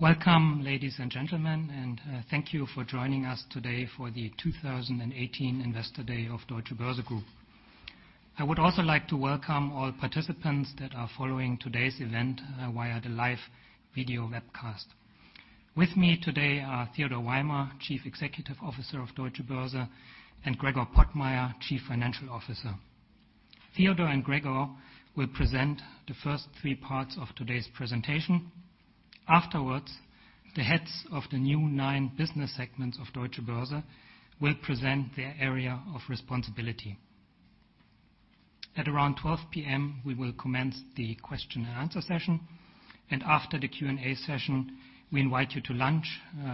Welcome, ladies and gentlemen, and thank you for joining us today for the 2018 Investor Day of Deutsche Börse Group. I would also like to welcome all participants that are following today's event via the live video webcast. With me today are Theodor Weimer, Chief Executive Officer of Deutsche Börse, and Gregor Pottmeyer, Chief Financial Officer. Theodor and Gregor will present the first three parts of today's presentation. Afterwards, the heads of the new nine business segments of Deutsche Börse will present their area of responsibility. At around 12:00 P.M., we will commence the question and answer session, and after the Q&A session, we invite you to lunch,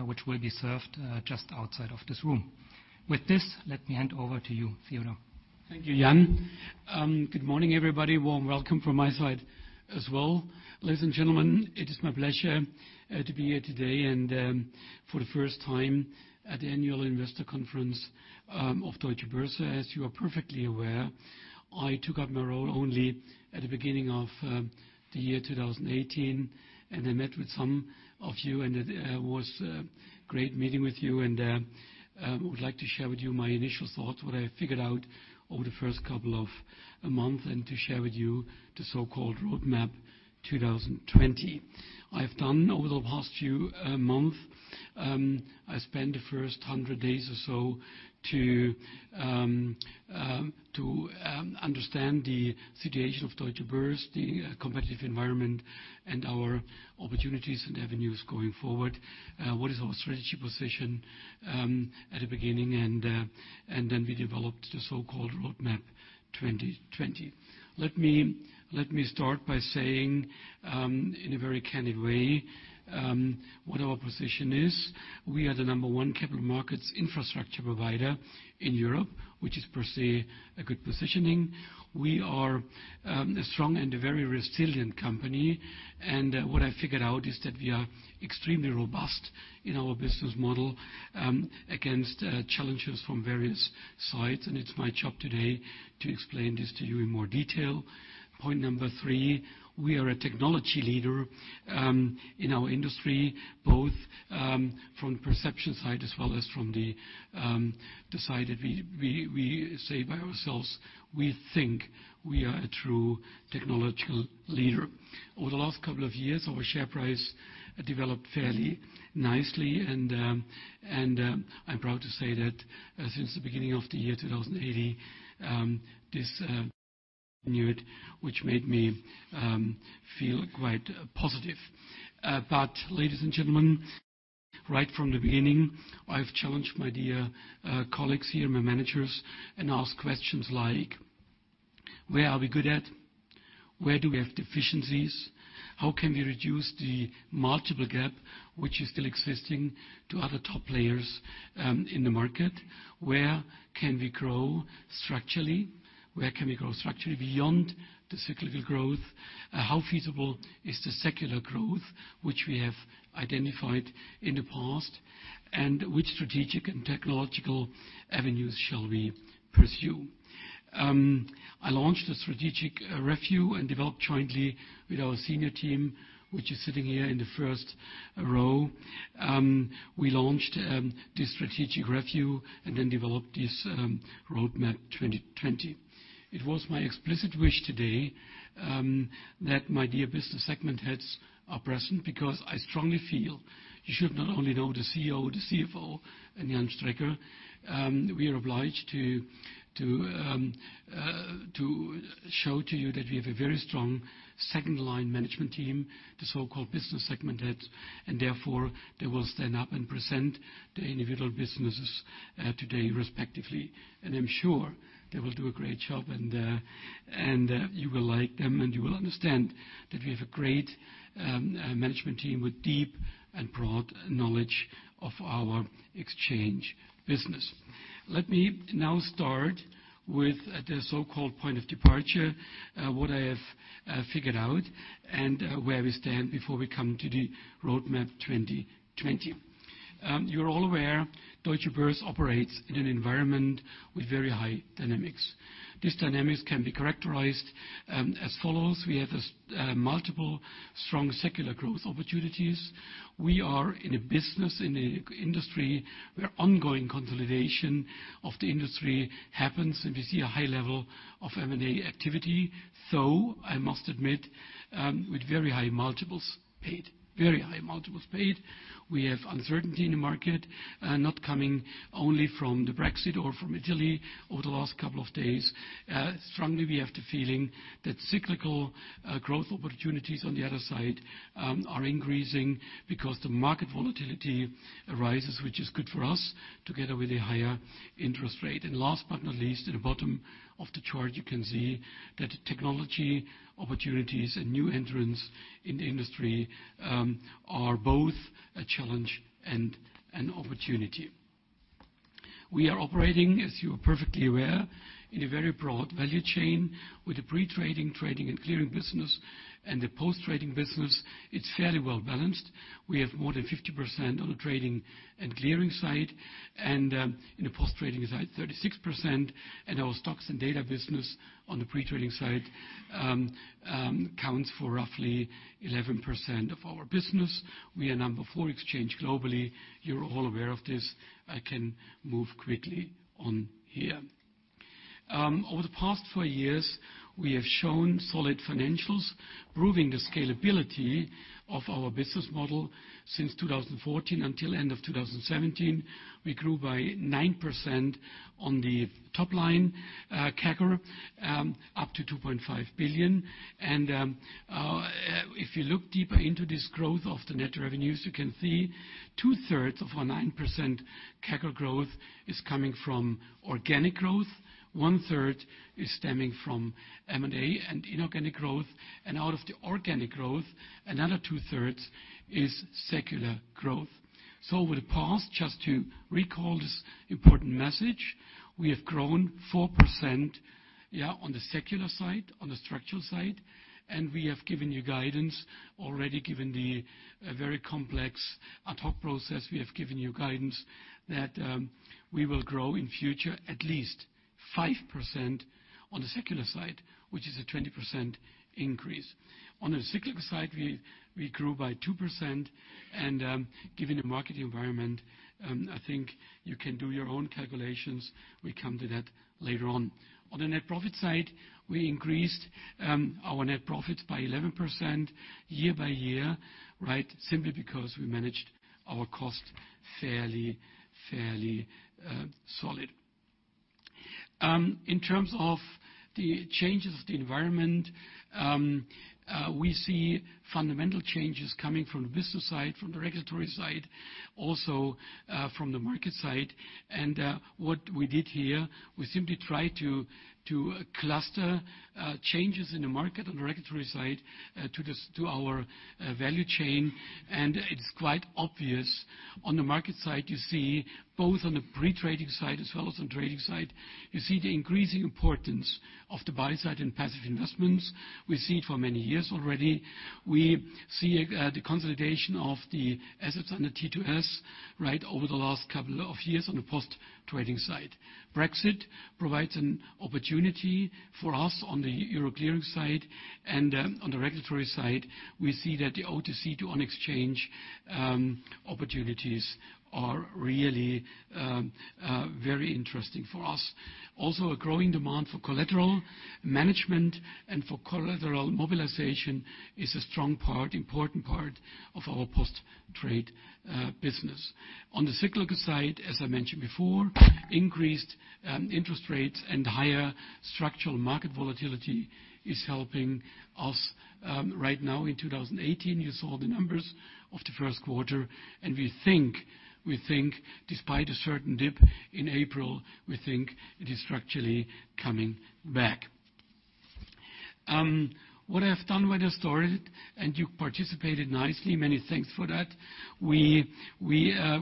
which will be served just outside of this room. With this, let me hand over to you, Theodor. Thank you, Jan. Good morning, everybody. Warm welcome from my side as well. Ladies and gentlemen, it is my pleasure to be here today and for the first time at the annual investor conference of Deutsche Börse. As you are perfectly aware, I took up my role only at the beginning of the year 2018, and I met with some of you, and it was great meeting with you. I would like to share with you my initial thoughts, what I figured out over the first couple of months, and to share with you the so-called Roadmap 2020. I spent the first 100 days or so to understand the situation of Deutsche Börse, the competitive environment, and our opportunities and avenues going forward. What is our strategy position at the beginning, and then we developed the so-called Roadmap 2020. Let me start by saying, in a very candid way, what our position is. We are the number one capital markets infrastructure provider in Europe, which is, per se, a good positioning. We are a strong and a very resilient company. What I figured out is that we are extremely robust in our business model against challenges from various sides, and it's my job today to explain this to you in more detail. Point number 3, we are a technology leader in our industry, both from the perception side as well as from the side that we say by ourselves. We think we are a true technological leader. Over the last couple of years, our share price developed fairly nicely, and I'm proud to say that since the beginning of the year 2018, this continued, which made me feel quite positive. Ladies and gentlemen, right from the beginning, I've challenged my dear colleagues here, my managers, and asked questions like: Where are we good at? Where do we have deficiencies? How can we reduce the multiple gap, which is still existing to other top players in the market? Where can we grow structurally? Where can we grow structurally beyond the cyclical growth? How feasible is the secular growth, which we have identified in the past, and which strategic and technological avenues shall we pursue? I launched a strategic review and developed jointly with our senior team, which is sitting here in the first row. We launched this strategic review and then developed this Roadmap 2020. It was my explicit wish today that my dear business segment heads are present because I strongly feel you should not only know the CEO, the CFO, and Jan Strecker. We are obliged to show to you that we have a very strong second-line management team, the so-called business segment heads, therefore, they will stand up and present their individual businesses today respectively. I am sure they will do a great job, and you will like them, and you will understand that we have a great management team with deep and broad knowledge of our exchange business. Let me now start with the so-called point of departure, what I have figured out and where we stand before we come to the Roadmap 2020. You are all aware Deutsche Börse operates in an environment with very high dynamics. These dynamics can be characterized as follows: We have multiple strong secular growth opportunities. We are in a business, in an industry where ongoing consolidation of the industry happens, we see a high level of M&A activity, though, I must admit, with very high multiples paid. Very high multiples paid. We have uncertainty in the market, not coming only from the Brexit or from Italy over the last couple of days. Strongly, we have the feeling that cyclical growth opportunities, on the other side, are increasing because the market volatility arises, which is good for us, together with a higher interest rate. Last but not least, at the bottom of the chart, you can see that technology opportunities and new entrants in the industry are both a challenge and an opportunity. We are operating, as you are perfectly aware, in a very broad value chain with the pre-trading, trading, and clearing business, and the post-trading business. It's fairly well-balanced. We have more than 50% on the trading and clearing side, and in the post-trading side, 36%, and our stocks and data business on the pre-trading side, 18% counts for roughly 11% of our business. We are number four exchange globally. You are all aware of this. I can move quickly on here. Over the past four years, we have shown solid financials, proving the scalability of our business model. Since 2014 until end of 2017, we grew by 9% on the top line, CAGR up to 2.5 billion. If you look deeper into this growth of the net revenues, you can see two-thirds of our 9% CAGR growth is coming from organic growth. One-third is stemming from M&A and inorganic growth, and out of the organic growth, another two-thirds is secular growth. With the past, just to recall this important message, we have grown 4% on the secular side, on the structural side, we have given you guidance already given the very complex ad hoc process. We have given you guidance that we will grow in future at least 5% on the secular side, which is a 20% increase. On the cyclical side, we grew by 2% and given the market environment, I think you can do your own calculations. We come to that later on. On the net profit side, we increased our net profit by 11% year by year, simply because we managed our cost fairly solid. In terms of the changes of the environment, we see fundamental changes coming from the business side, from the regulatory side, also from the market side. What we did here, we simply try to cluster changes in the market on the regulatory side to our value chain. It's quite obvious on the market side, you see both on the pre-trading side as well as on trading side. You see the increasing importance of the buy side and passive investments. We see it for many years already. We see the consolidation of the assets under T2S over the last couple of years on the post-trading side. Brexit provides an opportunity for us on the Euro clearing side and on the regulatory side, we see that the OTC to on-exchange opportunities are really very interesting for us. Also, a growing demand for collateral management and for collateral mobilization is a strong part, important part of our post-trade business. On the cyclical side, as I mentioned before, increased interest rates and higher structural market volatility is helping us right now in 2018. You saw the numbers of the first quarter. We think despite a certain dip in April, we think it is structurally coming back. What I have done with the story, and you participated nicely, many thanks for that. We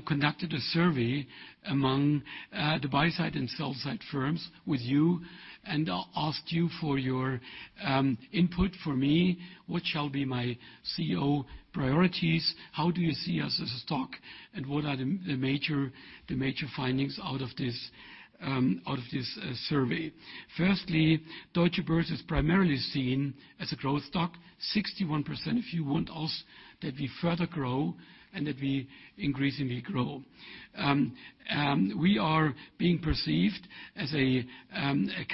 conducted a survey among the buy side and sell side firms with you and asked you for your input for me. What shall be my CEO priorities? How do you see us as a stock? What are the major findings out of this survey? Firstly, Deutsche Börse is primarily seen as a growth stock. 61% of you want us that we further grow and that we increasingly grow. We are being perceived as a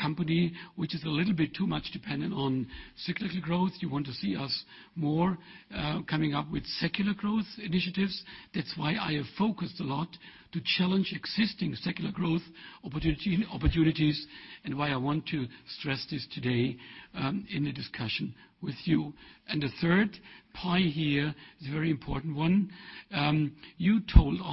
company which is a little bit too much dependent on cyclical growth. You want to see us more coming up with secular growth initiatives. That's why I have focused a lot to challenge existing secular growth opportunities and why I want to stress this today in a discussion with you. The third pie here is a very important one. 73%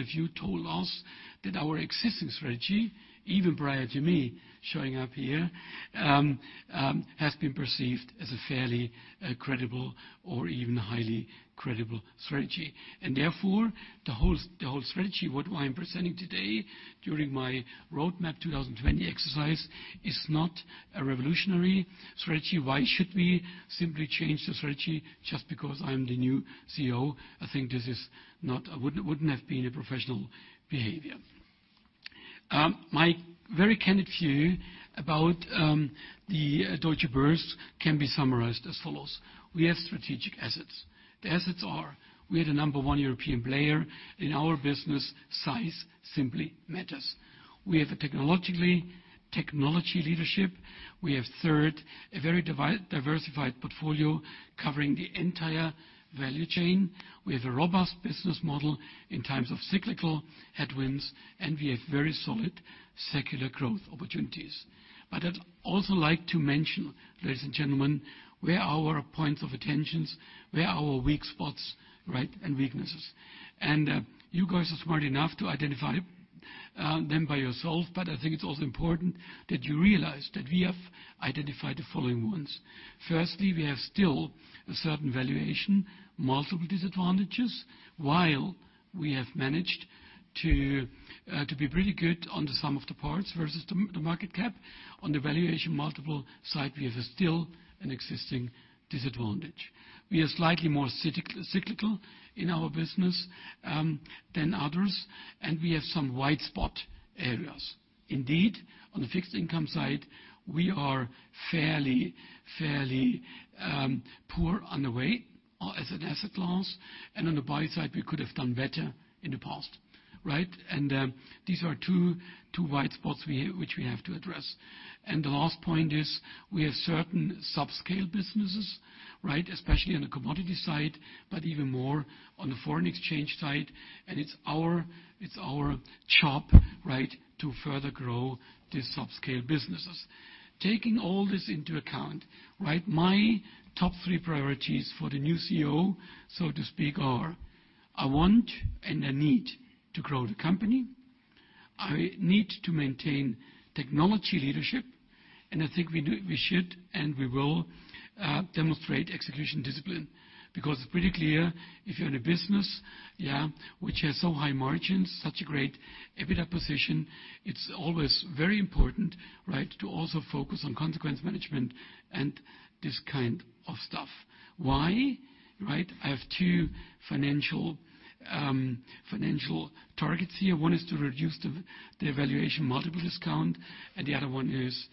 of you told us that our existing strategy, even prior to me showing up here, has been perceived as a fairly credible or even highly credible strategy. Therefore, the whole strategy, what I am presenting today during my Roadmap 2020 exercise, is not a revolutionary strategy. Why should we simply change the strategy just because I'm the new CEO? I think it wouldn't have been a professional behavior. My very candid view about the Deutsche Börse can be summarized as follows. We have strategic assets. The assets are we are the number one European player. In our business, size simply matters. We have a technologically technology leadership. We have, third, a very diversified portfolio covering the entire value chain. We have a robust business model in times of cyclical headwinds, and we have very solid secular growth opportunities. I'd also like to mention, ladies and gentlemen, where are our points of attentions, where are our weak spots and weaknesses. You guys are smart enough to identify them by yourself, but I think it's also important that you realize that we have identified the following ones. Firstly, we have still a certain valuation multiple disadvantages. While we have managed to be pretty good on the sum of the parts versus the market cap. On the valuation multiple side, we have still an existing disadvantage. We are slightly more cyclical in our business than others, we have some white spot areas. Indeed, on the fixed income side, we are fairly poor on the way as an asset class, on the buy side, we could have done better in the past. These are two white spots which we have to address. The last point is we have certain subscale businesses, especially on the commodity side, but even more on the foreign exchange side, it's our job to further grow the subscale businesses. Taking all this into account, my top three priorities for the new CEO, so to speak, are I want and I need to grow the company. I need to maintain technology leadership, and I think we should, and we will, demonstrate execution discipline. It's pretty clear if you're in a business which has so high margins, such a great EBITDA position, it's always very important to also focus on consequence management and this kind of stuff. Why? I have two financial targets here. One is to reduce the evaluation multiple discount, the other one is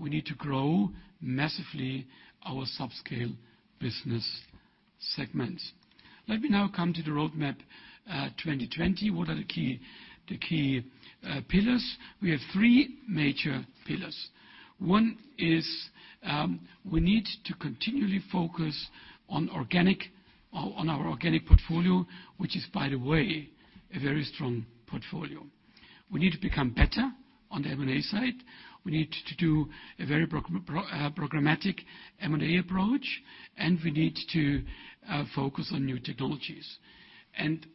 we need to grow massively our subscale business segments. Let me now come to the Roadmap 2020. What are the key pillars? We have three major pillars. One is we need to continually focus on our organic portfolio, which is, by the way, a very strong portfolio. We need to become better on the M&A side. We need to do a very programmatic M&A approach, we need to focus on new technologies.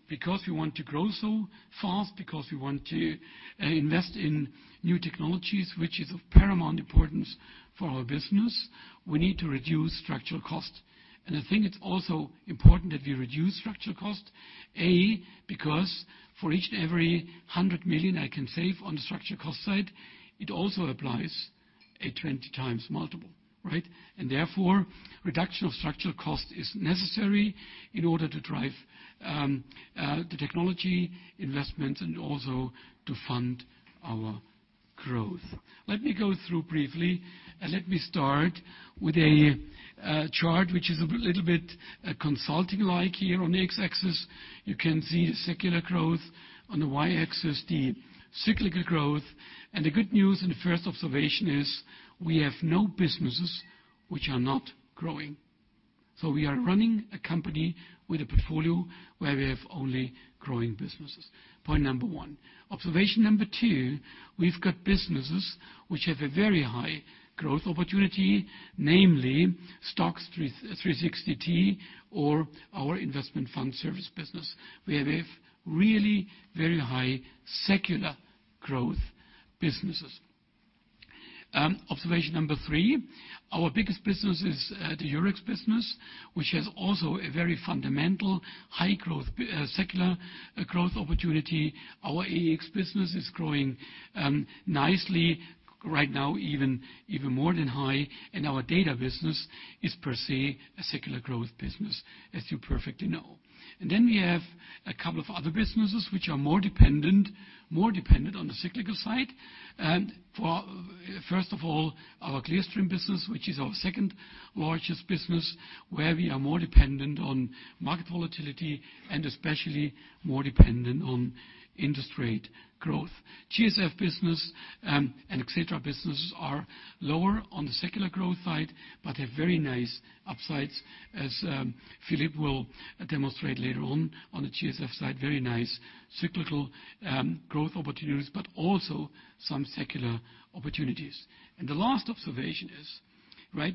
Because we want to grow so fast, because we want to invest in new technologies, which is of paramount importance for our business, we need to reduce structural cost. I think it's also important that we reduce structural cost. A, because for each and every 100 million I can save on the structural cost side, it also applies a 20 times multiple. Therefore, reduction of structural cost is necessary in order to drive the technology investment also to fund our growth. Let me go through briefly, let me start with a chart which is a little bit consulting like here on the x-axis. You can see the secular growth. On the y-axis, the cyclical growth. The good news and the first observation is we have no businesses which are not growing. We are running a company with a portfolio where we have only growing businesses. Point number one. Observation number two, we've got businesses which have a very high growth opportunity, namely STOXX, 360T, or our Investment Fund Services business, where we have really very high secular growth businesses. Observation number three, our biggest business is the Eurex business, which has also a very fundamental high secular growth opportunity. Our EEX business is growing nicely right now even more than high, our data business is per se a secular growth business, as you perfectly know. Then we have a couple of other businesses which are more dependent on the cyclical side. First of all, our Clearstream business, which is our second largest business, where we are more dependent on market volatility and especially more dependent on industry growth. GSF business and Xetra businesses are lower on the secular growth side, but have very nice upsides as Philippe will demonstrate later on. On the GSF side, very nice cyclical growth opportunities, but also some secular opportunities. The last observation is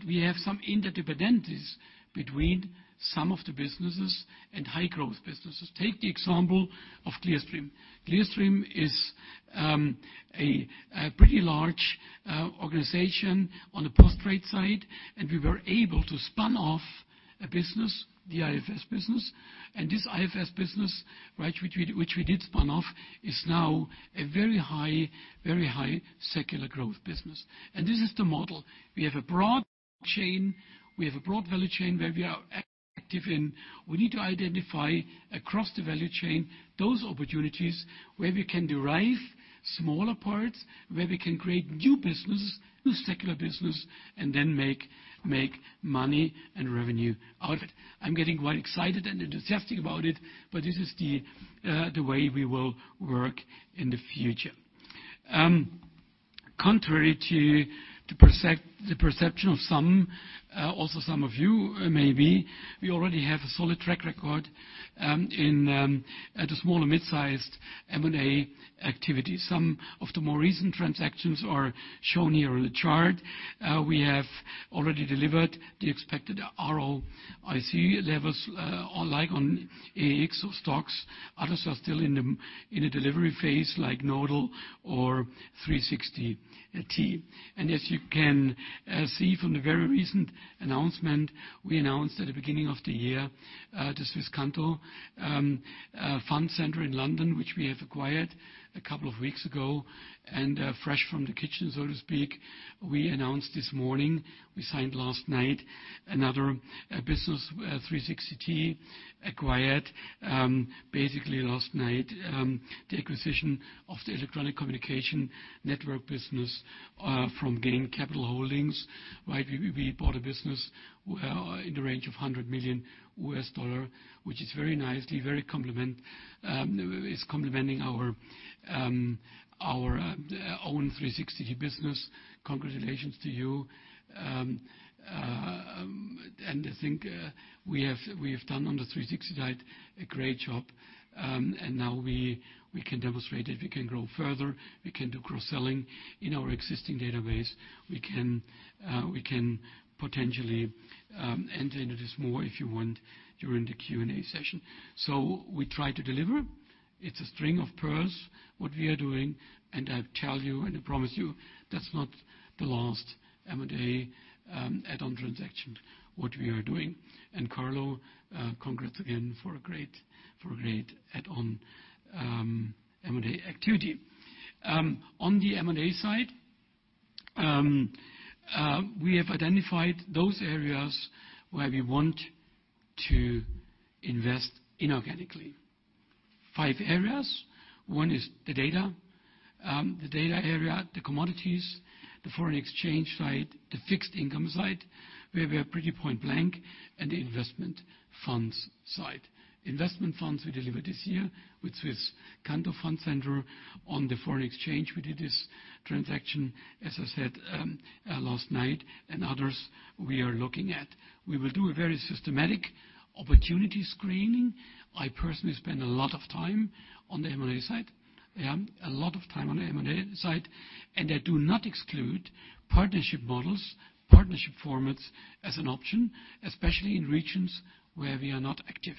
we have some interdependencies between some of the businesses and high growth businesses. Take the example of Clearstream. Clearstream is a pretty large organization on the post-trade side, we were able to spin off a business, the IFS business. This IFS business which we did spin off, is now a very high secular growth business. This is the model. We have a broad value chain where we are active in. We need to identify across the value chain those opportunities where we can derive smaller parts, where we can create new secular business, and then make money and revenue out of it. I'm getting quite excited and enthusiastic about it, but this is the way we will work in the future. Contrary to the perception of some, also some of you maybe, we already have a solid track record at the small or mid-sized M&A activity. Some of the more recent transactions are shown here on the chart. We have already delivered the expected ROIC levels or like on [AX] or STOXX, others are still in the delivery phase like Nodal or 360T. As you can see from the very recent announcement, we announced at the beginning of the year, the Swisscanto Funds Centre in London, which we have acquired a couple of weeks ago, fresh from the kitchen, so to speak, we announced this morning, we signed last night, another business, 360T acquired, basically last night, the acquisition of the electronic communication network business from GAIN Capital Holdings. We bought a business in the range of EUR 100 million, which is very nicely, is complimenting our own 360T business. Congratulations to you. I think we have done on the 360T side, a great job. Now we can demonstrate it. We can grow further. We can do cross-selling in our existing database. We can potentially enter into this more, if you want, during the Q&A session. We try to deliver. It's a string of pearls, what we are doing, I tell you, I promise you, that's not the last M&A add-on transaction, what we are doing. Carlo, congrats again for a great add-on M&A activity. On the M&A side, we have identified those areas where we want to invest inorganically. Five areas. One is the data area, the commodities, the foreign exchange side, the fixed income side, where we are pretty point-blank, the investment funds side. Investment funds we delivered this year with Swisscanto Funds Centre. On the foreign exchange, we did this transaction, as I said last night, others we are looking at. We will do a very systematic opportunity screening. I personally spend a lot of time on the M&A side, I do not exclude partnership models, partnership formats as an option, especially in regions where we are not active.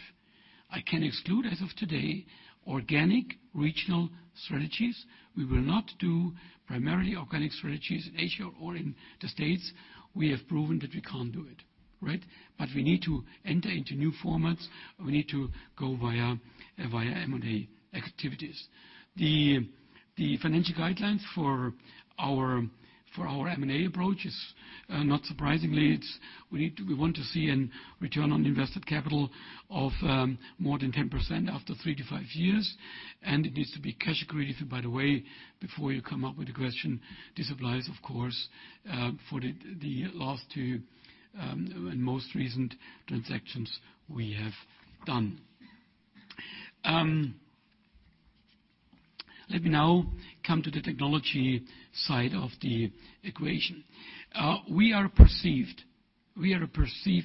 I can exclude, as of today, organic regional strategies. We will not do primarily organic strategies in Asia or in the States. We have proven that we can't do it. Right. We need to enter into new formats. We need to go via M&A activities. The financial guidelines for our M&A approach is not surprisingly, we want to see a return on invested capital of more than 10% after three to five years, and it needs to be cash accretive. By the way, before you come up with the question, this applies, of course, for the last two and most recent transactions we have done. Let me now come to the technology side of the equation. We are a perceived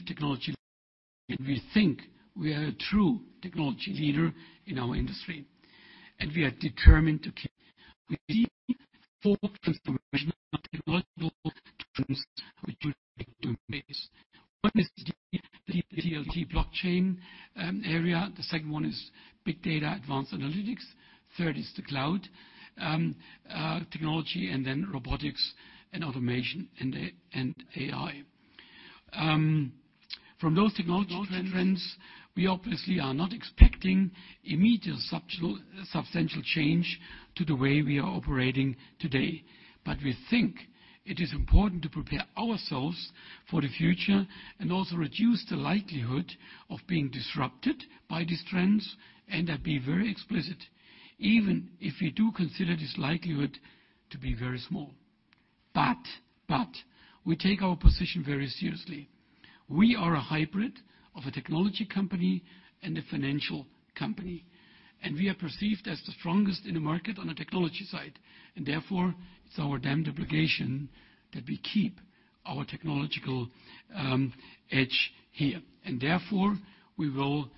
technology and we think we are a true technology leader in our industry, and we are determined to keep four transformational technological trends, which we think to embrace. One is DLT, blockchain area. The second one is big data, advanced analytics. Third is the cloud technology, robotics and automation and AI. From those technology trends, we obviously are not expecting immediate substantial change to the way we are operating today. We think it is important to prepare ourselves for the future and also reduce the likelihood of being disrupted by these trends, and I'd be very explicit, even if we do consider this likelihood to be very small. We take our position very seriously. We are a hybrid of a technology company and a financial company, and we are perceived as the strongest in the market on the technology side. Therefore, it's our damned obligation that we keep our technological edge here. Therefore, we will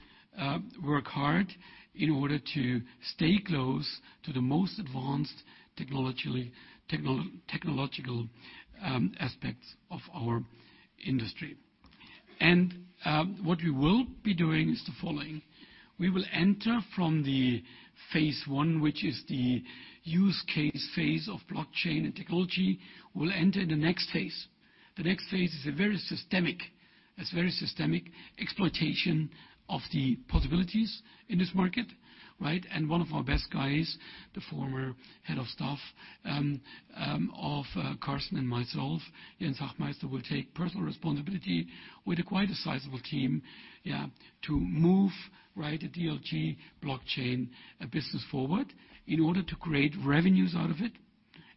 work hard in order to stay close to the most advanced technological aspects of our industry. What we will be doing is the following. We will enter from the phase 1, which is the use case phase of blockchain and technology, we'll enter the next phase. The next phase is a very systemic exploitation of the possibilities in this market. Right. One of our best guys, the former head of staff of Carsten and myself, Jens Hachmeister, will take personal responsibility with quite a sizable team, yeah, to move the DLT blockchain business forward in order to create revenues out of it,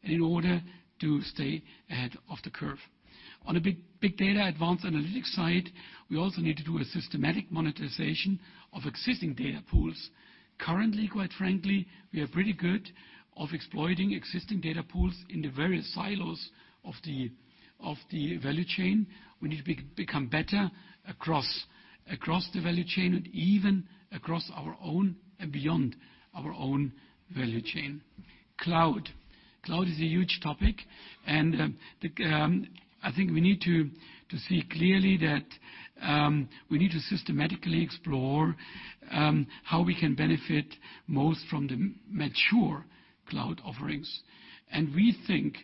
and in order to stay ahead of the curve. On a big data advanced analytics side, we also need to do a systematic monetization of existing data pools. Currently, quite frankly, we are pretty good of exploiting existing data pools in the various silos of the value chain. We need to become better across the value chain and even across our own and beyond our own value chain. Cloud. Cloud is a huge topic, and I think we need to see clearly that we need to systematically explore how we can benefit most from the mature cloud offerings. We think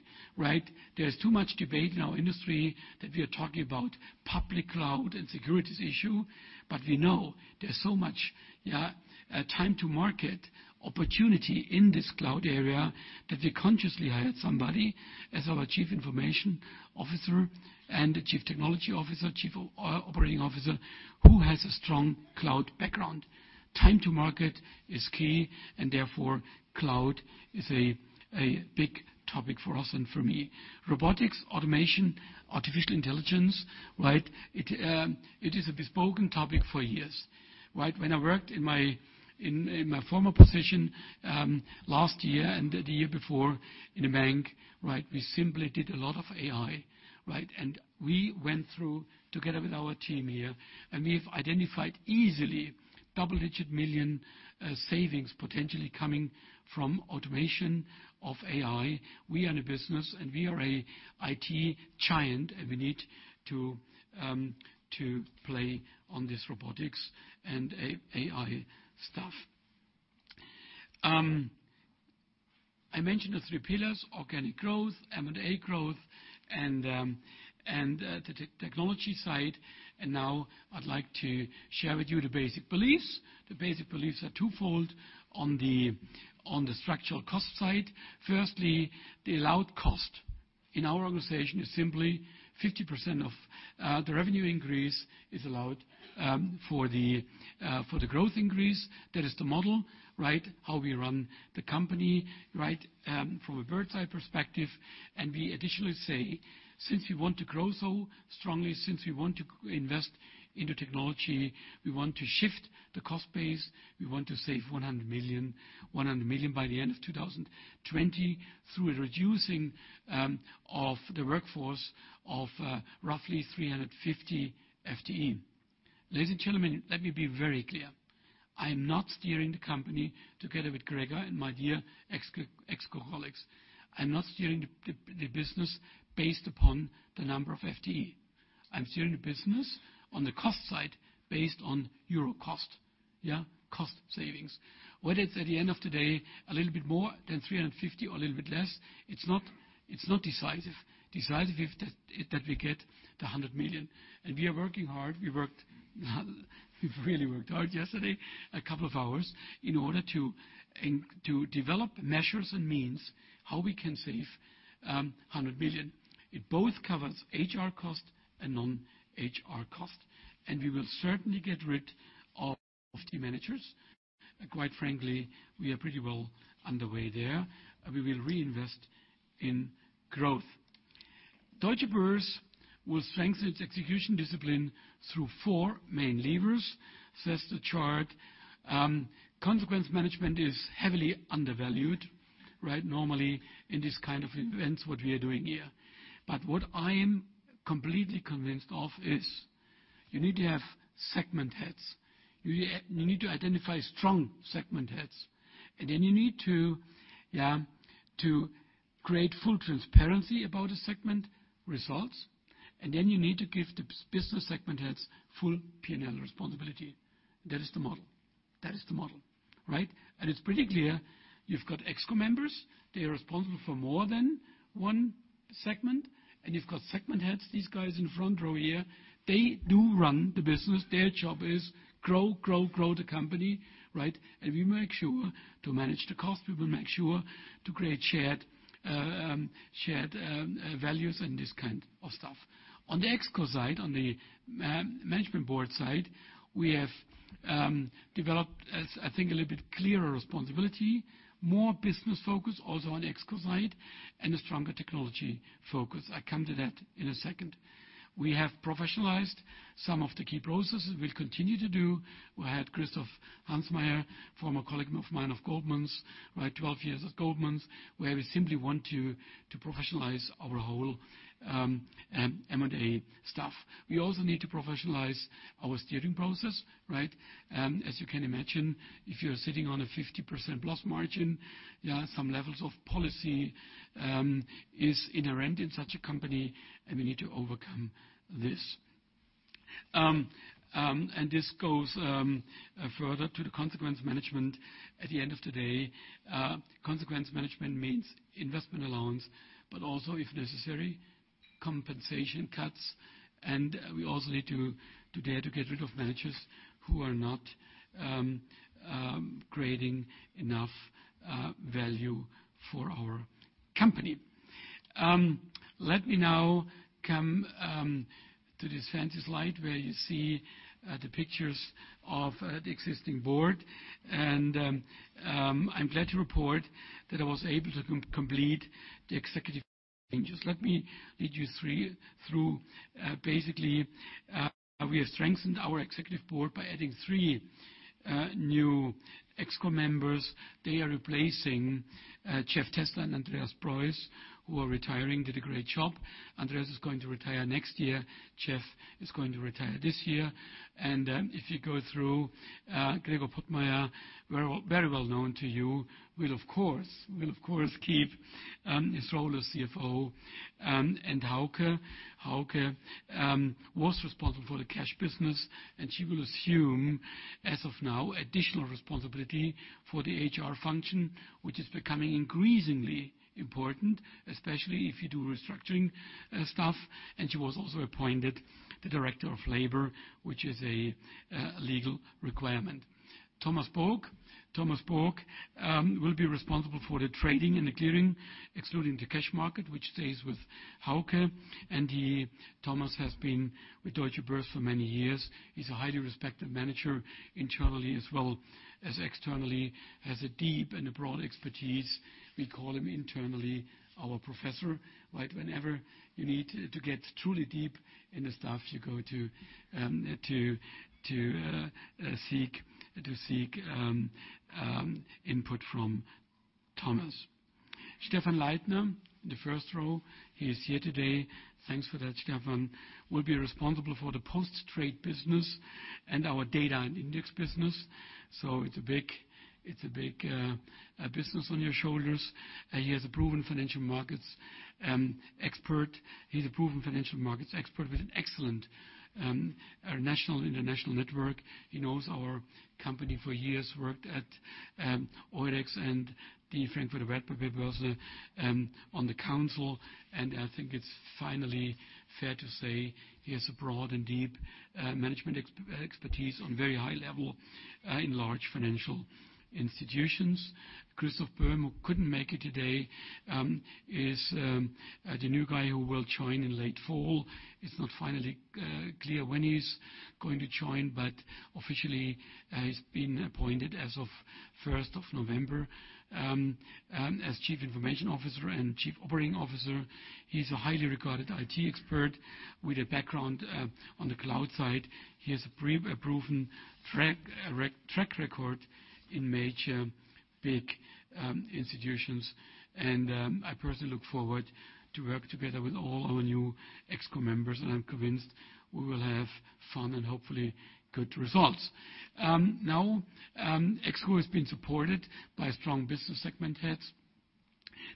there's too much debate in our industry that we are talking about public cloud and securities issue, but we know there's so much a time to market opportunity in this cloud area that we consciously hired somebody as our Chief Information Officer and the Chief Technology Officer, Chief Operating Officer, who has a strong cloud background. Time to market is key, therefore, cloud is a big topic for us and for me. Robotics, automation, artificial intelligence, it is a bespoken topic for years. When I worked in my former position last year and the year before in a bank, we simply did a lot of AI. We went through, together with our team here, and we've identified easily double-digit million EUR savings potentially coming from automation of AI. We are in a business, and we are an IT giant, and we need to play on this robotics and AI stuff. I mentioned the three pillars, organic growth, M&A growth, and the technology side. Now I'd like to share with you the basic beliefs. The basic beliefs are twofold on the structural cost side. Firstly, the allowed cost in our organization is simply 50% of the revenue increase is allowed for the growth increase. That is the model, how we run the company from a bird's eye perspective. We additionally say, since we want to grow so strongly, since we want to invest into technology, we want to shift the cost base. We want to save 100 million by the end of 2020 through a reducing of the workforce of roughly 350 FTE. Ladies and gentlemen, let me be very clear. I am not steering the company together with Gregor and my dear ex-colleagues. I'm not steering the business based upon the number of FTE. I'm steering the business on the cost side based on EUR cost. Cost savings. Whether it's at the end of the day, a little bit more than 350 or a little bit less, it's not decisive. Decisive is that we get the 100 million. We are working hard. We've really worked hard yesterday, a couple of hours, in order to develop measures and means how we can save 100 million. It both covers HR cost and non-HR cost. We will certainly get rid of the managers. Quite frankly, we are pretty well underway there. We will reinvest in growth. Deutsche Börse will strengthen its execution discipline through four main levers, says the chart. Consequence management is heavily undervalued. Normally, in this kind of events, what we are doing here. But what I am completely convinced of is you need to have segment heads. You need to identify strong segment heads, and then you need to create full transparency about the segment results, and then you need to give the business segment heads full P&L responsibility. That is the model. It's pretty clear you've got ExCo members. They are responsible for more than one segment. You've got segment heads, these guys in front row here. They do run the business. Their job is grow the company. We make sure to manage the cost. We will make sure to create shared values and this kind of stuff. On the ExCo side, on the management board side, we have developed, I think a little bit clearer responsibility, more business focus also on the ExCo side, and a stronger technology focus. I come to that in a second. We have professionalized some of the key processes, we'll continue to do. We had Christoph Hansmeyer, former colleague of mine of Goldman's. 12 years at Goldman's, where we simply want to professionalize our whole M&A stuff. We also need to professionalize our steering process. As you can imagine, if you're sitting on a 50% plus margin, some levels of policy is inherent in such a company, and we need to overcome this. This goes further to the consequence management. At the end of the day, consequence management means investment allowance, but also, if necessary, compensation cuts. We also need to dare to get rid of managers who are not creating enough value for our company. Let me now come to this fancy slide where you see the pictures of the existing board. I'm glad to report that I was able to complete the executive changes. Let me lead you through. Basically, we have strengthened our Executive Board by adding three new ExCo members. They are replacing Jeffrey Tessler and Andreas Preuss, who are retiring, did a great job. Andreas is going to retire next year. Jeffrey is going to retire this year. If you go through, Gregor Pottmeyer, very well known to you, will of course keep his role as CFO. Hauke. Hauke was responsible for the cash business, and she will assume, as of now, additional responsibility for the HR function, which is becoming increasingly important, especially if you do restructuring stuff. She was also appointed the Director of Labor, which is a legal requirement. Thomas Book. Thomas Book will be responsible for the trading and the clearing, excluding the cash market, which stays with Hauke. Thomas has been with Deutsche Börse for many years. He's a highly respected manager, internally as well as externally, has a deep and a broad expertise. We call him internally our professor. Whenever you need to get truly deep in the stuff, you go to seek input from Thomas. Stephan Leithner, the first row. He is here today. Thanks for that, Stephan. Will be responsible for the post-trade business and our data and index business. It's a big business on your shoulders. He is a proven financial markets expert with an excellent national, international network. He knows our company for years, worked at Eurex and the Frankfurter Wertpapierbörse on the council. I think it's finally fair to say he has a broad and deep management expertise on very high level in large financial institutions. Christoph Böhm, who couldn't make it today, is the new guy who will join in late fall. It's not finally clear when he's going to join, but officially, he's been appointed as of 1st of November, as Chief Information Officer and Chief Operating Officer. He's a highly regarded IT expert with a background on the cloud side. He has a proven track record in major, big institutions. I personally look forward to work together with all our new ExCo members. I'm convinced we will have fun and hopefully good results. Now, ExCo has been supported by strong business segment heads.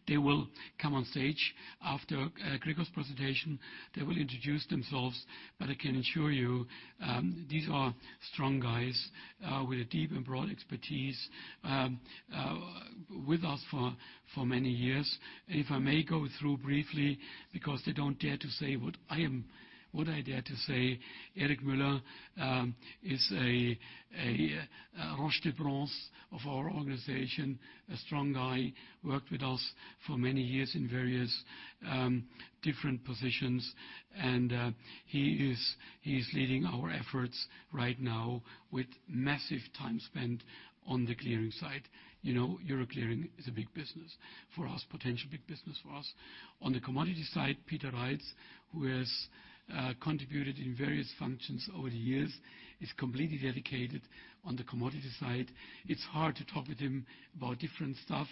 They will come on stage after Gregor's presentation. They will introduce themselves, but I can assure you, these are strong guys with a deep and broad expertise, with us for many years. If I may go through briefly because they don't dare to say what I dare to say. Erik Müller is a roche de bronze of our organization. A strong guy, worked with us for many years in various, different positions. He is leading our efforts right now with massive time spent on the clearing side. Euro clearing is a potential big business for us. On the commodity side, Peter Reitz, who has contributed in various functions over the years, is completely dedicated on the commodity side. It's hard to talk with him about different stuff.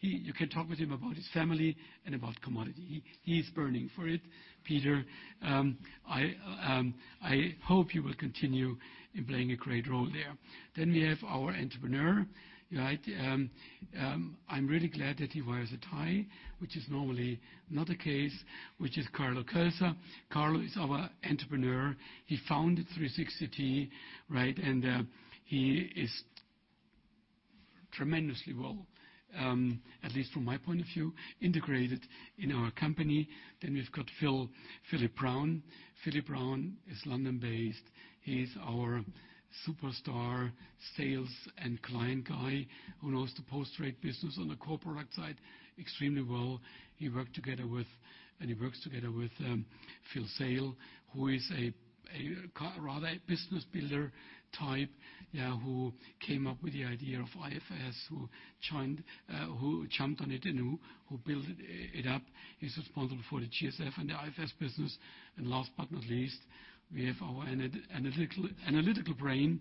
You can talk with him about his family and about commodity. He is burning for it. Peter, I hope you will continue in playing a great role there. We have our entrepreneur. I'm really glad that he wears a tie, which is normally not the case, which is Carlo Kölzer. Carlo is our entrepreneur. He founded 360T, and he is tremendously well, at least from my point of view, integrated in our company. We've got Philip Brown. Philip Brown is London-based. He's our superstar sales and client guy who knows the post-trade business on the core product side extremely well. And he works together with Phil Seyll, who is a rather business builder type, who came up with the idea of IFS, who jumped on it and who built it up. He's responsible for the GSF and the IFS business. Last but not least, we have our analytical brain,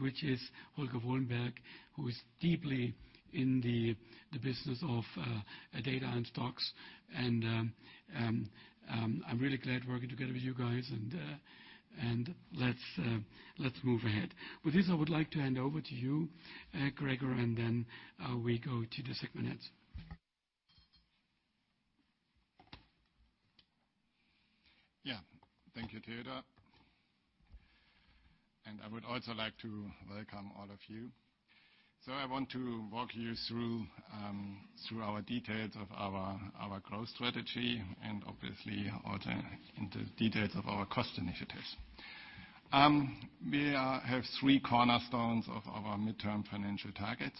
which is Holger Wohlenberg, who is deeply in the business of data and stocks. I'm really glad working together with you guys and let's move ahead. With this, I would like to hand over to you, Gregor, and we go to the segment heads. Thank you, Theodor. I would also like to welcome all of you. I want to walk you through our details of our growth strategy and obviously, also into details of our cost initiatives. We have three cornerstones of our midterm financial targets.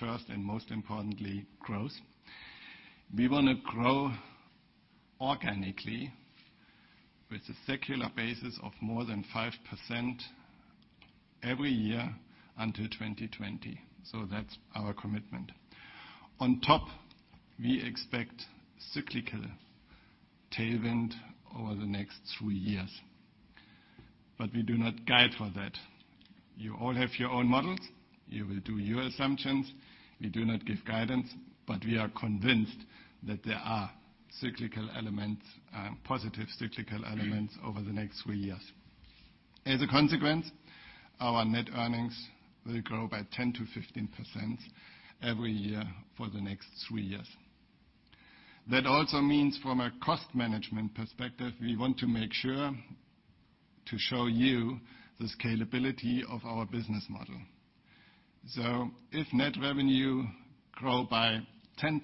First and most importantly, growth. We want to grow organically with a secular basis of more than 5% every year until 2020. That's our commitment. On top, we expect cyclical tailwind over the next three years, we do not guide for that. You all have your own models. You will do your assumptions. We do not give guidance, but we are convinced that there are positive cyclical elements over the next three years. As a consequence, our net earnings will grow by 10%-15% every year for the next three years. That also means from a cost management perspective, we want to make sure to show you the scalability of our business model. If net revenue grow by 10%,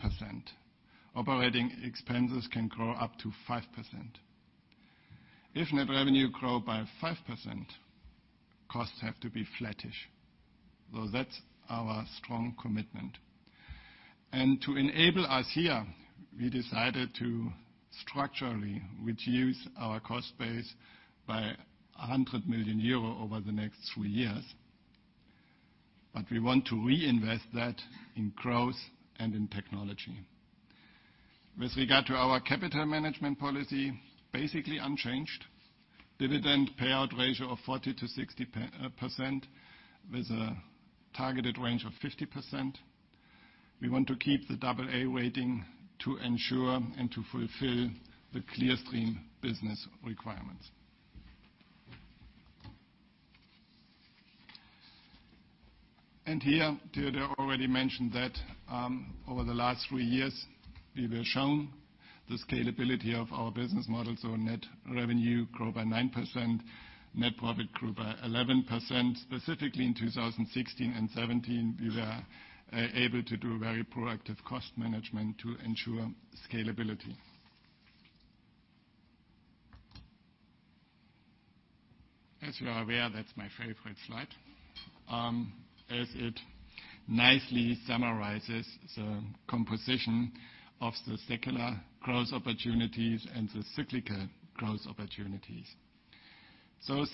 operating expenses can grow up to 5%. If net revenue grow by 5%, costs have to be flattish. That's our strong commitment. To enable us here, we decided to structurally reduce our cost base by 100 million euro over the next three years. We want to reinvest that in growth and in technology. With regard to our capital management policy, basically unchanged. Dividend payout ratio of 40%-60% with a targeted range of 50%. We want to keep the AA rating to ensure and to fulfill the Clearstream business requirements. Here, Theodor already mentioned that over the last three years, we were shown the scalability of our business model. Net revenue grew by 9%, net profit grew by 11%. Specifically in 2016 and 2017, we were able to do very proactive cost management to ensure scalability. As you are aware, that's my favorite slide as it nicely summarizes the composition of the secular growth opportunities and the cyclical growth opportunities.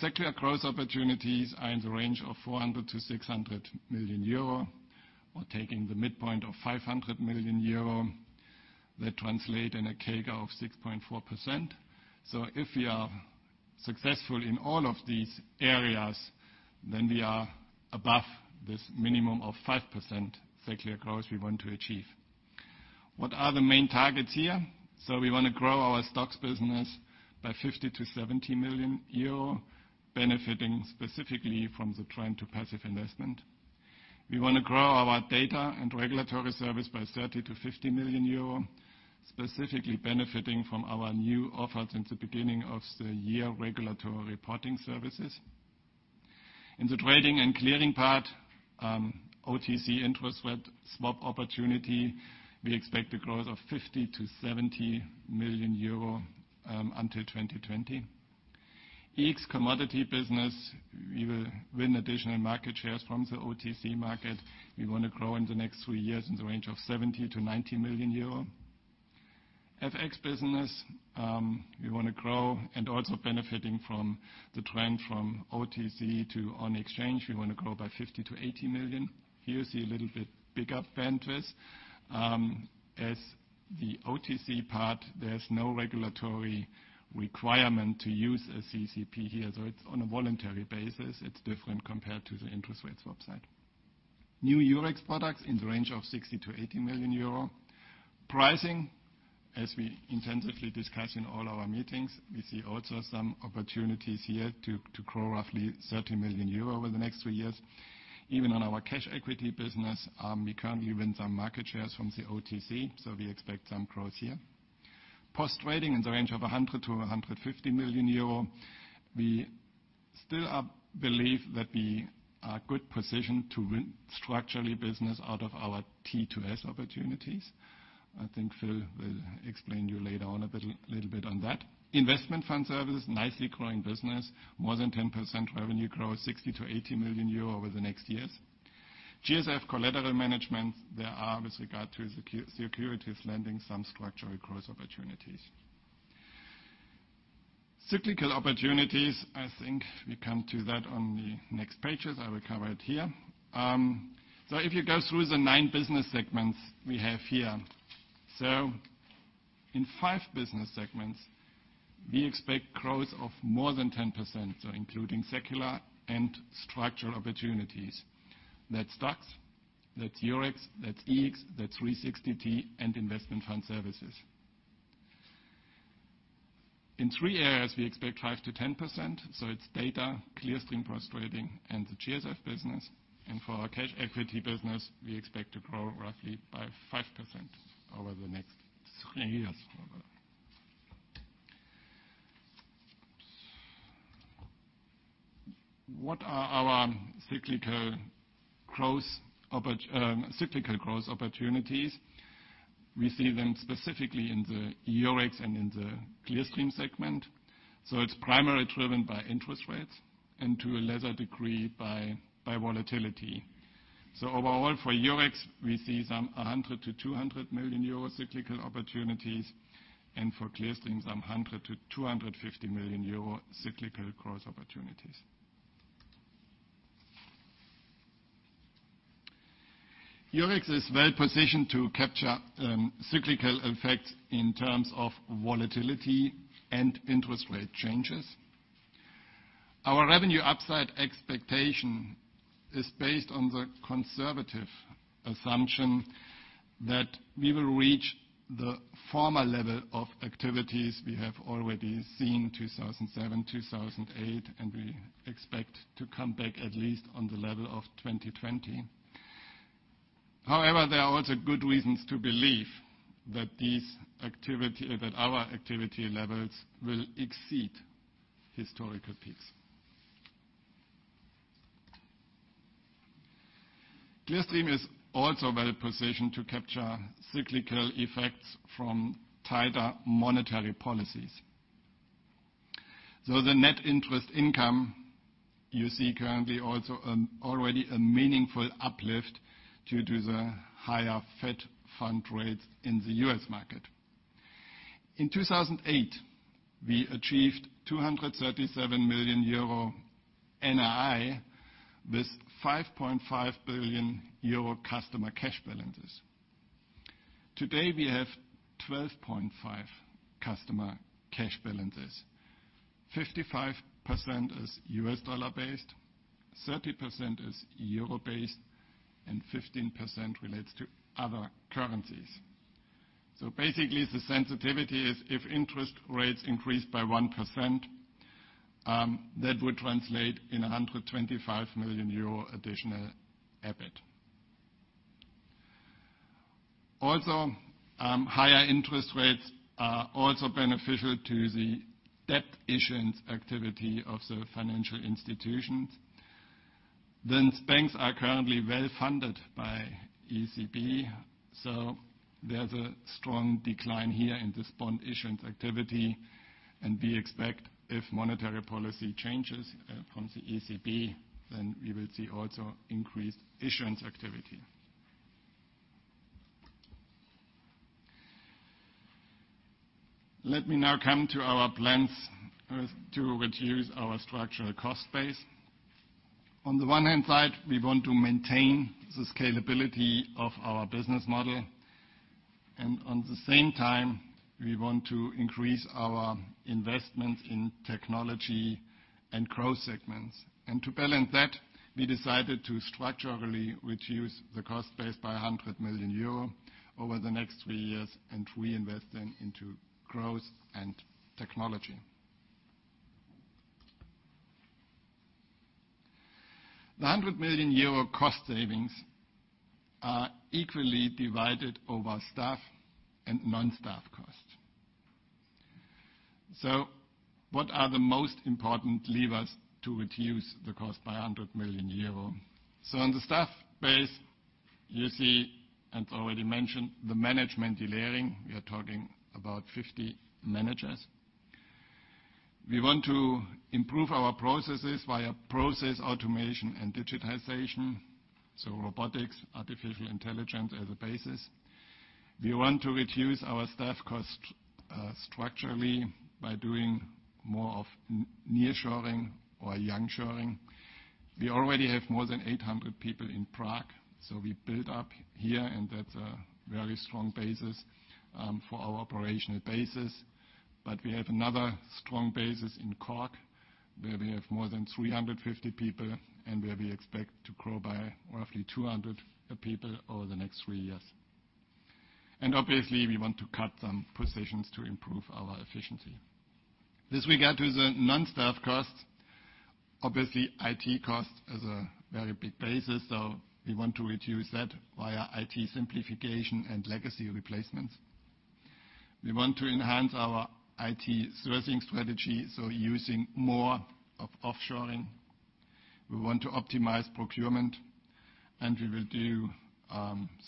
Secular growth opportunities are in the range of 400 million-600 million euro, or taking the midpoint of 500 million euro. That translates in a CAGR of 6.4%. If we are successful in all of these areas, then we are above this minimum of 5% secular growth we want to achieve. What are the main targets here? We want to grow our STOXX business by 50 million-70 million euro, benefiting specifically from the trend to passive investment. We want to grow our data and regulatory service by 30 million-50 million euro, specifically benefiting from our new offered in the beginning of the year, regulatory reporting services. In the trading and clearing part, OTC interest rate swap opportunity, we expect a growth of 50 million-70 million euro, until 2020. EEX commodity business, we will win additional market shares from the OTC market. We want to grow in the next three years in the range of 70 million-90 million euro. FX business, we want to grow and also benefiting from the trend from OTC to on-exchange. We want to grow by 50 million-80 million. Here you see a little bit bigger bandwidth. The OTC part, there's no regulatory requirement to use a CCP here, so it's on a voluntary basis. It's different compared to the interest rates swaps. New Eurex products in the range of 60 million-80 million euro. Pricing, as we intensively discuss in all our meetings, we see also some opportunities here to grow roughly 30 million euro over the next three years. Even on our cash equity business, we currently win some market shares from the OTC, so we expect some growth here. Post-trading in the range of 100 million-150 million euro. We still believe that we are good positioned to win structurally business out of our T2S opportunities. I think Phil will explain to you later on a little bit on that. Investment Fund Services, nicely growing business. More than 10% revenue growth, 60 million-80 million euro over the next years. GSF collateral management, there are, with regard to securities lending, some structural growth opportunities. Cyclical opportunities, I think we come to that on the next pages. I will cover it here. If you go through the nine business segments we have here. In five business segments, we expect growth of more than 10%, including secular and structural opportunities. That's DAX, that's Eurex, that's EEX, that's 360T, and Investment Fund Services. In three areas, we expect 5%-10%, Clearstream Post-trading, and the GSF business. For our cash equity business, we expect to grow roughly by 5% over the next three years. What are our cyclical growth opportunities? We see them specifically in the Eurex and in the Clearstream segment. It's primarily driven by interest rates and to a lesser degree by volatility. Overall for Eurex, we see some 100 million-200 million euro cyclical opportunities, and for Clearstream some 100 million-250 million euro cyclical growth opportunities. Eurex is well-positioned to capture cyclical effects in terms of volatility and interest rate changes. Our revenue upside expectation is based on the conservative assumption that we will reach the former level of activities we have already seen 2007, 2008, and we expect to come back at least on the level of 2020. There are also good reasons to believe that our activity levels will exceed historical peaks. Clearstream is also well positioned to capture cyclical effects from tighter monetary policies. The net interest income you see currently also already a meaningful uplift due to the higher Fed fund rates in the U.S. market. In 2018, we achieved 237 million euro NII, with 5.5 billion euro customer cash balances. Today, we have 12.5 billion customer cash balances, 55% is U.S. dollar based, 30% is EUR based, and 15% relates to other currencies. Basically, the sensitivity is if interest rates increase by 1%, that would translate in 125 million euro additional EBIT. Higher interest rates are also beneficial to the debt issuance activity of the financial institutions. Banks are currently well-funded by ECB. There's a strong decline here in this bond issuance activity. We expect if monetary policy changes from the ECB, we will see also increased issuance activity. Let me now come to our plans to reduce our structural cost base. On the one hand side, we want to maintain the scalability of our business model. On the same time, we want to increase our investments in technology and growth segments. To balance that, we decided to structurally reduce the cost base by 100 million euro over the next three years, and reinvest them into growth and technology. The 100 million euro cost savings are equally divided over staff and non-staff costs. What are the most important levers to reduce the cost by 100 million euro? On the staff base, you see, and already mentioned, the management delayering. We are talking about 50 managers. We want to improve our processes via process automation and digitization. Robotics, artificial intelligence as a basis. We want to reduce our staff cost structurally by doing more of near-shoring or young-shoring. We already have more than 800 people in Prague. We build up here, and that's a very strong basis for our operational basis. We have another strong basis in Cork, where we have more than 350 people, and where we expect to grow by roughly 200 people over the next three years. Obviously, we want to cut some positions to improve our efficiency. With regard to the non-staff costs, obviously, IT costs is a very big basis. We want to reduce that via IT simplification and legacy replacements. We want to enhance our IT sourcing strategy. Using more of offshoring. We want to optimize procurement. We will do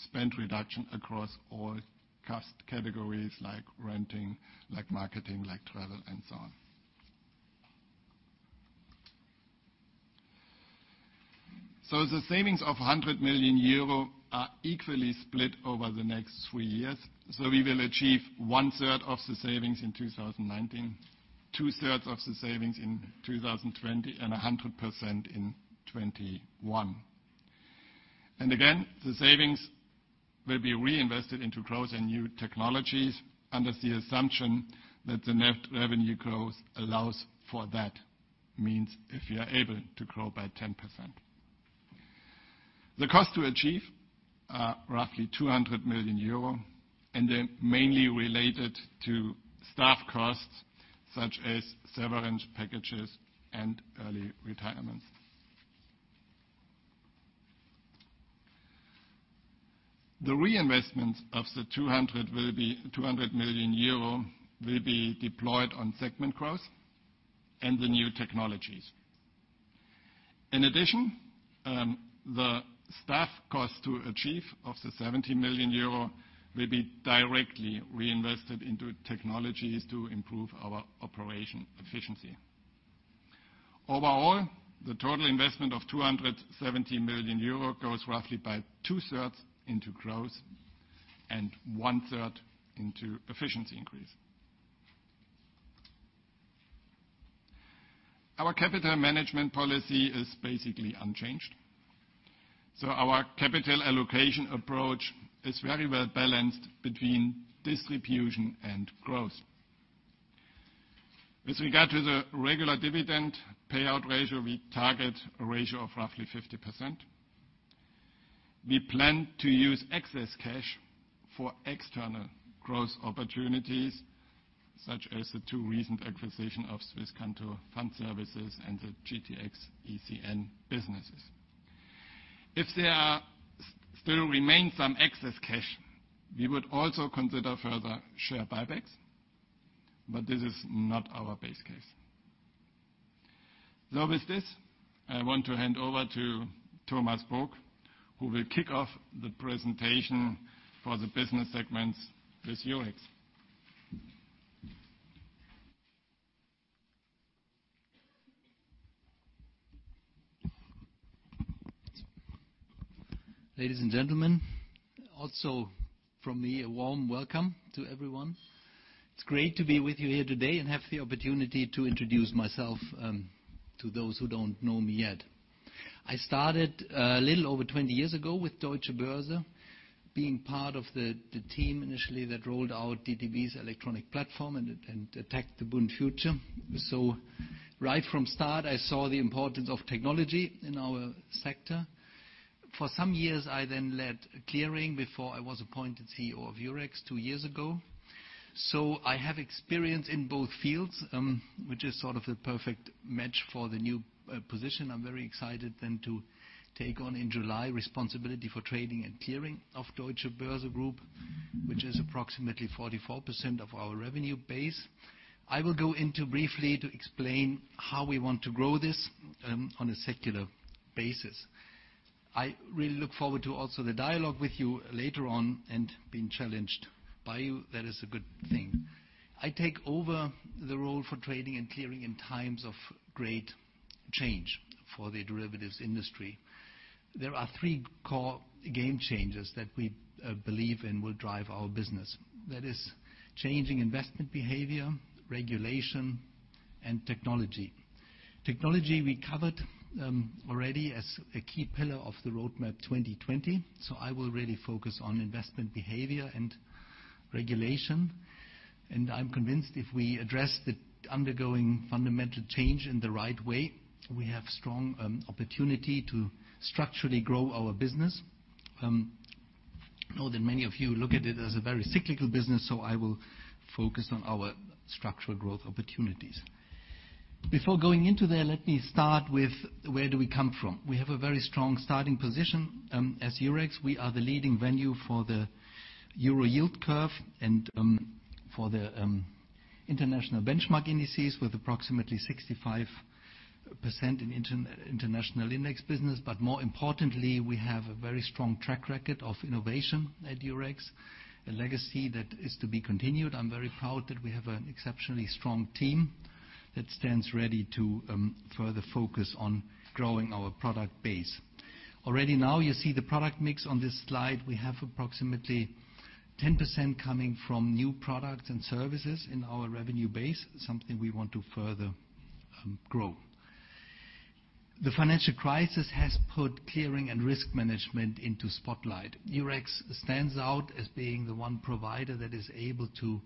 spend reduction across all cost categories, like renting, like marketing, like travel, and so on. The savings of 100 million euro are equally split over the next three years. We will achieve one third of the savings in 2019, two thirds of the savings in 2020, and 100% in 2021. Again, the savings will be reinvested into growth and new technologies under the assumption that the net revenue growth allows for that. Means if we are able to grow by 10%. The cost to achieve are roughly 200 million euro, and they're mainly related to staff costs such as severance packages and early retirements. The reinvestments of the 200 million euro will be deployed on segment growth and the new technologies. In addition, the staff cost to achieve of the 70 million euro will be directly reinvested into technologies to improve our operation efficiency. Overall, the total investment of 270 million euro goes roughly by two thirds into growth and one third into efficiency increase. Our capital management policy is basically unchanged. Our capital allocation approach is very well-balanced between distribution and growth. With regard to the regular dividend payout ratio, we target a ratio of roughly 50%. We plan to use excess cash for external growth opportunities, such as the two recent acquisition of Swisscanto Funds Centre and the GTX ECN businesses. If there still remain some excess cash, we would also consider further share buybacks, but this is not our base case. With this, I want to hand over to Thomas Book, who will kick off the presentation for the business segments with Eurex. Ladies and gentlemen, also from me, a warm welcome to everyone. It's great to be with you here today and have the opportunity to introduce myself to those who don't know me yet. I started a little over 20 years ago with Deutsche Börse, being part of the team initially that rolled out DTB's electronic platform and attacked the Bund future. Right from start, I saw the importance of technology in our sector. For some years, I then led clearing before I was appointed CEO of Eurex two years ago. I have experience in both fields, which is sort of the perfect match for the new position. I'm very excited then to take on, in July, responsibility for clearing and trading of Deutsche Börse Group, which is approximately 44% of our revenue base. I will go into briefly to explain how we want to grow this on a secular basis. I really look forward to also the dialogue with you later on and being challenged by you. That is a good thing. I take over the role for trading and clearing in times of great change for the derivatives industry. There are three core game changes that we believe will drive our business. That is changing investment behavior, regulation, and technology. Technology, we covered already as a key pillar of the Roadmap 2020, I will really focus on investment behavior and regulation. And I'm convinced if we address the undergoing fundamental change in the right way, we have strong opportunity to structurally grow our business. I know that many of you look at it as a very cyclical business, I will focus on our structural growth opportunities. Before going into there, let me start with where do we come from. We have a very strong starting position. As Eurex, we are the leading venue for the euro yield curve and for the international benchmark indices with approximately 65% in international index business. More importantly, we have a very strong track record of innovation at Eurex, a legacy that is to be continued. I'm very proud that we have an exceptionally strong team that stands ready to further focus on growing our product base. Already now you see the product mix on this slide. We have approximately 10% coming from new products and services in our revenue base, something we want to further grow. The financial crisis has put clearing and risk management into spotlight. Eurex stands out as being the one provider that is able to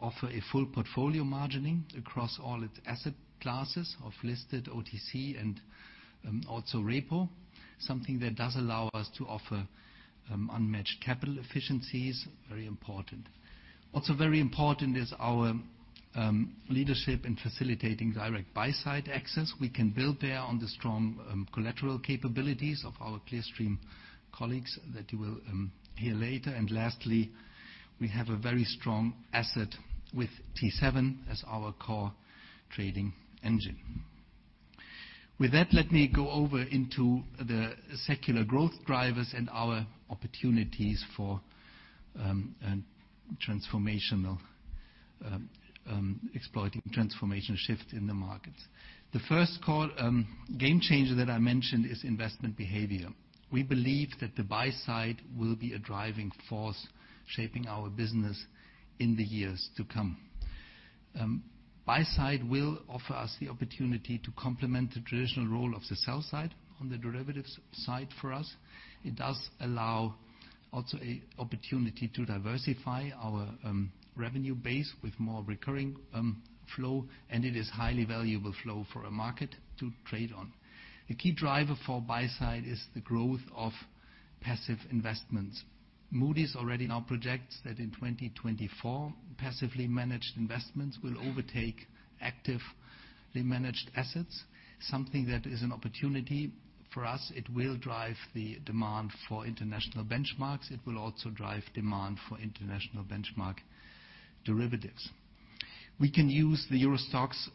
offer a full portfolio margining across all its asset classes of listed OTC and also repo, something that does allow us to offer unmatched capital efficiencies, very important. Also very important is our leadership in facilitating direct buy-side access. We can build there on the strong collateral capabilities of our Clearstream colleagues that you will hear later. Lastly, we have a very strong asset with T7 as our core trading engine. With that, let me go over into the secular growth drivers and our opportunities for exploiting transformational shift in the markets. The first game changer that I mentioned is investment behavior. We believe that the buy side will be a driving force shaping our business in the years to come. Buy side will offer us the opportunity to complement the traditional role of the sell side on the derivatives side for us. It does allow also an opportunity to diversify our revenue base with more recurring flow, it is highly valuable flow for a market to trade on. The key driver for buy side is the growth of passive investments. Moody's already now projects that in 2024, passively managed investments will overtake actively managed assets, something that is an opportunity for us. It will drive the demand for international benchmarks. It will also drive demand for international benchmark derivatives. We can use the EURO STOXX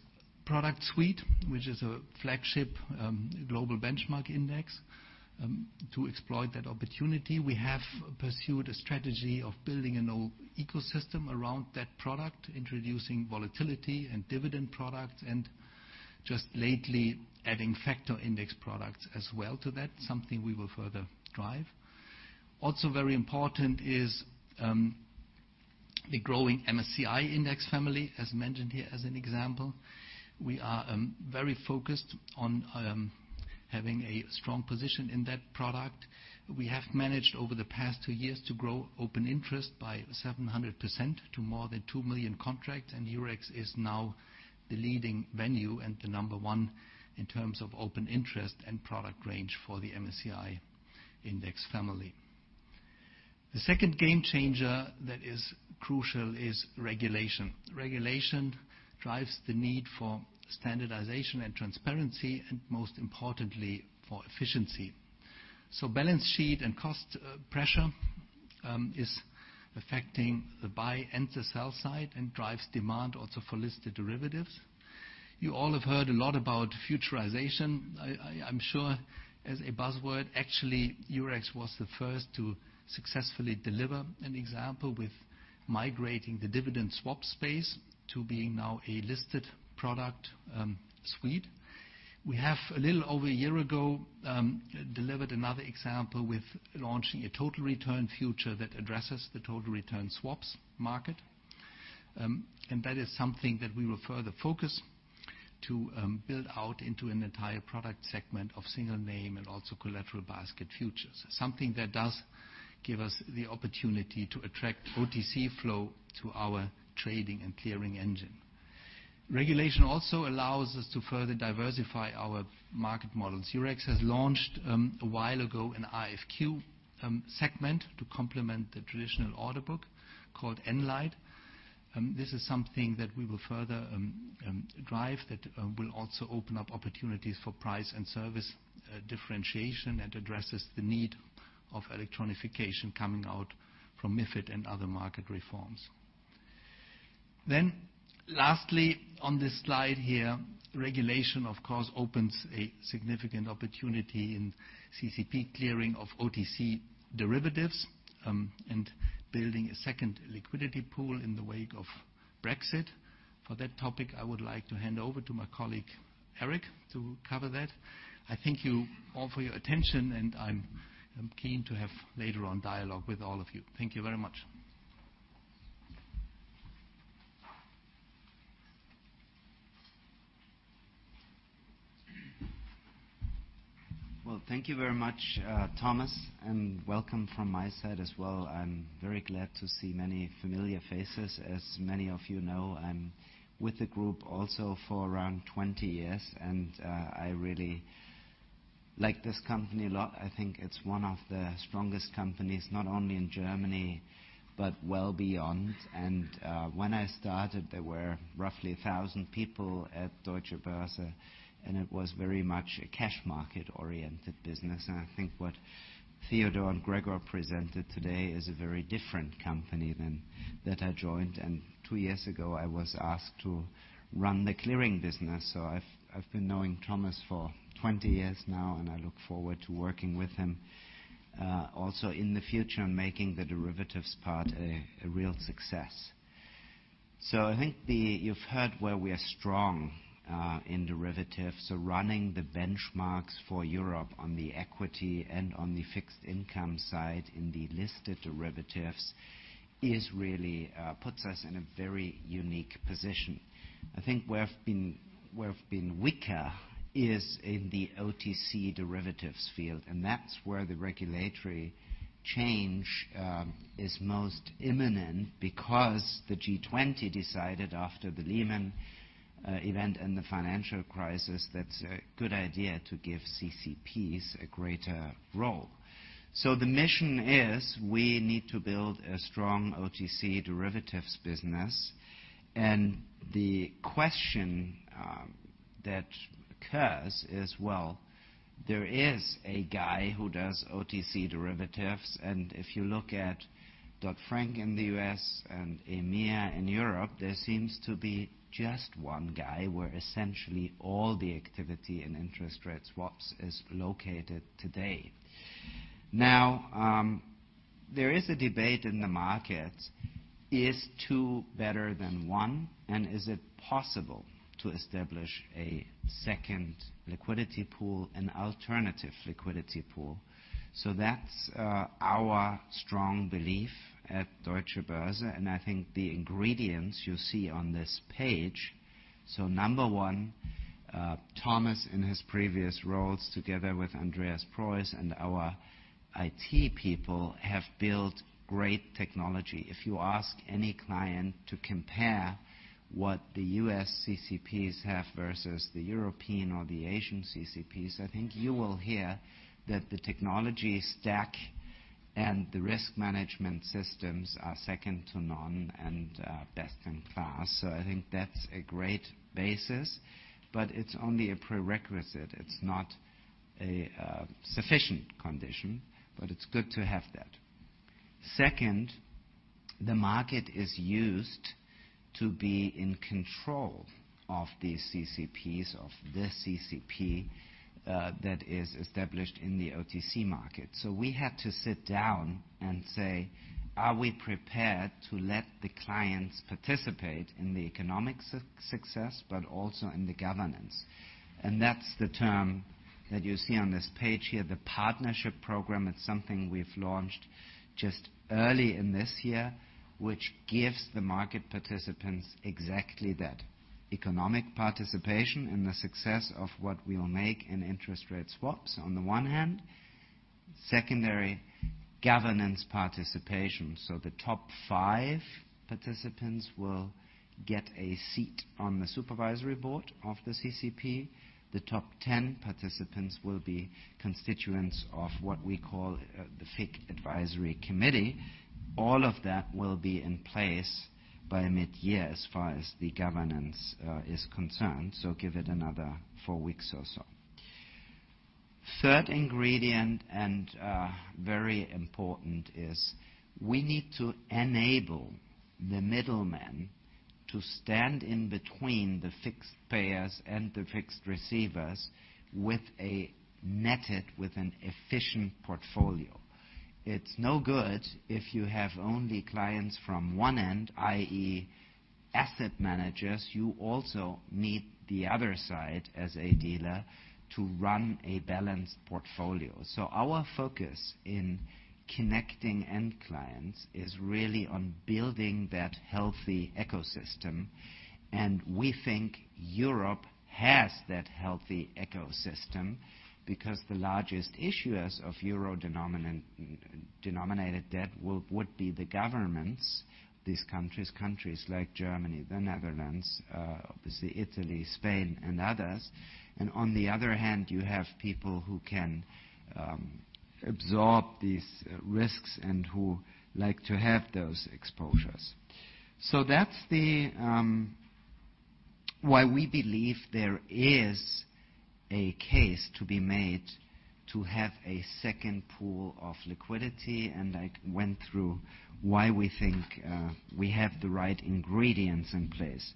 product suite, which is a flagship global benchmark index, to exploit that opportunity. We have pursued a strategy of building an ecosystem around that product, introducing volatility and dividend products, just lately, adding factor index products as well to that, something we will further drive. Also very important is the growing MSCI index family, as mentioned here as an example. We are very focused on having a strong position in that product. We have managed, over the past two years, to grow open interest by 700% to more than 2 million contracts, Eurex is now the leading venue and the number one in terms of open interest and product range for the MSCI index family. The second game changer that is crucial is regulation. Regulation drives the need for standardization and transparency and, most importantly, for efficiency. Balance sheet and cost pressure is affecting the buy and the sell side and drives demand also for listed derivatives. You all have heard a lot about futurization, I'm sure, as a buzzword. Actually, Eurex was the first to successfully deliver an example with migrating the dividend swap space to being now a listed product suite. We have, a little over a year ago, delivered another example with launching a total return future that addresses the total return swaps market. That is something that we will further focus to build out into an entire product segment of single name and also collateral basket futures. Something that does give us the opportunity to attract OTC flow to our trading and clearing engine. Regulation also allows us to further diversify our market models. Eurex has launched, a while ago, an RFQ segment to complement the traditional order book called EnLight. This is something that we will further drive, that will also open up opportunities for price and service differentiation, and addresses the need of electronification coming out from MiFID and other market reforms. Lastly on this slide here, regulation, of course, opens a significant opportunity in CCP clearing of OTC derivatives, and building a second liquidity pool in the wake of Brexit. For that topic, I would like to hand over to my colleague, Erik, to cover that. I thank you all for your attention, and I'm keen to have later on dialogue with all of you. Thank you very much. Thank you very much, Thomas, and welcome from my side as well. I'm very glad to see many familiar faces. As many of you know, I'm with the group also for around 20 years, and I really like this company a lot. I think it's one of the strongest companies not only in Germany, but well beyond. When I started, there were roughly 1,000 people at Deutsche Börse, and it was very much a cash market-oriented business. I think what Theodor and Gregor presented today is a very different company than that I joined. Two years ago, I was asked to run the clearing business. I've been knowing Thomas for 20 years now, and I look forward to working with him, also in the future and making the derivatives part a real success. I think you've heard where we are strong, in derivatives. Running the benchmarks for Europe on the equity and on the fixed income side in the listed derivatives, puts us in a very unique position. I think where we've been weaker is in the OTC derivatives field, and that's where the regulatory change is most imminent because the G20 decided after the Lehman event and the financial crisis, that it's a good idea to give CCPs a greater role. The mission is we need to build a strong OTC derivatives business. The question that occurs is, well, there is a guy who does OTC derivatives, and if you look at Dodd-Frank in the U.S. and EMIR in Europe, there seems to be just one guy where essentially all the activity in interest rate swaps is located today. There is a debate in the market, is two better than one? Is it possible to establish a second liquidity pool and alternative liquidity pool? That's our strong belief at Deutsche Börse, and I think the ingredients you see on this page. Number one, Thomas, in his previous roles together with Andreas Preuss and our IT people, have built great technology. If you ask any client to compare what the U.S. CCPs have versus the European or the Asian CCPs, I think you will hear that the technology stack and the risk management systems are second to none and best in class. I think that's a great basis, but it's only a prerequisite. It's not a sufficient condition, but it's good to have that. Second, the market is used to be in control of these CCPs, of the CCP, that is established in the OTC market. We had to sit down and say, "Are we prepared to let the clients participate in the economic success but also in the governance?" That's the term that you see on this page here, the partnership program. It's something we've launched just early in this year, which gives the market participants exactly that, economic participation in the success of what we will make in interest rate swaps on the one hand. Secondary governance participation. The top 5 participants will get a seat on the supervisory board of the CCP. The top 10 participants will be constituents of what we call the FICC Advisory Committee. All of that will be in place by mid-year, as far as the governance is concerned. Give it another 4 weeks or so. Third ingredient and very important is we need to enable the middlemen to stand in between the fixed payers and the fixed receivers with a netted, with an efficient portfolio. It's no good if you have only clients from one end, i.e., asset managers. You also need the other side as a dealer to run a balanced portfolio. Our focus in connecting end clients is really on building that healthy ecosystem, and we think Europe has that healthy ecosystem because the largest issuers of euro-denominated debt would be the governments, these countries like Germany, the Netherlands, Italy, Spain, and others. On the other hand, you have people who can absorb these risks and who like to have those exposures. That's why we believe there is a case to be made to have a second pool of liquidity, and I went through why we think we have the right ingredients in place.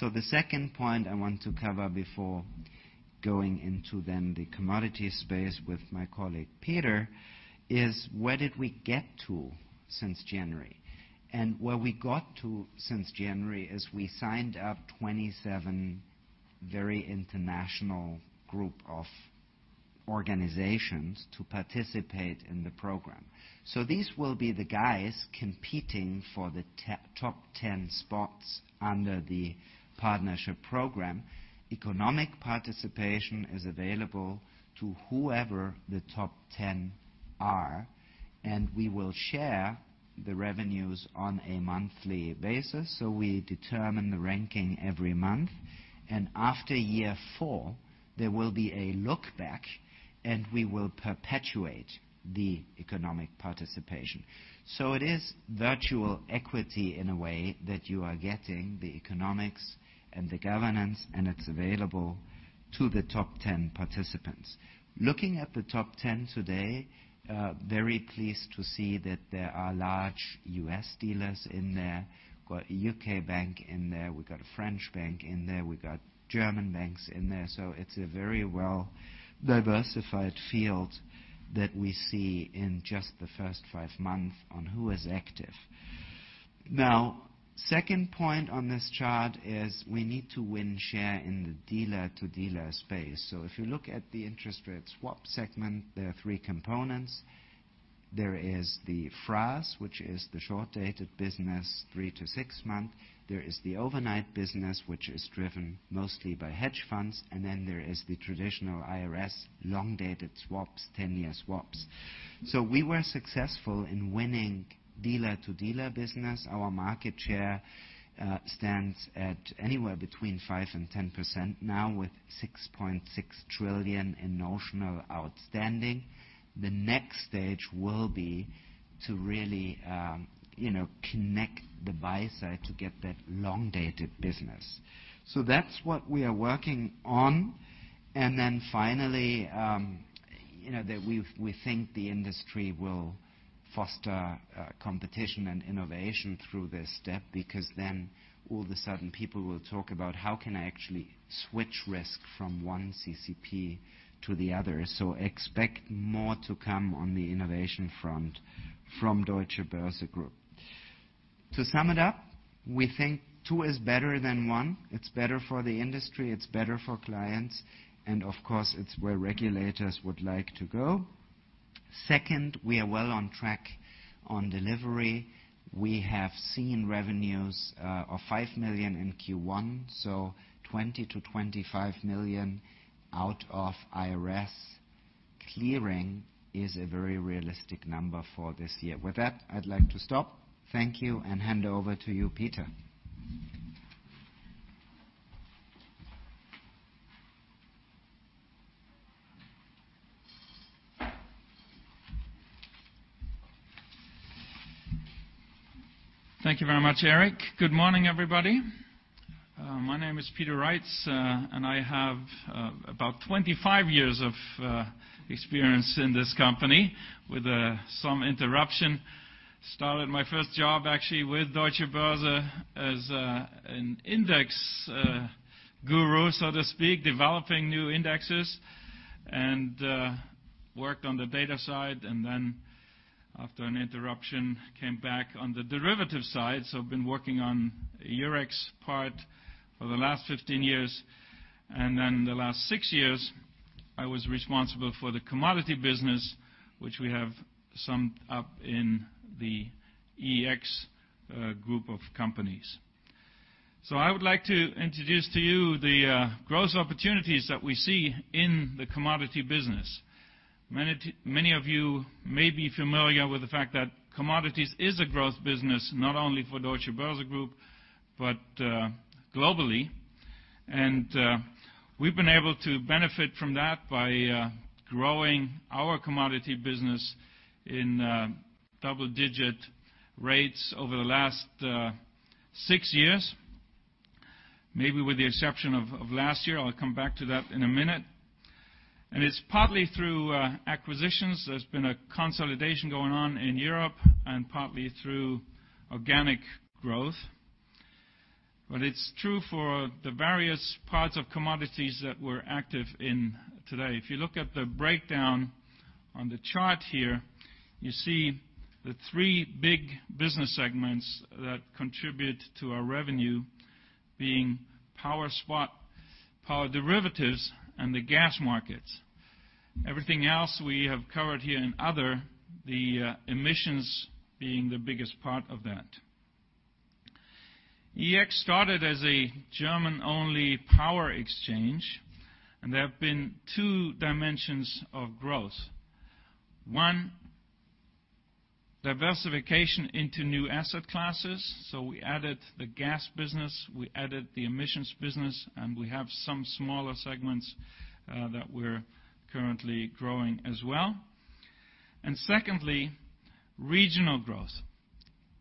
The second point I want to cover before going into then the commodity space with my colleague Peter, is where did we get to since January? Where we got to since January is we signed up 27 very international group of organizations to participate in the program. These will be the guys competing for the top 10 spots under the partnership program. Economic participation is available to whoever the top 10 are, and we will share the revenues on a monthly basis. We determine the ranking every month. After year 4, there will be a look back and we will perpetuate the economic participation. It is virtual equity in a way that you are getting the economics and the governance, and it's available to the top 10 participants. Looking at the top 10 today, very pleased to see that there are large U.S. dealers in there. We've got a U.K. bank in there. We've got a French bank in there. We got German banks in there. It's a very well-diversified field that we see in just the first five months on who is active. Second point on this chart is we need to win share in the dealer-to-dealer space. If you look at the interest rate swap segment, there are three components. There is the FRAs, which is the short-dated business, three to six months. There is the overnight business, which is driven mostly by hedge funds. And then there is the traditional IRS, long-dated swaps, 10-year swaps. We were successful in winning dealer-to-dealer business. Our market share stands at anywhere between 5% and 10% now with 6.6 trillion in notional outstanding. The next stage will be to really connect the buy side to get that long-dated business. That's what we are working on. Finally, that we think the industry will foster competition and innovation through this step because then all of a sudden people will talk about how can I actually switch risk from one CCP to the other. Expect more to come on the innovation front from Deutsche Börse Group. To sum it up, we think two is better than one. It's better for the industry, it's better for clients, and of course, it's where regulators would like to go. Second, we are well on track on delivery. We have seen revenues of 5 million in Q1, 20 million to 25 million out of IRS clearing is a very realistic number for this year. With that, I'd like to stop. Thank you, and hand over to you, Peter. Thank you very much, Erik. Good morning, everybody. My name is Peter Reitz, and I have about 25 years of experience in this company with some interruption. Started my first job, actually, with Deutsche Börse as an index guru, so to speak, developing new indexes, and worked on the data side, and then after an interruption, came back on the derivative side. I've been working on Eurex part for the last 15 years, and then the last six years, I was responsible for the commodity business, which we have summed up in the EEX Group of companies. I would like to introduce to you the growth opportunities that we see in the commodity business. Many of you may be familiar with the fact that commodities is a growth business, not only for Deutsche Börse Group, but globally. We've been able to benefit from that by growing our commodity business in double-digit rates over the last 6 years. Maybe with the exception of last year. I'll come back to that in a minute. It's partly through acquisitions. There's been a consolidation going on in Europe and partly through organic growth. It's true for the various parts of commodities that we're active in today. If you look at the breakdown on the chart here, you see the 3 big business segments that contribute to our revenue being power spot, power derivatives, and the gas markets. Everything else we have covered here in other, the emissions being the biggest part of that. EEX started as a German-only power exchange, there have been 2 dimensions of growth. 1, diversification into new asset classes. We added the gas business, we added the emissions business, and we have some smaller segments that we're currently growing as well. Secondly, regional growth.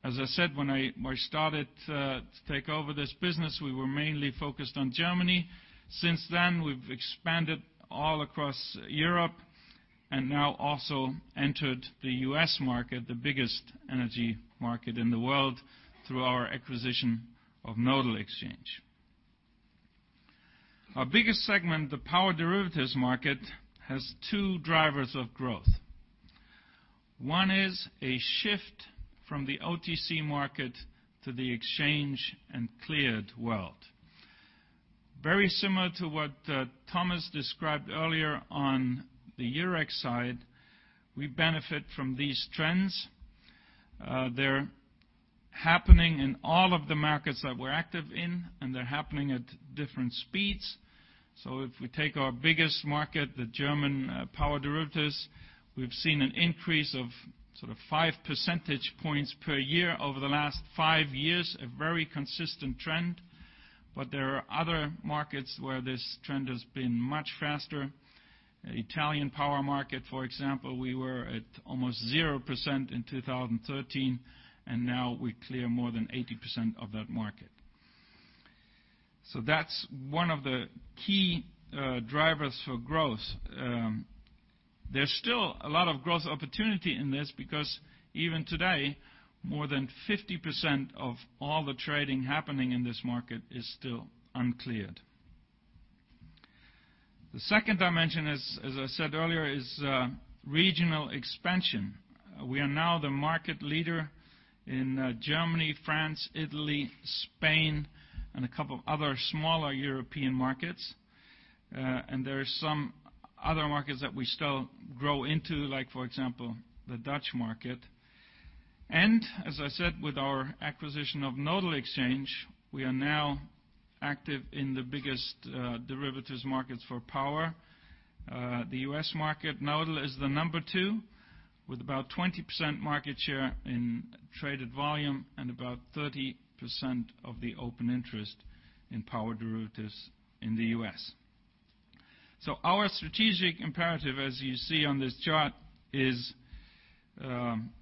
As I said, when I started to take over this business, we were mainly focused on Germany. Since then, we've expanded all across Europe and now also entered the U.S. market, the biggest energy market in the world, through our acquisition of Nodal Exchange. Our biggest segment, the power derivatives market, has 2 drivers of growth. 1 is a shift from the OTC market to the exchange and cleared world. Very similar to what Thomas described earlier on the Eurex side, we benefit from these trends. They're happening in all of the markets that we're active in, and they're happening at different speeds. If we take our biggest market, the German power derivatives, we've seen an increase of sort of 5 percentage points per year over the last 5 years, a very consistent trend. There are other markets where this trend has been much faster. Italian power market, for example, we were at almost 0% in 2013, now we clear more than 80% of that market. That's one of the key drivers for growth. There's still a lot of growth opportunity in this because even today, more than 50% of all the trading happening in this market is still uncleared. The second dimension, as I said earlier, is regional expansion. We are now the market leader in Germany, France, Italy, Spain, and a couple of other smaller European markets. There are some other markets that we still grow into, like for example, the Dutch market. As I said, with our acquisition of Nodal Exchange, we are now active in the biggest derivatives markets for power. The U.S. market, Nodal is the number 2 with about 20% market share in traded volume and about 30% of the open interest in power derivatives in the U.S. Our strategic imperative, as you see on this chart, is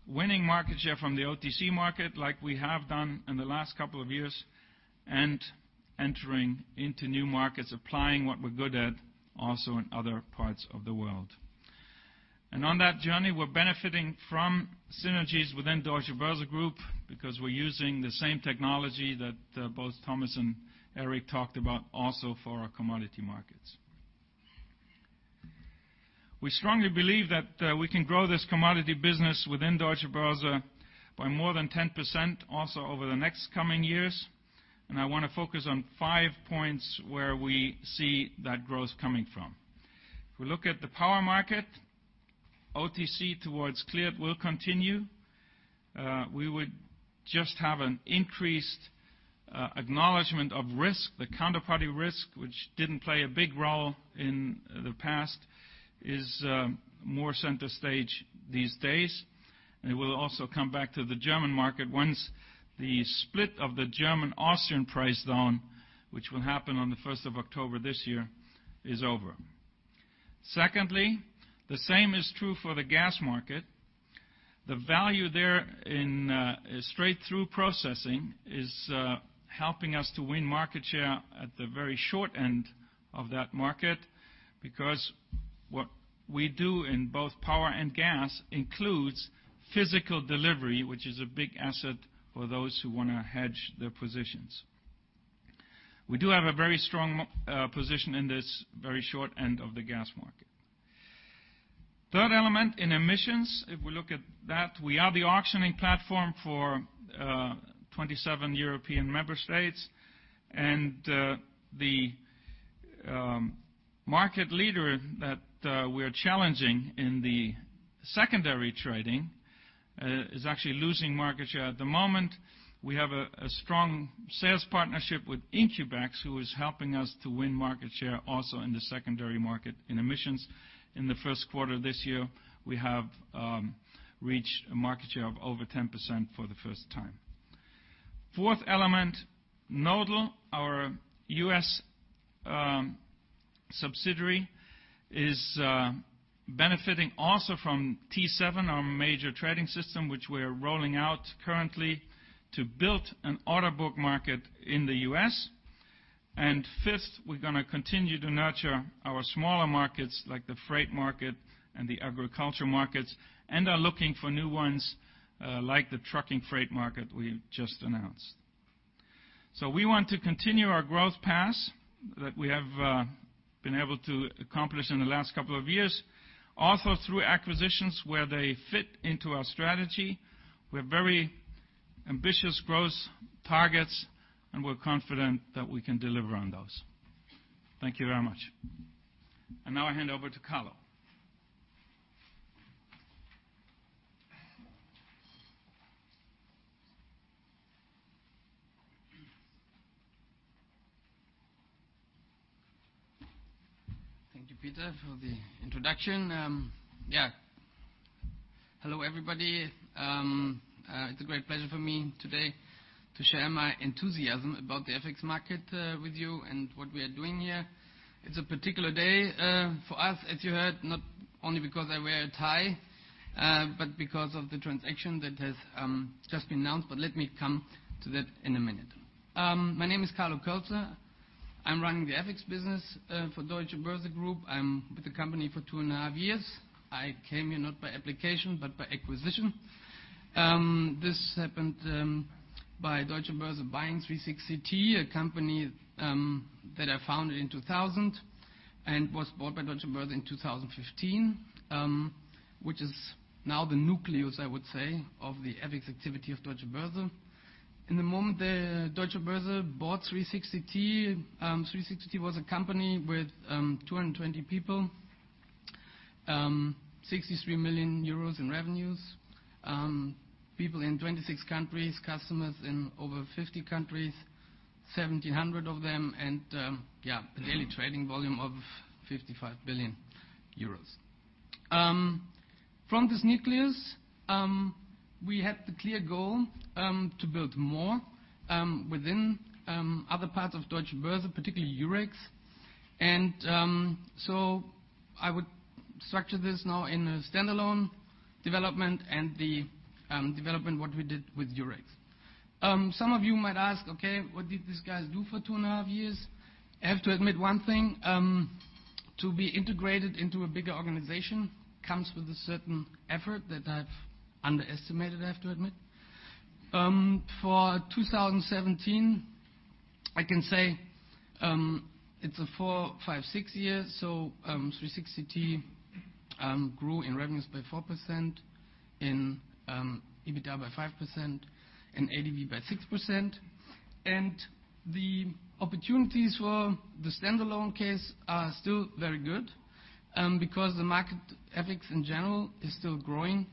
winning market share from the OTC market like we have done in the last couple of years and entering into new markets, applying what we're good at also in other parts of the world. On that journey, we're benefiting from synergies within Deutsche Börse Group because we're using the same technology that both Thomas and Erik talked about also for our commodity markets. We strongly believe that we can grow this commodity business within Deutsche Börse by more than 10% also over the next coming years. I want to focus on five points where we see that growth coming from. If we look at the power market, OTC towards cleared will continue. We would just have an increased acknowledgement of risk. The counterparty risk, which didn't play a big role in the past, is more center stage these days. It will also come back to the German market once the split of the German-Austrian price zone, which will happen on the 1st of October this year, is over. Secondly, the same is true for the gas market. The value there in straight-through processing is helping us to win market share at the very short end of that market because what we do in both power and gas includes physical delivery, which is a big asset for those who want to hedge their positions. We do have a very strong position in this very short end of the gas market. Third element in emissions, if we look at that, we are the auctioning platform for 27 European member states, and the market leader that we're challenging in the secondary trading is actually losing market share at the moment. We have a strong sales partnership with IncubEx, who is helping us to win market share also in the secondary market in emissions. In the first quarter this year, we have reached a market share of over 10% for the first time. Fourth element, Nodal, our U.S. subsidiary, is benefiting also from T7, our major trading system, which we're rolling out currently to build an order book market in the U.S. Fifth, we're going to continue to nurture our smaller markets like the freight market and the agriculture markets, and are looking for new ones, like the trucking freight market we just announced. We want to continue our growth path that we have been able to accomplish in the last couple of years, also through acquisitions where they fit into our strategy. We're very ambitious growth targets, and we're confident that we can deliver on those. Thank you very much. Now I hand over to Carlo. Thank you, Peter, for the introduction. Hello, everybody. It's a great pleasure for me today to share my enthusiasm about the FX market with you and what we are doing here. It's a particular day for us, as you heard, not only because I wear a tie, but because of the transaction that has just been announced, but let me come to that in a minute. My name is Carlo Kölzer. I'm running the FX business for Deutsche Börse Group. I'm with the company for two and a half years. I came here not by application, but by acquisition. This happened by Deutsche Börse buying 360T, a company that I founded in 2000 and was bought by Deutsche Börse in 2015, which is now the nucleus, I would say, of the FX activity of Deutsche Börse. In the moment that Deutsche Börse bought 360T was a company with 220 people, 63 million euros in revenues, people in 26 countries, customers in over 50 countries, 1,700 of them, and a daily trading volume of 55 billion euros. From this nucleus, we had the clear goal to build more within other parts of Deutsche Börse, particularly Eurex. I would structure this now in a standalone development and the development what we did with Eurex. Some of you might ask, okay, what did these guys do for two and a half years? I have to admit one thing, to be integrated into a bigger organization comes with a certain effort that I've underestimated, I have to admit. For 2017, I can say it's a four, five, six year, 360T grew in revenues by 4%, in EBITDA by 5%, and ADV by 6%. The opportunities for the standalone case are still very good because the market ethics in general is still growing.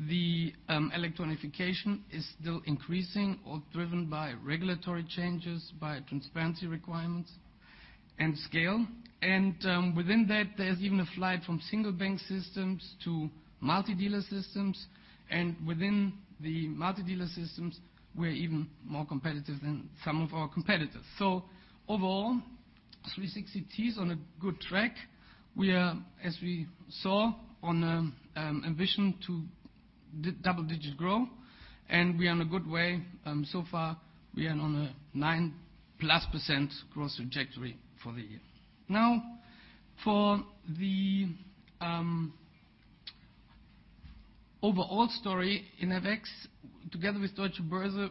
The electronification is still increasing or driven by regulatory changes, by transparency requirements and scale. Within that, there's even a flight from single bank systems to multi-dealer systems. Within the multi-dealer systems, we're even more competitive than some of our competitors. Overall, 360T is on a good track. We are, as we saw, on an ambition to double-digit grow, and we are in a good way. Far, we are on a nine-plus % growth trajectory for the year. Now, for the overall story in FX, together with Deutsche Börse,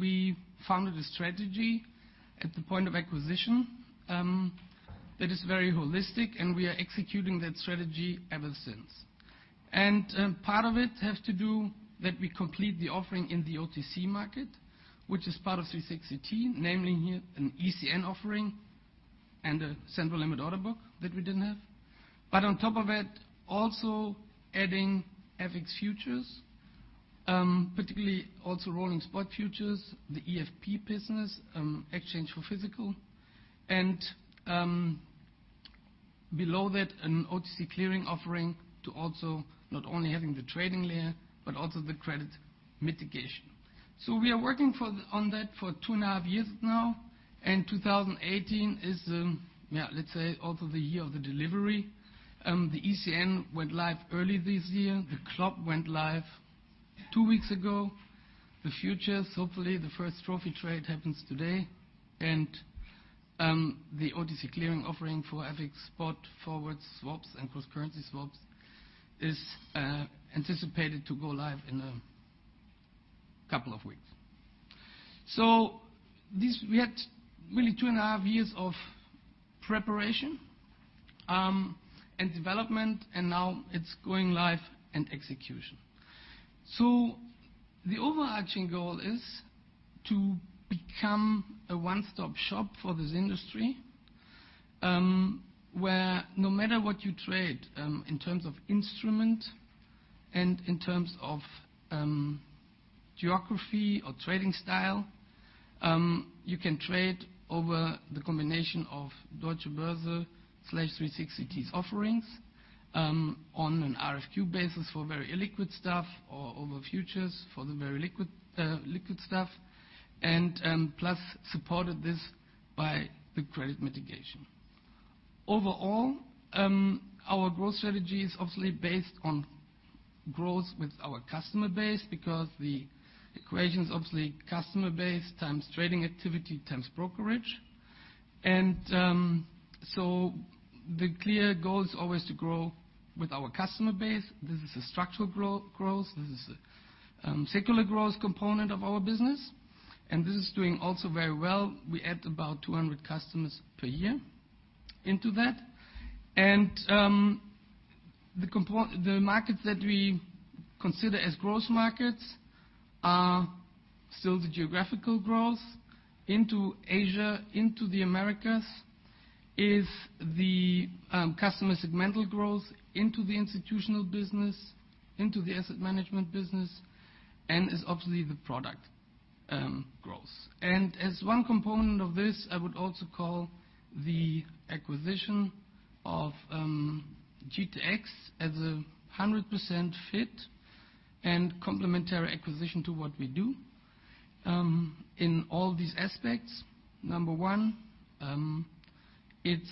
we founded a strategy at the point of acquisition that is very holistic, and we are executing that strategy ever since. Part of it has to do that we complete the offering in the OTC market, which is part of 360T, namely an ECN offering and a central limit order book that we didn't have. On top of it, also adding FX futures, particularly also rolling spot futures, the EFP business, exchange for physical, and below that, an OTC clearing offering to also not only having the trading layer, but also the credit mitigation. We are working on that for two and a half years now, and 2018 is, let's say, also the year of the delivery. The ECN went live early this year. The CLOB went live two weeks ago. The futures, hopefully, the first trophy trade happens today. The OTC clearing offering for FX spot forwards swaps and cross-currency swaps is anticipated to go live in a couple of weeks. We had really two and a half years of preparation and development, and now it's going live and execution. The overarching goal is to become a one-stop shop for this industry, where no matter what you trade in terms of instrument and in terms of geography or trading style, you can trade over the combination of Deutsche Börse/360T's offerings on an RFQ basis for very illiquid stuff or over futures for the very liquid stuff, plus supported this by the credit mitigation. Overall, our growth strategy is obviously based on growth with our customer base because the equation's obviously customer base times trading activity times brokerage. The clear goal is always to grow with our customer base. This is a structural growth. This is a secular growth component of our business, and this is doing also very well. We add about 200 customers per year into that. The markets that we consider as growth markets are still the geographical growth into Asia, into the Americas, is the customer segmental growth into the institutional business, into the asset management business, and is obviously the product growth. As one component of this, I would also call the acquisition of GTX as a 100% fit and complementary acquisition to what we do in all these aspects. Number one, it's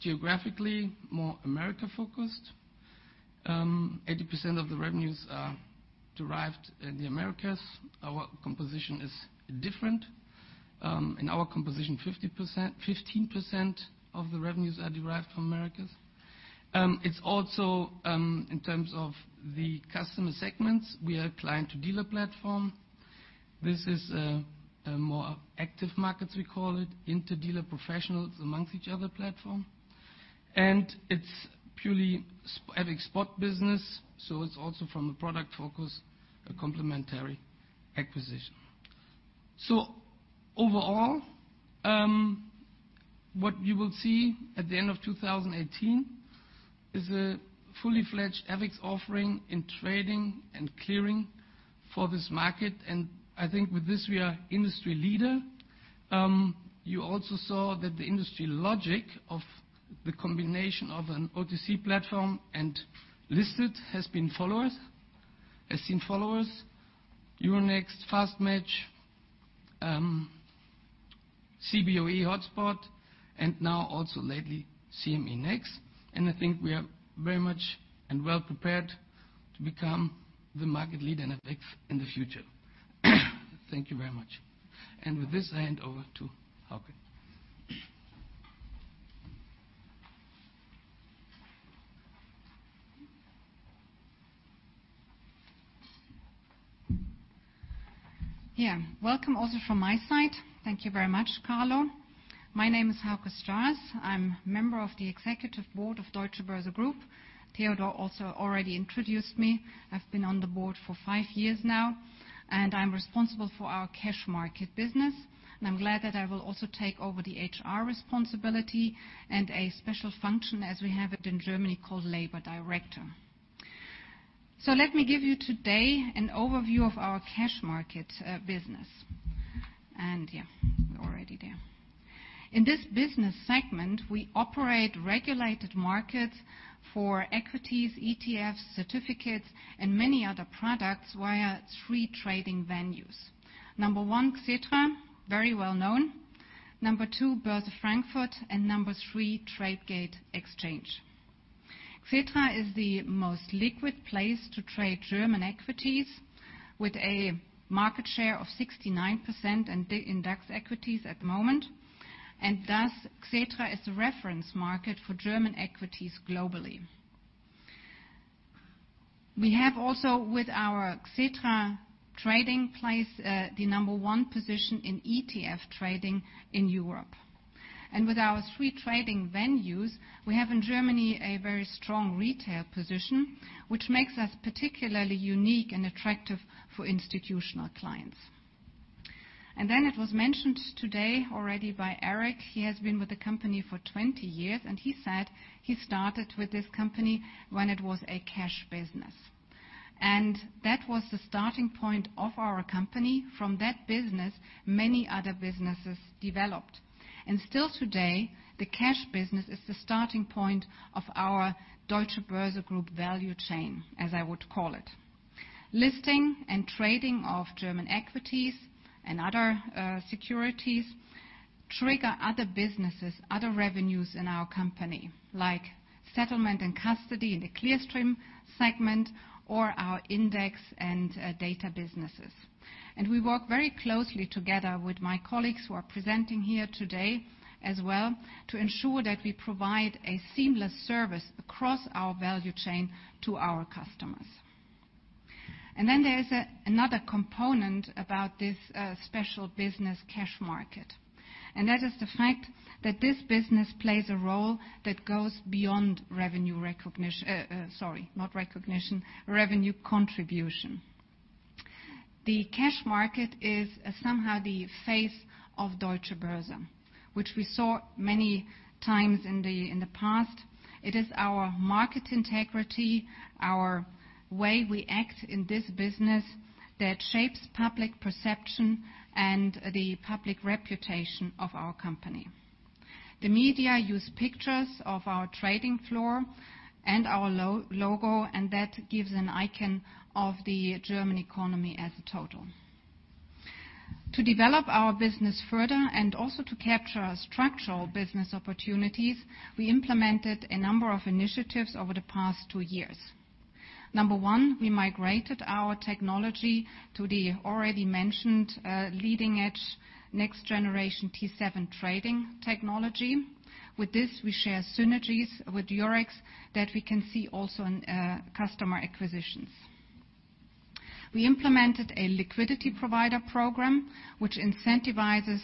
geographically more America-focused. 80% of the revenues are derived in the Americas. Our composition is different. In our composition, 15% of the revenues are derived from Americas. It's also in terms of the customer segments, we are a client-to-dealer platform. This is a more active markets, we call it, inter-dealer professionals amongst each other platform. It's purely having spot business, so it's also from the product focus, a complementary acquisition. Overall, what you will see at the end of 2018 is a fully fledged FX offering in trading and clearing for this market. I think with this, we are industry leader. You also saw that the industry logic of the combination of an OTC platform and listed has been followed, has seen followers, Euronext, FastMatch, Cboe Hotspot, and now also lately CME NEX. I think we are very much and well prepared to become the market leader in FX in the future. Thank you very much. With this, I hand over to Hauke. Welcome also from my side. Thank you very much, Carlo. My name is Hauke Stars. I'm member of the Executive Board of Deutsche Börse Group. Theodor also already introduced me. I've been on the board for five years now, and I'm responsible for our cash market business. I'm glad that I will also take over the HR responsibility and a special function as we have it in Germany called labor director. Let me give you today an overview of our cash market business. We're already there. In this business segment, we operate regulated markets for equities, ETFs, certificates, and many other products via three trading venues. Number one, Xetra, very well known. Number two, Börse Frankfurt, and number three, Tradegate Exchange. Xetra is the most liquid place to trade German equities with a market share of 69% in DAX equities at the moment, and thus Xetra is the reference market for German equities globally. We have also with our Xetra trading place, the number one position in ETF trading in Europe. With our three trading venues, we have in Germany a very strong retail position, which makes us particularly unique and attractive for institutional clients. It was mentioned today already by Erik. He has been with the company for 20 years, and he said he started with this company when it was a cash business. That was the starting point of our company. From that business, many other businesses developed. Still today, the cash business is the starting point of our Deutsche Börse Group value chain, as I would call it. Listing and trading of German equities and other securities trigger other businesses, other revenues in our company, like settlement and custody in the Clearstream segment or our index and data businesses. We work very closely together with my colleagues who are presenting here today as well to ensure that we provide a seamless service across our value chain to our customers. Then there's another component about this special business cash market, and that is the fact that this business plays a role that goes beyond revenue recognition, sorry, not recognition, revenue contribution. The cash market is somehow the face of Deutsche Börse, which we saw many times in the past. It is our market integrity, our way we act in this business that shapes public perception and the public reputation of our company. The media use pictures of our trading floor and our logo, that gives an icon of the German economy as a total. To develop our business further and also to capture structural business opportunities, we implemented a number of initiatives over the past 2 years. Number 1, we migrated our technology to the already mentioned leading-edge next generation T7 trading technology. With this, we share synergies with Eurex that we can see also in customer acquisitions. We implemented a liquidity provider program, which incentivizes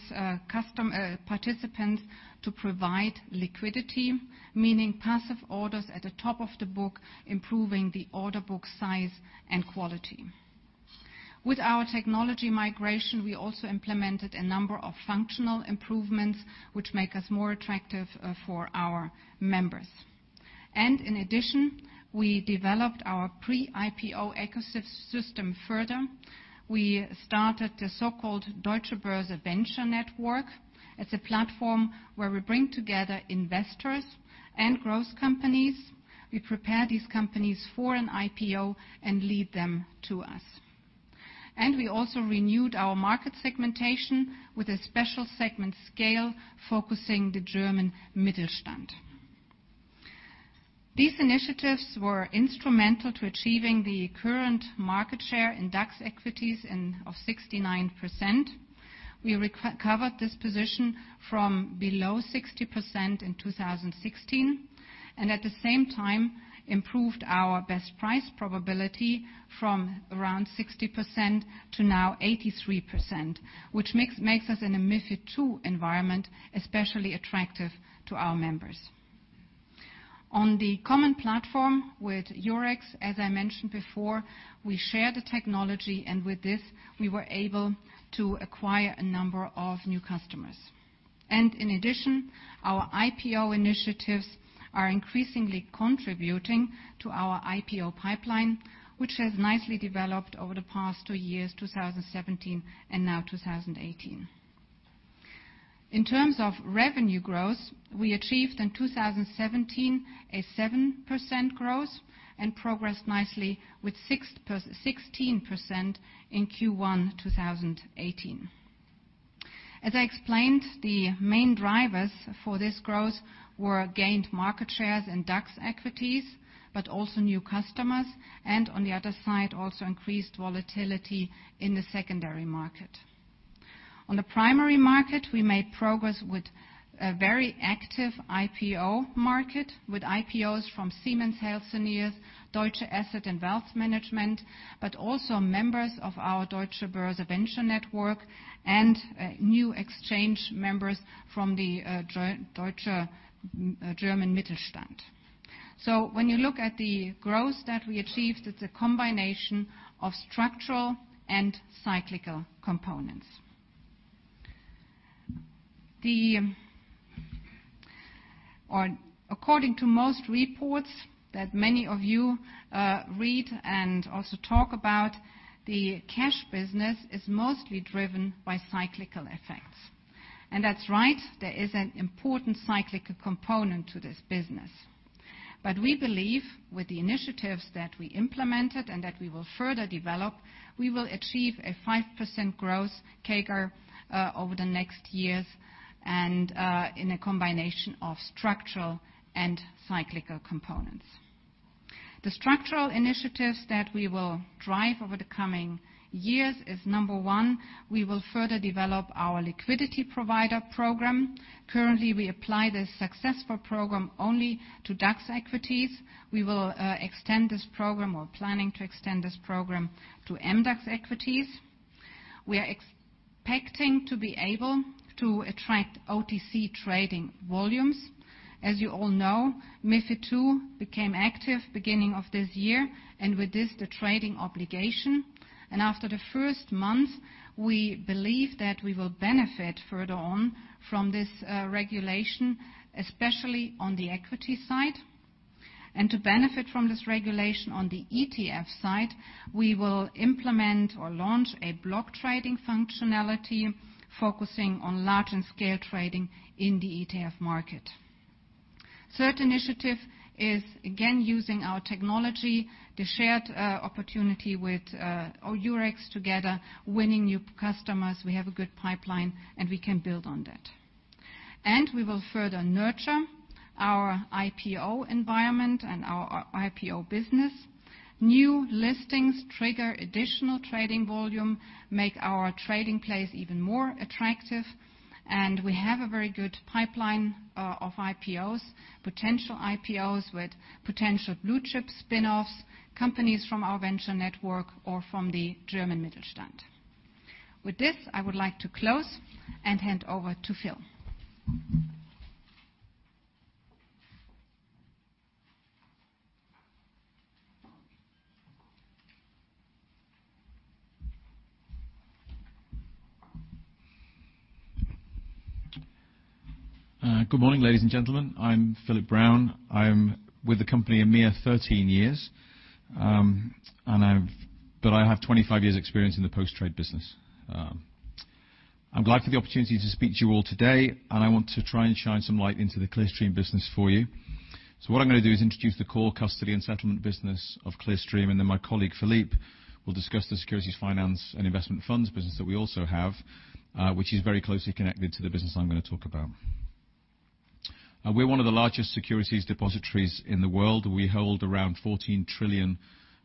participants to provide liquidity, meaning passive orders at the top of the book, improving the order book size and quality. With our technology migration, we also implemented a number of functional improvements, which make us more attractive for our members. In addition, we developed our pre-IPO ecosystem further. We started the so-called Deutsche Börse Venture Network. It's a platform where we bring together investors and growth companies. We prepare these companies for an IPO and lead them to us. We also renewed our market segmentation with a special segment scale focusing the German Mittelstand. These initiatives were instrumental to achieving the current market share in DAX equities of 69%. We recovered this position from below 60% in 2016, at the same time improved our best price probability from around 60% to now 83%, which makes us in a MiFID II environment, especially attractive to our members. On the common platform with Eurex, as I mentioned before, we share the technology, with this, we were able to acquire a number of new customers. In addition, our IPO initiatives are increasingly contributing to our IPO pipeline, which has nicely developed over the past 2 years, 2017 and now 2018. In terms of revenue growth, we achieved in 2017, a 7% growth progressed nicely with 16% in Q1 2018. As I explained, the main drivers for this growth were gained market shares and DAX equities, new customers, on the other side, also increased volatility in the secondary market. On the primary market, we made progress with a very active IPO market, with IPOs from Siemens Healthineers, Deutsche Asset and Wealth Management, also members of our Deutsche Börse Venture Network and new exchange members from the German Mittelstand. When you look at the growth that we achieved, it's a combination of structural and cyclical components. According to most reports that many of you read and also talk about, the cash business is mostly driven by cyclical effects. That's right, there is an important cyclical component to this business. We believe with the initiatives that we implemented and that we will further develop, we will achieve a 5% growth CAGR over the next years and in a combination of structural and cyclical components. The structural initiatives that we will drive over the coming years is, number 1, we will further develop our liquidity provider program. Currently, we apply this successful program only to DAX equities. We will extend this program or planning to extend this program to MDAX equities. We are expecting to be able to attract OTC trading volumes. As you all know, MiFID II became active beginning of this year, and with this, the trading obligation. After the first month, we believe that we will benefit further on from this regulation, especially on the equity side. To benefit from this regulation on the ETF side, we will implement or launch a block trading functionality focusing on large and scale trading in the ETF market. Third initiative is, again, using our technology, the shared opportunity with Eurex together, winning new customers. We have a good pipeline and we can build on that. We will further nurture our IPO environment and our IPO business. New listings trigger additional trading volume, make our trading place even more attractive, and we have a very good pipeline of IPOs, potential IPOs with potential blue-chip spinoffs, companies from our Venture Network or from the German Mittelstand. With this, I would like to close and hand over to Phil. Good morning, ladies and gentlemen. I'm Philip Brown. I'm with the company a mere 13 years. I have 25 years experience in the post-trade business. I'm glad for the opportunity to speak to you all today, and I want to try and shine some light into the Clearstream business for you. What I'm going to do is introduce the core custody and settlement business of Clearstream, and then my colleague Philippe will discuss the securities finance and investment funds business that we also have, which is very closely connected to the business I'm going to talk about. We're one of the largest securities depositories in the world. We hold around 14 trillion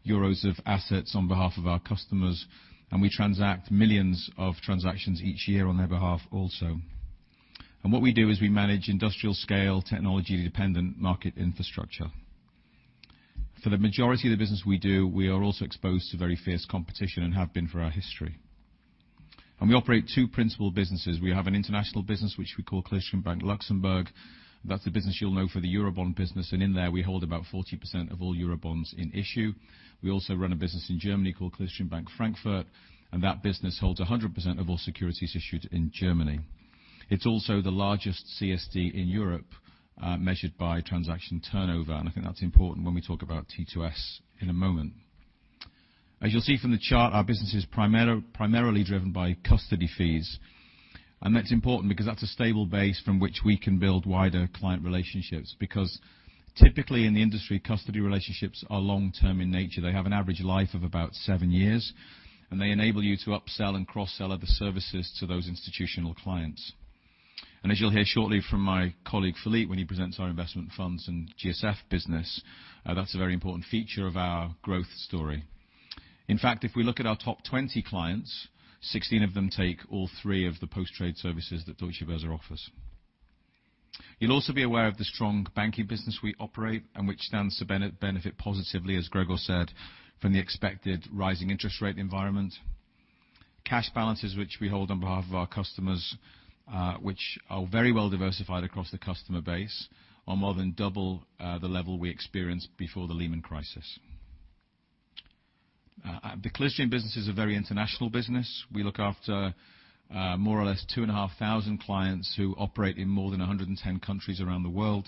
euros of assets on behalf of our customers, and we transact millions of transactions each year on their behalf also. What we do is we manage industrial-scale, technology-dependent market infrastructure. For the majority of the business we do, we are also exposed to very fierce competition and have been for our history. We operate two principal businesses. We have an international business, which we call Clearstream Bank Luxembourg. That's the business you'll know for the Eurobond business. In there, we hold about 40% of all Eurobonds in issue. We also run a business in Germany called Clearstream Bank Frankfurt, and that business holds 100% of all securities issued in Germany. It's also the largest CSD in Europe, measured by transaction turnover, and I think that's important when we talk about T2S in a moment. As you'll see from the chart, our business is primarily driven by custody fees. That's important because that's a stable base from which we can build wider client relationships. Typically, in the industry, custody relationships are long-term in nature. They have an average life of about seven years, they enable you to upsell and cross-sell other services to those institutional clients. As you'll hear shortly from my colleague Philippe, when he presents our investment funds and GSF business, that's a very important feature of our growth story. In fact, if we look at our top 20 clients, 16 of them take all three of the post-trade services that Deutsche Börse offers. You'll also be aware of the strong banking business we operate which stands to benefit positively, as Gregor said, from the expected rising interest rate environment. Cash balances, which we hold on behalf of our customers, which are very well diversified across the customer base, are more than double the level we experienced before the Lehman crisis. The Clearstream business is a very international business. We look after more or less 2,500 clients who operate in more than 110 countries around the world,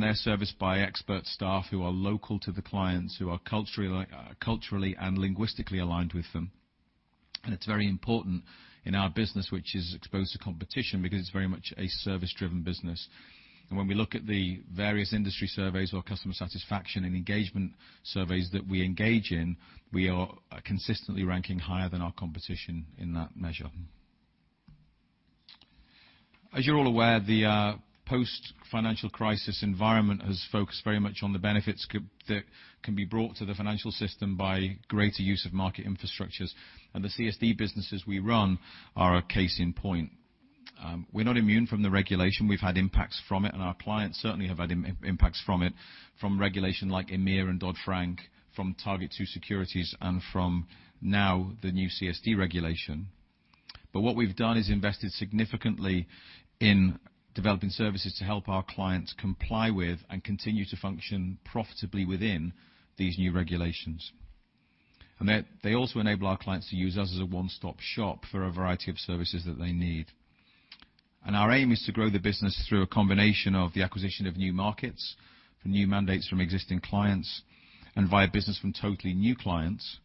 they're serviced by expert staff who are local to the clients, who are culturally and linguistically aligned with them. It's very important in our business, which is exposed to competition, because it's very much a service-driven business. When we look at the various industry surveys or customer satisfaction and engagement surveys that we engage in, we are consistently ranking higher than our competition in that measure. As you're all aware, the post-financial crisis environment has focused very much on the benefits that can be brought to the financial system by greater use of market infrastructures, the CSD businesses we run are a case in point. We're not immune from the regulation. We've had impacts from it, and our clients certainly have had impacts from it, from regulation like EMIR and Dodd-Frank, from TARGET2-Securities, and from now, the new CSD regulation. What we've done is invested significantly in developing services to help our clients comply with and continue to function profitably within these new regulations. They also enable our clients to use us as a one-stop shop for a variety of services that they need. Our aim is to grow the business through a combination of the acquisition of new markets for new mandates from existing clients and via business from totally new clients,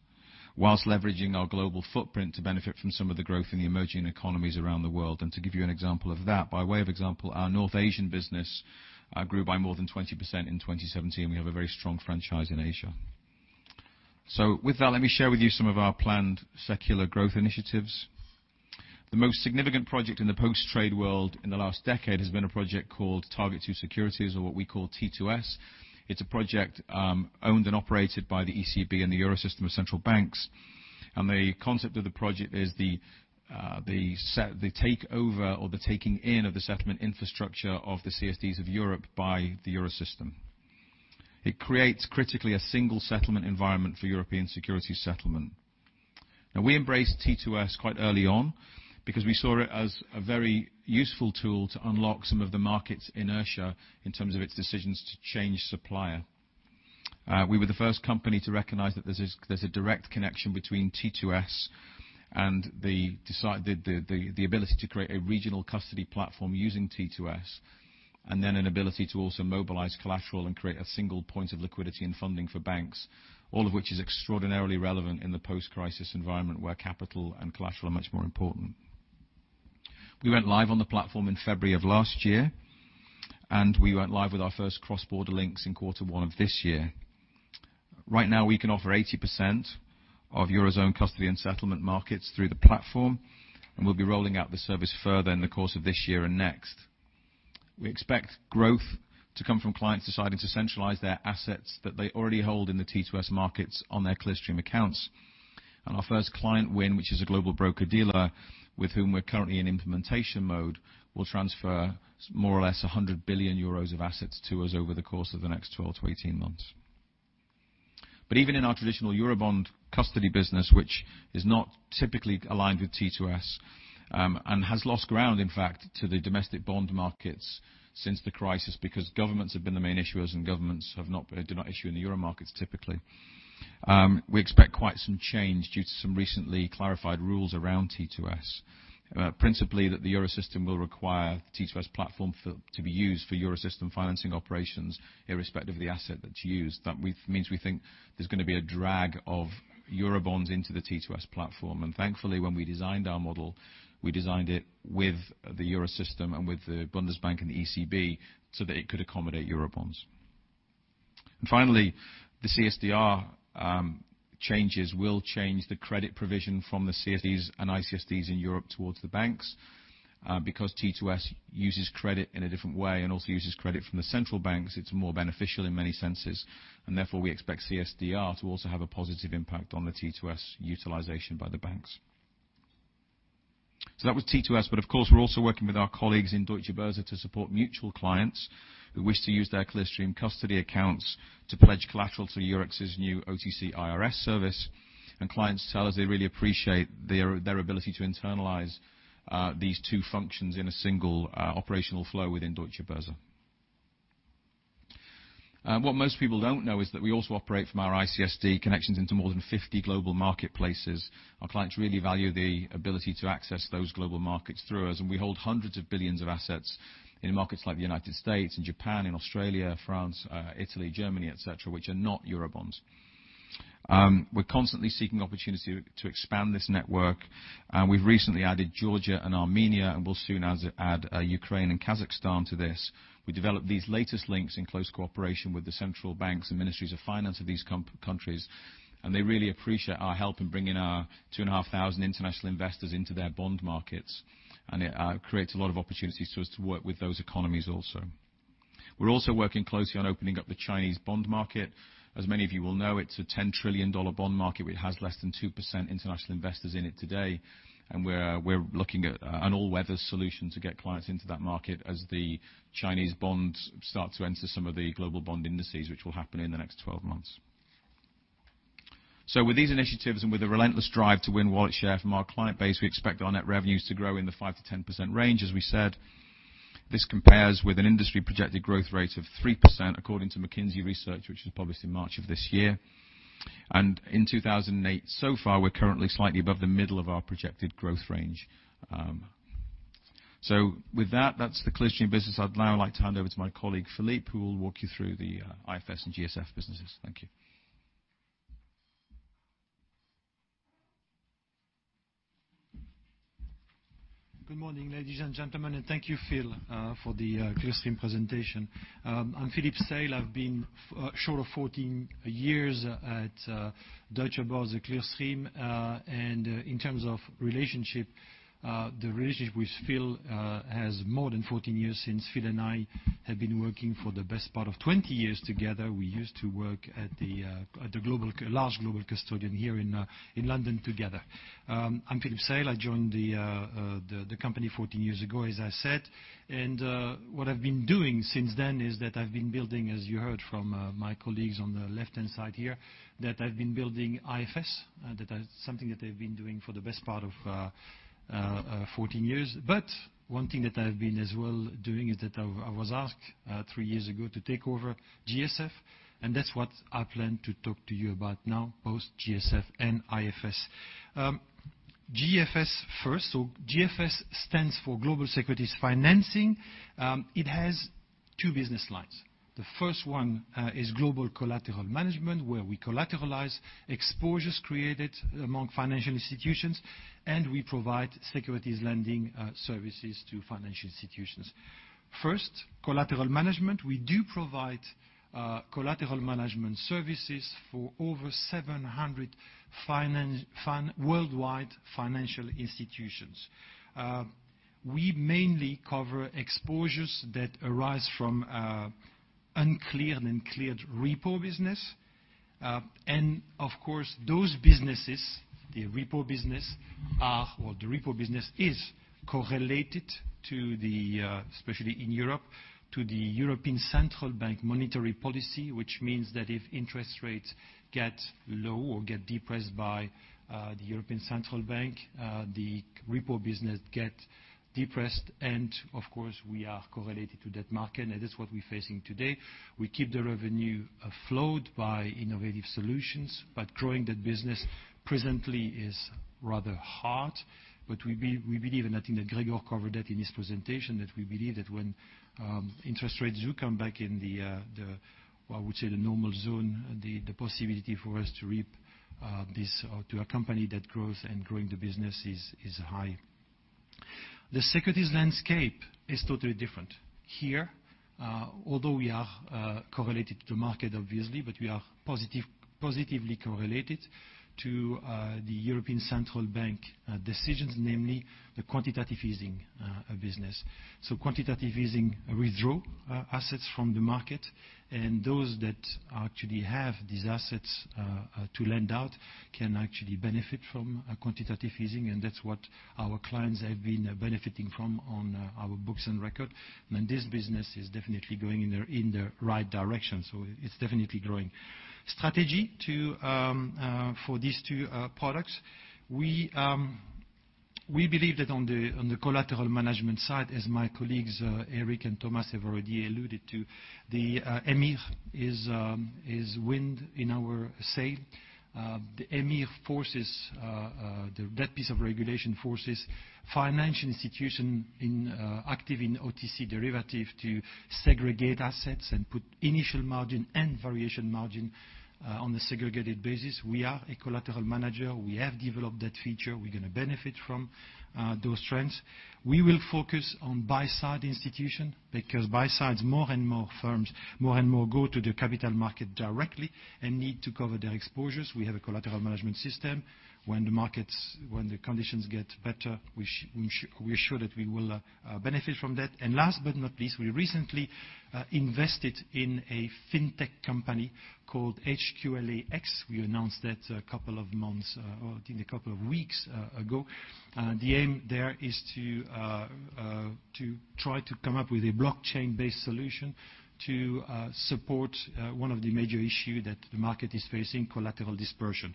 whilst leveraging our global footprint to benefit from some of the growth in the emerging economies around the world. To give you an example of that, by way of example, our North Asian business grew by more than 20% in 2017. We have a very strong franchise in Asia. With that, let me share with you some of our planned secular growth initiatives. The most significant project in the post-trade world in the last decade has been a project called TARGET2-Securities, or what we call T2S. It's a project owned and operated by the ECB and the Eurosystem of central banks. The concept of the project is the takeover or the taking in of the settlement infrastructure of the CSDs of Europe by the Eurosystem. It creates, critically, a single settlement environment for European security settlement. Now, we embraced T2S quite early on because we saw it as a very useful tool to unlock some of the market's inertia in terms of its decisions to change supplier. We were the first company to recognize that there's a direct connection between T2S and the ability to create a regional custody platform using T2S, then an ability to also mobilize collateral and create a single point of liquidity and funding for banks. All of which is extraordinarily relevant in the post-crisis environment where capital and collateral are much more important. We went live on the platform in February of last year, and we went live with our first cross-border links in quarter one of this year. Right now, we can offer 80% of Eurozone custody and settlement markets through the platform, and we'll be rolling out the service further in the course of this year and next. We expect growth to come from clients deciding to centralize their assets that they already hold in the T2S markets on their Clearstream accounts. Our first client win, which is a global broker-dealer with whom we're currently in implementation mode, will transfer more or less 100 billion euros of assets to us over the course of the next 12-18 months. Even in our traditional Eurobond custody business, which is not typically aligned with T2S and has lost ground, in fact, to the domestic bond markets since the crisis because governments have been the main issuers and governments do not issue in the Euro markets typically. We expect quite some change due to some recently clarified rules around T2S. Principally, that the Eurosystem will require the T2S platform to be used for Eurosystem financing operations irrespective of the asset that's used. That means we think there's going to be a drag of Eurobonds into the T2S platform. Thankfully, when we designed our model, we designed it with the Eurosystem and with the Bundesbank and the ECB so that it could accommodate Eurobonds. Finally, the CSDR changes will change the credit provision from the CSDs and ICSDs in Europe towards the banks. Because T2S uses credit in a different way and also uses credit from the central banks, it's more beneficial in many senses. Therefore, we expect CSDR to also have a positive impact on the T2S utilization by the banks. That was T2S, but of course, we're also working with our colleagues in Deutsche Börse to support mutual clients who wish to use their Clearstream custody accounts to pledge collateral to Eurex's new OTC IRS service. Clients tell us they really appreciate their ability to internalize these two functions in a single operational flow within Deutsche Börse. What most people don't know is that we also operate from our ICSD connections into more than 50 global marketplaces. Our clients really value the ability to access those global markets through us, and we hold hundreds of billions of assets in markets like the U.S. and Japan, Australia, France, Italy, Germany, et cetera, which are not Eurobonds. We're constantly seeking opportunity to expand this network. We've recently added Georgia and Armenia, and we'll soon add Ukraine and Kazakhstan to this. We developed these latest links in close cooperation with the central banks and ministries of finance of these countries. They really appreciate our help in bringing our 2,500 international investors into their bond markets. It creates a lot of opportunities for us to work with those economies also. We're also working closely on opening up the Chinese bond market. As many of you will know, it's a EUR 10 trillion bond market, but it has less than 2% international investors in it today. We're looking at an all-weather solution to get clients into that market as the Chinese bonds start to enter some of the global bond indices, which will happen in the next 12 months. With these initiatives and with a relentless drive to win wallet share from our client base, we expect our net revenues to grow in the 5%-10% range, as we said. This compares with an industry-projected growth rate of 3%, according to McKinsey Research, which was published in March of this year. In 2008 so far, we're currently slightly above the middle of our projected growth range. With that's the Clearstream business. I'd now like to hand over to my colleague Philippe, who will walk you through the IFS and GSF businesses. Thank you. Good morning, ladies and gentlemen. Thank you, Phil, for the Clearstream presentation. I'm Philippe Seyll. I've been short of 14 years at Deutsche Börse Clearstream. In terms of relationship, the relationship with Phil has more than 14 years since Phil and I have been working for the best part of 20 years together. We used to work at a large global custodian here in London together. I'm Philippe Seyll. I joined the company 14 years ago, as I said. What I've been doing since then is that I've been building, as you heard from my colleagues on the left-hand side here, that I've been building IFS. That is something that I've been doing for the best part of 14 years. One thing that I've been as well doing is that I was asked three years ago to take over GSF, and that's what I plan to talk to you about now, both GSF and IFS. GSF first. GSF stands for Global Securities Financing. It has two business lines. The first one is global collateral management, where we collateralize exposures created among financial institutions, and we provide securities lending services to financial institutions. First, collateral management. We do provide collateral management services for over 700 worldwide financial institutions. We mainly cover exposures that arise from uncleared and cleared repo business. Of course, those businesses, the repo business, is correlated to the, especially in Europe, to the European Central Bank monetary policy. Which means that if interest rates get low or get depressed by the European Central Bank, the repo business get depressed. Of course, we are correlated to that market, and that is what we're facing today. We keep the revenue afloat by innovative solutions, but growing that business presently is rather hard. We believe, and I think that Gregor covered that in his presentation, that we believe that when interest rates do come back in the, I would say, the normal zone, the possibility for us to reap this or to accompany that growth and growing the business is high. The securities landscape is totally different here. Although we are correlated to market, obviously, but we are positively correlated to the European Central Bank decisions, namely the quantitative easing business. So quantitative easing withdraw assets from the market, and those that actually have these assets to lend out can actually benefit from a quantitative easing, and that's what our clients have been benefiting from on our books and record. This business is definitely going in the right direction. It's definitely growing. Strategy for these two products. We believe that on the collateral management side, as my colleagues, Erik and Thomas, have already alluded to, the EMIR is wind in our sail. That piece of regulation forces financial institution active in OTC derivative to segregate assets and put initial margin and variation margin on a segregated basis. We are a collateral manager. We have developed that feature. We're going to benefit from those trends. We will focus on buy-side institution, because buy-sides, more and more firms, more and more go to the capital market directly and need to cover their exposures. We have a collateral management system. When the conditions get better, we are sure that we will benefit from that. And last but not least, we recently invested in a fintech company called HQLAX. We announced that a couple of weeks ago. The aim there is to try to come up with a blockchain-based solution to support one of the major issue that the market is facing, collateral dispersion.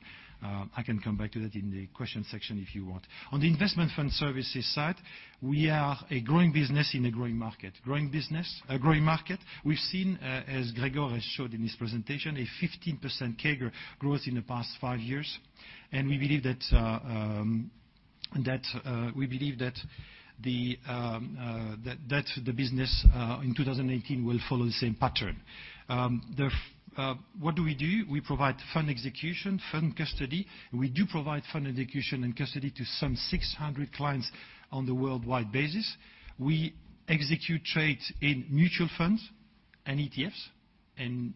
I can come back to that in the question section if you want. On the Investment Fund Services side, we are a growing business in a growing market. We've seen, as Gregor has showed in his presentation, a 15% CAGR growth in the past five years, and we believe that the business in 2018 will follow the same pattern. What do we do? We provide fund execution, fund custody, and we do provide fund execution and custody to some 600 clients on the worldwide basis. We execute trades in mutual funds and ETFs, and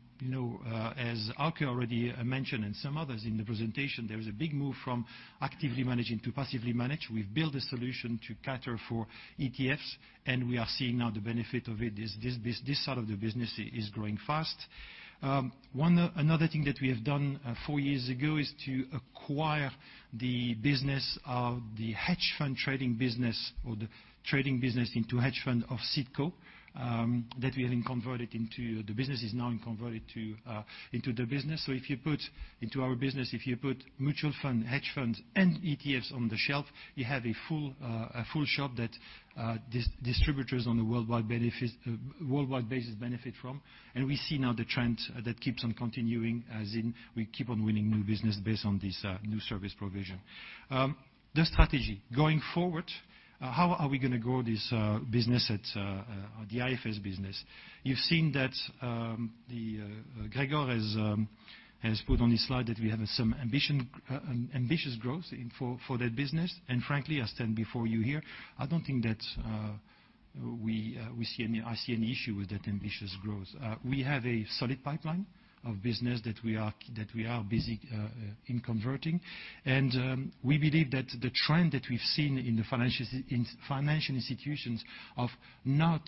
as Hauke already mentioned and some others in the presentation, there is a big move from actively managing to passively manage. We've built a solution to cater for ETFs, and we are seeing now the benefit of it. This side of the business is growing fast. Another thing that we have done four years ago is to acquire the business of the hedge fund trading business, or the trading business into hedge fund of Citco. The business is now converted into the business. If you put into our business, if you put mutual fund, hedge funds, and ETFs on the shelf, you have a full shop that distributors on a worldwide basis benefit from. And we see now the trend that keeps on continuing, as in we keep on winning new business based on this new service provision. The strategy. Going forward, how are we going to grow this business at the IFS business? You've seen that Gregor has put on his slide that we have some ambitious growth for that business. Frankly, I stand before you here, I don't think that I see any issue with that ambitious growth. We have a solid pipeline of business that we are busy in converting, and we believe that the trend that we've seen in financial institutions of not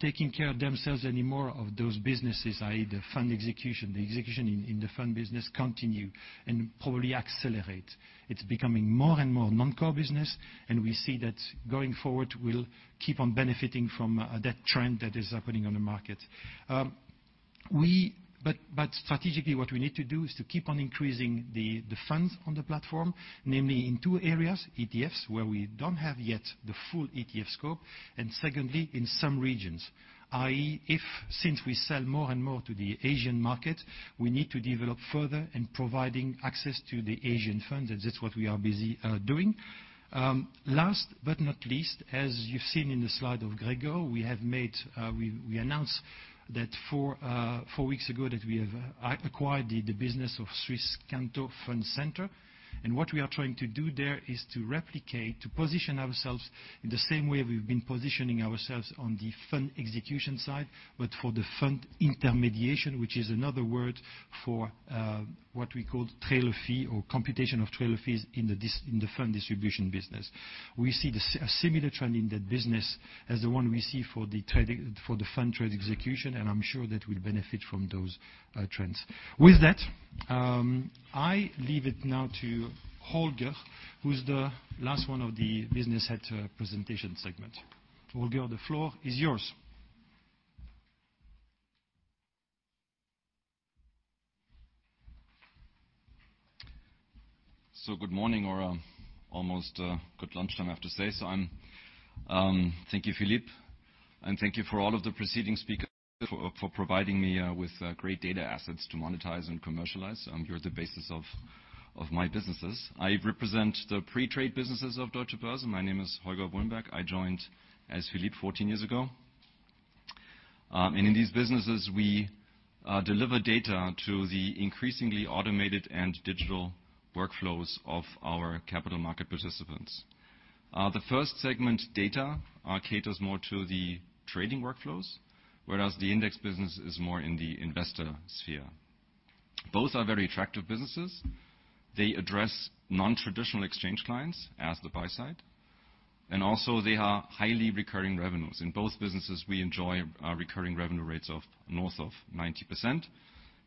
taking care of themselves anymore of those businesses, i.e., the fund execution. The execution in the fund business continue and probably accelerate. It's becoming more and more non-core business, and we see that going forward, we'll keep on benefiting from that trend that is happening on the market. Strategically, what we need to do is to keep on increasing the funds on the platform, namely in two areas, ETFs, where we don't have yet the full ETF scope, and secondly, in some regions. i.e., if since we sell more and more to the Asian market, we need to develop further in providing access to the Asian funds, and that's what we are busy doing. Last but not least, as you've seen in the slide of Gregor, we announced that four weeks ago that we have acquired the business of Swisscanto Fund Centre. What we are trying to do there is to replicate, to position ourselves in the same way we've been positioning ourselves on the fund execution side, but for the fund intermediation, which is another word for what we call trailer fee or computation of trailer fees in the fund distribution business. We see a similar trend in that business as the one we see for the fund trade execution, I'm sure that we'll benefit from those trends. With that, I leave it now to Holger, who's the last one of the business head presentation segment. Holger, the floor is yours. Good morning, or almost good lunchtime, I have to say so. Thank you, Philippe, and thank you for all of the preceding speakers for providing me with great data assets to monetize and commercialize. You're the basis of my businesses. I represent the pre-trade businesses of Deutsche Börse. My name is Holger Wohlenberg. I joined, as Philippe, 14 years ago. In these businesses, we deliver data to the increasingly automated and digital workflows of our capital market participants. The first segment, data, caters more to the trading workflows, whereas the index business is more in the investor sphere. Both are very attractive businesses. They address non-traditional exchange clients as the buy side, and also they are highly recurring revenues. In both businesses, we enjoy our recurring revenue rates of north of 90%,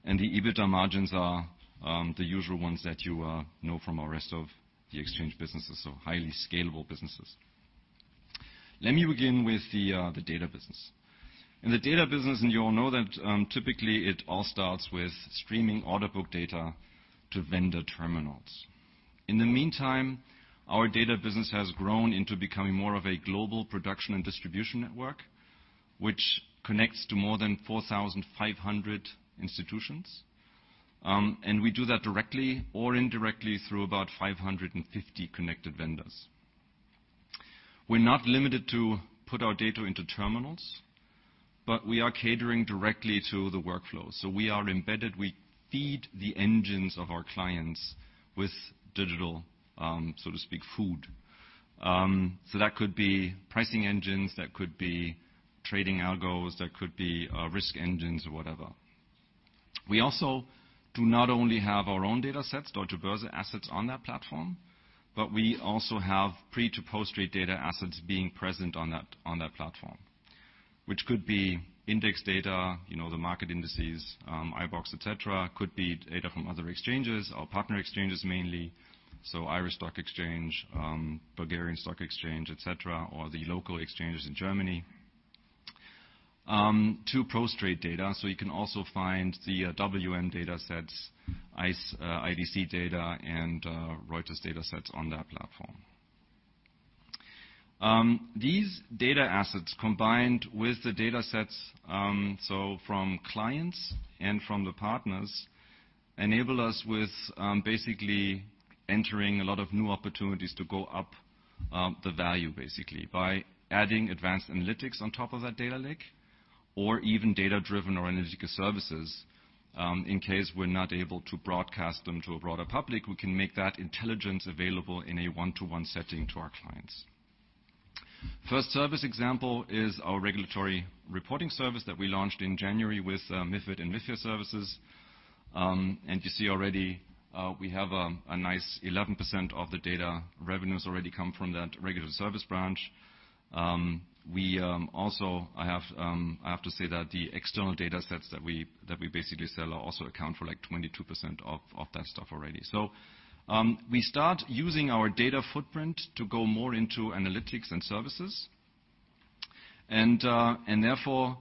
and the EBITDA margins are the usual ones that you know from our rest of the exchange businesses, so highly scalable businesses. Let me begin with the data business. In the data business, and you all know that, typically it all starts with streaming order book data to vendor terminals. In the meantime, our data business has grown into becoming more of a global production and distribution network, which connects to more than 4,500 institutions. We do that directly or indirectly through about 550 connected vendors. We're not limited to put our data into terminals, but we are catering directly to the workflow. We are embedded. We feed the engines of our clients with digital, so to speak, food. That could be pricing engines, that could be trading algos, that could be risk engines or whatever. We also do not only have our own data sets, Deutsche Börse assets on that platform, but we also have pre to post trade data assets being present on that platform. Which could be index data, the market indices, iBoxx, et cetera, could be data from other exchanges, our partner exchanges mainly, Irish Stock Exchange, Bulgarian Stock Exchange, et cetera, or the local exchanges in Germany, to post-trade data. You can also find the WM data sets, ICE, IBA data, and Reuters data sets on that platform. These data assets combined with the data sets, so from clients and from the partners, enable us with basically entering a lot of new opportunities to go up the value basically by adding advanced analytics on top of that data lake or even data-driven or analytical services. In case we're not able to broadcast them to a broader public, we can make that intelligence available in a one-to-one setting to our clients. First service example is our regulatory reporting service that we launched in January with MiFID and MiFIR services. You see already, we have a nice 11% of the data revenues already come from that regulatory service branch. I have to say that the external data sets that we basically sell also account for like 22% of that stuff already. We start using our data footprint to go more into analytics and services. Therefore,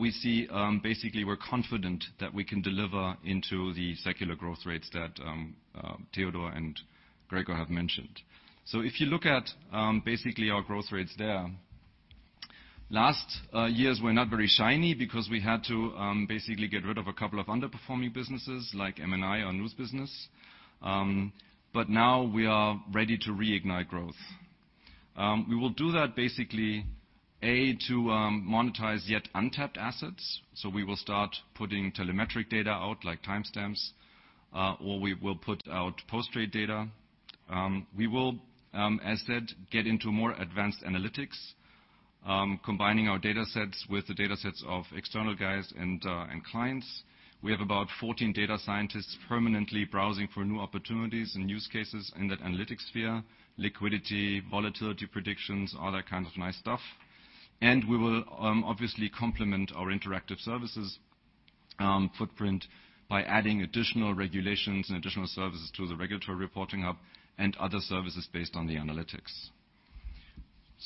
we see, basically we're confident that we can deliver into the secular growth rates that Theodor and Gregor have mentioned. If you look at basically our growth rates there, last years were not very shiny because we had to basically get rid of a couple of underperforming businesses like MNI, our news business. Now we are ready to reignite growth. We will do that basically, A, to monetize yet untapped assets. We will start putting telemetric data out like timestamps, or we will put out post-trade data. We will, as said, get into more advanced analytics, combining our data sets with the data sets of external guys and clients. We have about 14 data scientists permanently browsing for new opportunities and use cases in that analytics sphere, liquidity, volatility predictions, all that kind of nice stuff. We will obviously complement our interactive services footprint by adding additional regulations and additional services to the regulatory reporting hub and other services based on the analytics.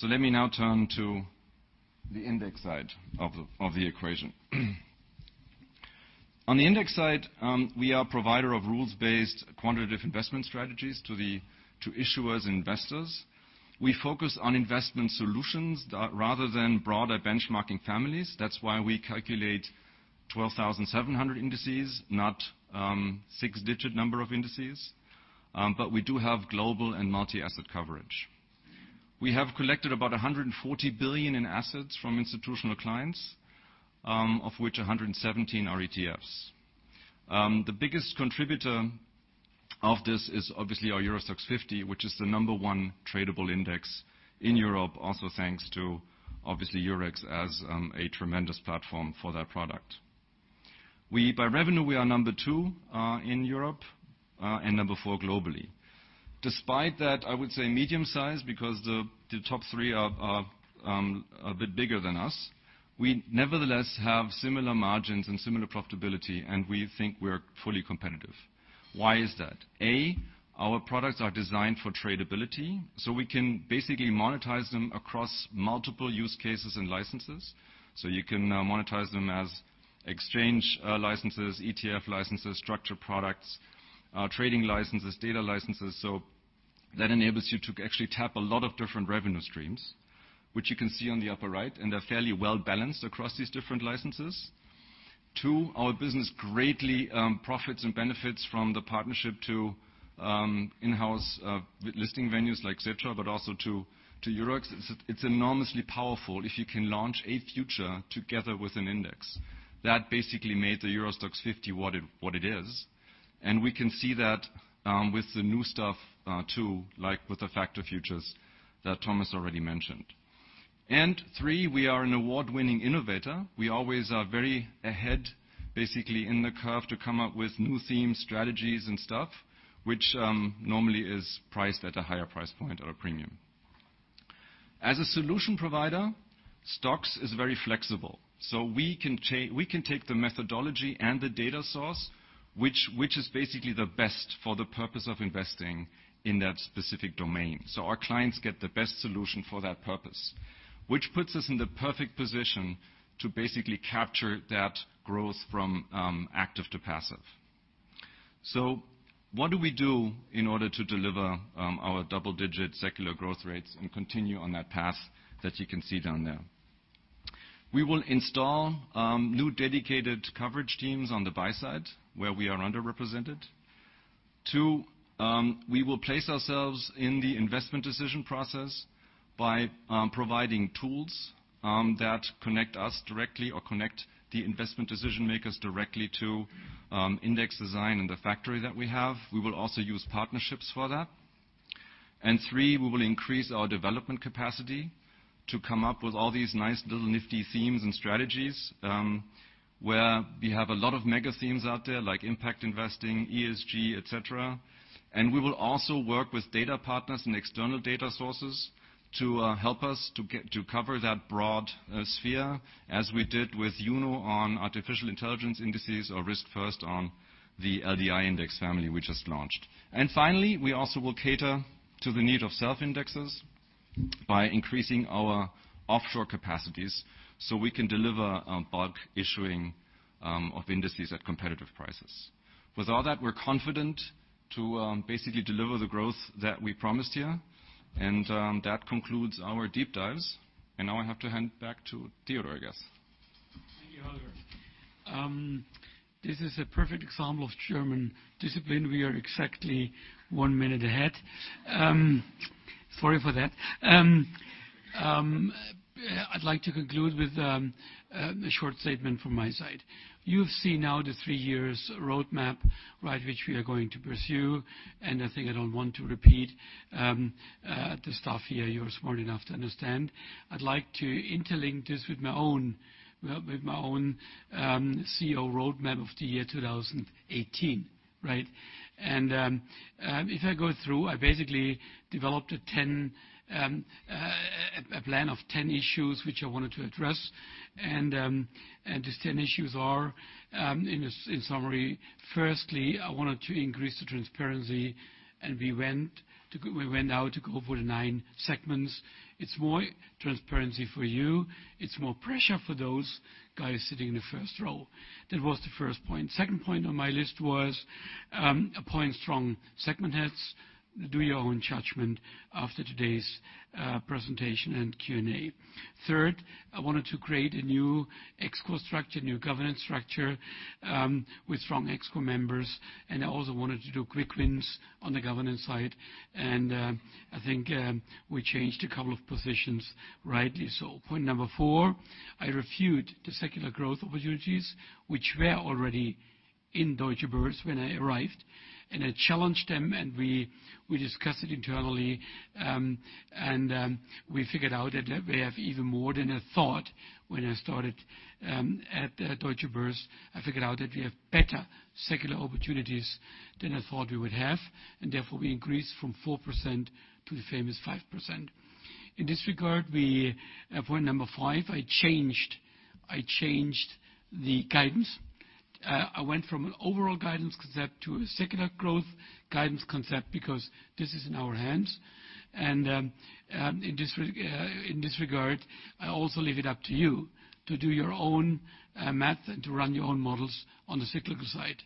Let me now turn to the index side of the equation. On the index side, we are a provider of rules-based quantitative investment strategies to issuers and investors. We focus on investment solutions rather than broader benchmarking families. That's why we calculate 12,700 indices, not six-digit number of indices. We do have global and multi-asset coverage. We have collected about 140 billion in assets from institutional clients, of which 117 are ETFs. The biggest contributor of this is obviously our EURO STOXX 50, which is the number 1 tradable index in Europe also thanks to obviously Eurex as a tremendous platform for that product. By revenue, we are number 2 in Europe, and number 4 globally. Despite that, I would say medium-sized because the top three are a bit bigger than us. We nevertheless have similar margins and similar profitability, and we think we're fully competitive. Why is that? A, our products are designed for tradability, so we can basically monetize them across multiple use cases and licenses. You can monetize them as exchange licenses, ETF licenses, structure products, trading licenses, data licenses. That enables you to actually tap a lot of different revenue streams, which you can see on the upper right, and are fairly well balanced across these different licenses. Two, our business greatly profits and benefits from the partnership to in-house listing venues like Xetra, but also to Eurex. It's enormously powerful if you can launch a future together with an index. That basically made the EURO STOXX 50 what it is. We can see that with the new stuff, too, like with the factor futures that Thomas already mentioned. Three, we are an award-winning innovator. We always are very ahead, basically, in the curve to come up with new themes, strategies and stuff, which normally is priced at a higher price point or a premium. As a solution provider STOXX is very flexible. We can take the methodology and the data source, which is basically the best for the purpose of investing in that specific domain. Our clients get the best solution for that purpose. Which puts us in the perfect position to basically capture that growth from active to passive. What do we do in order to deliver our double-digit secular growth rates and continue on that path that you can see down there? We will install new dedicated coverage teams on the buy side, where we are underrepresented. Two, we will place ourselves in the investment decision process by providing tools that connect us directly or connect the investment decision-makers directly to index design and the factory that we have. We will also use partnerships for that. Three, we will increase our development capacity to come up with all these nice little nifty themes and strategies, where we have a lot of mega themes out there, like impact investing, ESG, et cetera. We will also work with data partners and external data sources to help us to cover that broad sphere, as we did with Amenity Analytics on artificial intelligence indices or RiskFirst on the LDI index family we just launched. Finally, we also will cater to the need of self-indexes by increasing our offshore capacities so we can deliver bulk issuing of indices at competitive prices. With all that, we're confident to basically deliver the growth that we promised here. That concludes our deep dives. Now I have to hand back to Theodor, I guess. Thank you, Holger. This is a perfect example of German discipline. We are exactly one minute ahead. Sorry for that. I'd like to conclude with a short statement from my side. You've seen now the three years roadmap, which we are going to pursue, I think I don't want to repeat the stuff here. You're smart enough to understand. I'd like to interlink this with my own CEO roadmap of the year 2018. Right? If I go through, I basically developed a plan of 10 issues which I wanted to address, these 10 issues are, in summary: firstly, I wanted to increase the transparency, we went out to go for the nine segments. It's more transparency for you. It's more pressure for those guys sitting in the first row. That was the first point. Second point on my list was appointing strong segment heads. Do your own judgment after today's presentation and Q&A. Third, I wanted to create a new ExCo structure, new governance structure, with strong ExCo members. I also wanted to do quick wins on the governance side. I think we changed a couple of positions rightly so. Point number four, I reviewed the secular growth opportunities, which were already in Deutsche Börse when I arrived, I challenged them, we discussed it internally. We figured out that we have even more than I thought when I started at Deutsche Börse. I figured out that we have better secular opportunities than I thought we would have, therefore we increased from 4% to the famous 5%. In this regard, point number five, I changed the guidance. I went from an overall guidance concept to a secular growth guidance concept because this is in our hands. In this regard, I also leave it up to you to do your own math and to run your own models on the cyclical side.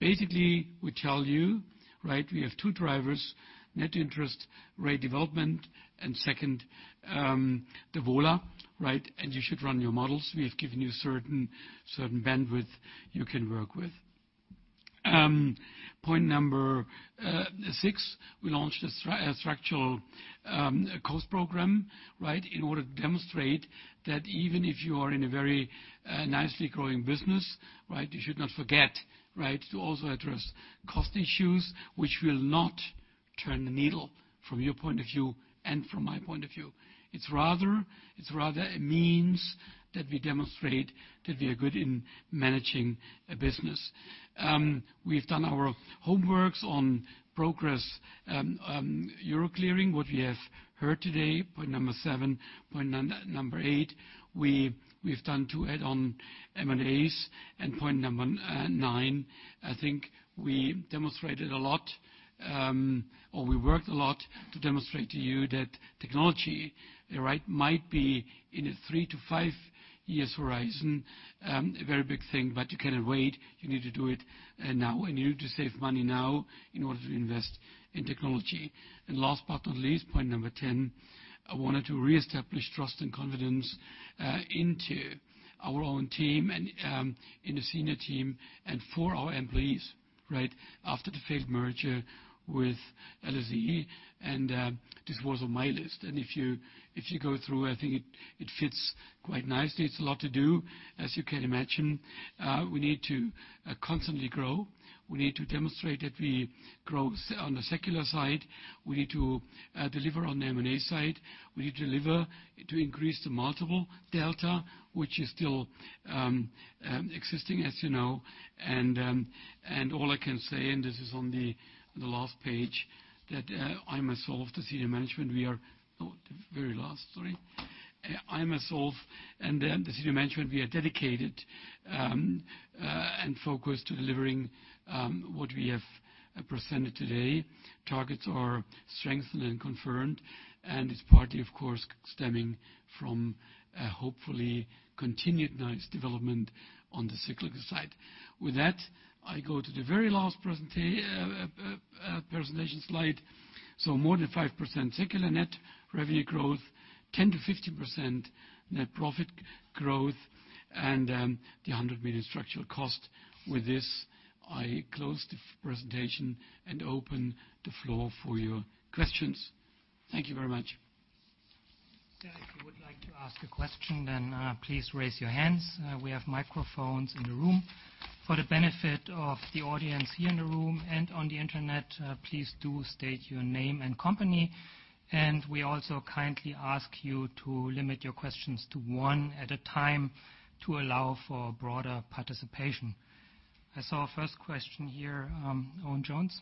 Basically, we tell you we have two drivers, net interest rate development, and second, the VOLA. You should run your models. We have given you a certain bandwidth you can work with. Point number six, we launched a structural cost program in order to demonstrate that even if you are in a very nicely growing business, you should not forget to also address cost issues, which will not turn the needle from your point of view and from my point of view. It's rather a means that we demonstrate that we are good in managing a business. We've done our homeworks on progress, Euro clearing, what we have heard today, point number seven. Point number eight, we've done two add-on M&As. Point number nine, I think we demonstrated a lot, or we worked a lot to demonstrate to you that technology might be in a three to five years horizon, a very big thing, but you cannot wait. You need to do it now. You need to save money now in order to invest in technology. Last but not least, point 10, I wanted to reestablish trust and confidence into our own team and in the senior team and for our employees after the failed merger with LSE, this was on my list. If you go through, I think it fits quite nicely. It's a lot to do, as you can imagine. We need to constantly grow. We need to demonstrate that we grow on the secular side. We need to deliver on the M&A side. We need to deliver to increase the multiple delta, which is still existing, as you know. All I can say, this is on the last page, that I myself, the senior management, and as you mentioned, we are dedicated and focused to delivering what we have presented today. Targets are strengthened and confirmed, it's partly, of course, stemming from a hopefully continued nice development on the cyclical side. With that, I go to the very last presentation slide. More than 5% secular net revenue growth, 10%-15% net profit growth, the 100 million structural cost. With this, I close the presentation and open the floor for your questions. Thank you very much. If you would like to ask a question, please raise your hands. We have microphones in the room. For the benefit of the audience here in the room and on the internet, please do state your name and company. We also kindly ask you to limit your questions to one at a time to allow for broader participation. I saw a first question here, Owen Jones.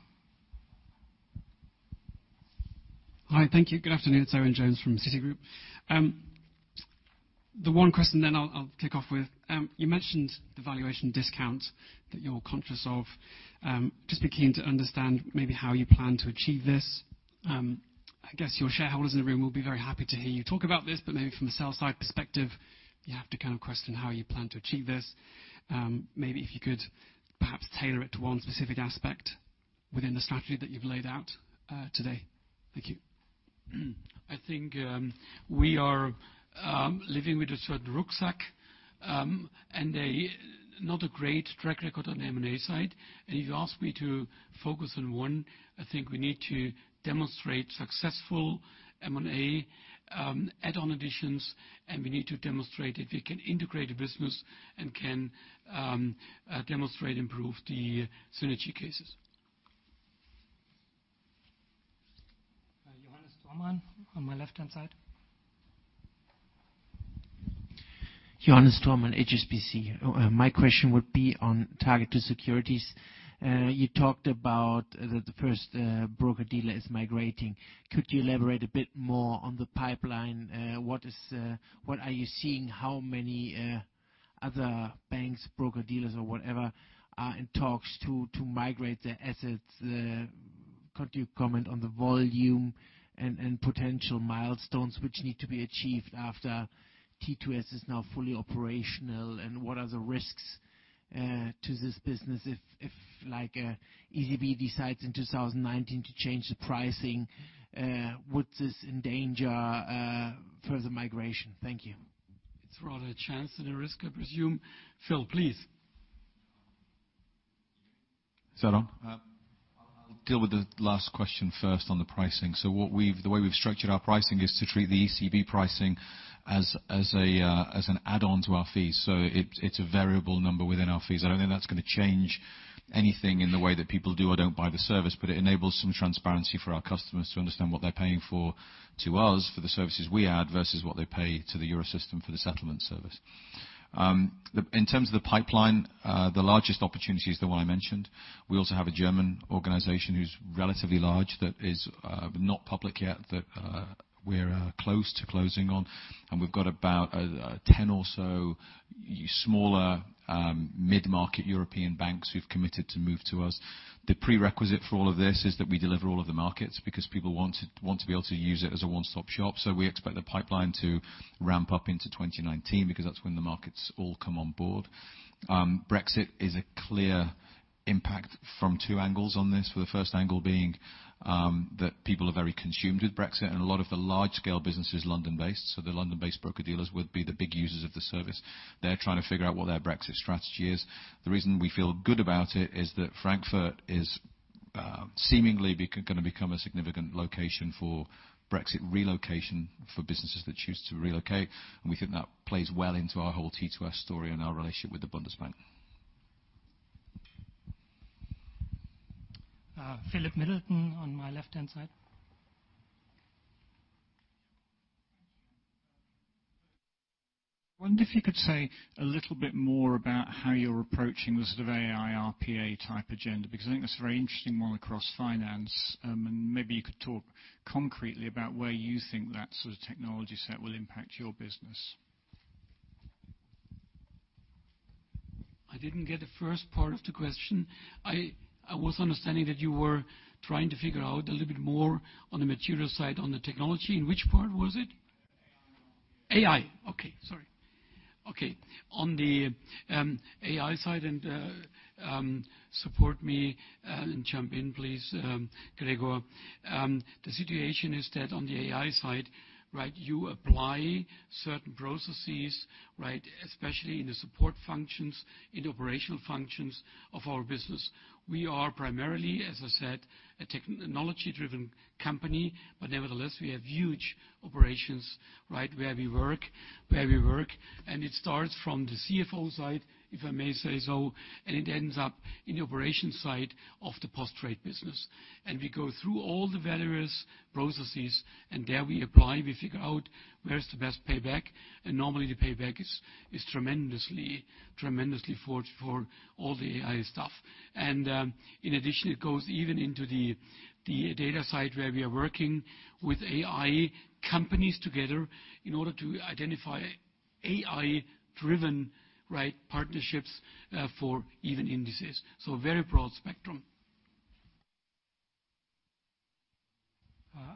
Hi. Thank you. Good afternoon. It's Owen Jones from Citigroup. The one question I'll kick off with. You mentioned the valuation discount that you're conscious of. I'd just be keen to understand maybe how you plan to achieve this. I guess your shareholders in the room will be very happy to hear you talk about this, maybe from a sell side perspective, you have to question how you plan to achieve this. Maybe if you could perhaps tailor it to one specific aspect within the strategy that you've laid out today. Thank you. I think we are living with a certain rucksack, not a great track record on the M&A side. If you ask me to focus on one, I think we need to demonstrate successful M&A add-on additions. We need to demonstrate that we can integrate a business and can demonstrate improve the synergy cases. Johannes Thormann on my left-hand side. Johannes Thormann, HSBC. My question would be on TARGET2-Securities. You talked about the first broker-dealer is migrating. Could you elaborate a bit more on the pipeline? What are you seeing, how many other banks, broker-dealers, or whatever are in talks to migrate their assets? Could you comment on the volume and potential milestones which need to be achieved after T2S is now fully operational? What are the risks to this business if ECB decides in 2019 to change the pricing would this endanger further migration? Thank you. It's rather a chance than a risk, I presume. Phil, please. Is that on? I'll deal with the last question first on the pricing. The way we've structured our pricing is to treat the ECB pricing as an add-on to our fees. It's a variable number within our fees. I don't think that's going to change anything in the way that people do or don't buy the service, but it enables some transparency for our customers to understand what they're paying for to us for the services we add versus what they pay to the Eurosystem for the settlement service. In terms of the pipeline, the largest opportunity is the one I mentioned. We also have a German organization who's relatively large, that is not public yet, that we're close to closing on, and we've got about 10 or so smaller mid-market European banks who've committed to move to us. The prerequisite for all of this is that we deliver all of the markets because people want to be able to use it as a one-stop shop. We expect the pipeline to ramp up into 2019 because that's when the markets all come on board. Brexit is a clear impact from two angles on this. For the first angle being, that people are very consumed with Brexit and a lot of the large-scale business is London-based, the London-based broker-dealers would be the big users of the service. They're trying to figure out what their Brexit strategy is. The reason we feel good about it is that Frankfurt is seemingly going to become a significant location for Brexit relocation for businesses that choose to relocate, and we think that plays well into our whole T2S story and our relationship with the Bundesbank. Philip Middleton on my left-hand side. Thank you. I wonder if you could say a little bit more about how you're approaching the sort of AI, RPA type agenda, because I think that's a very interesting one across finance. Maybe you could talk concretely about where you think that sort of technology set will impact your business. I didn't get the first part of the question. I was understanding that you were trying to figure out a little bit more on the material side, on the technology. In which part was it? AI. AI. Sorry. Okay. On the AI side, support me and jump in, please, Gregor. The situation is that on the AI side, you apply certain processes, especially in the support functions, in the operational functions of our business. We are primarily, as I said, a technology-driven company, but nevertheless, we have huge operations where we work. It starts from the CFO side, if I may say so, and it ends up in the operation side of the post-trade business. We go through all the various processes, and there we apply, we figure out where is the best payback. Normally the payback is tremendously for all the AI stuff. In addition, it goes even into the data side where we are working with AI companies together in order to identify AI-driven partnerships for even indices. A very broad spectrum.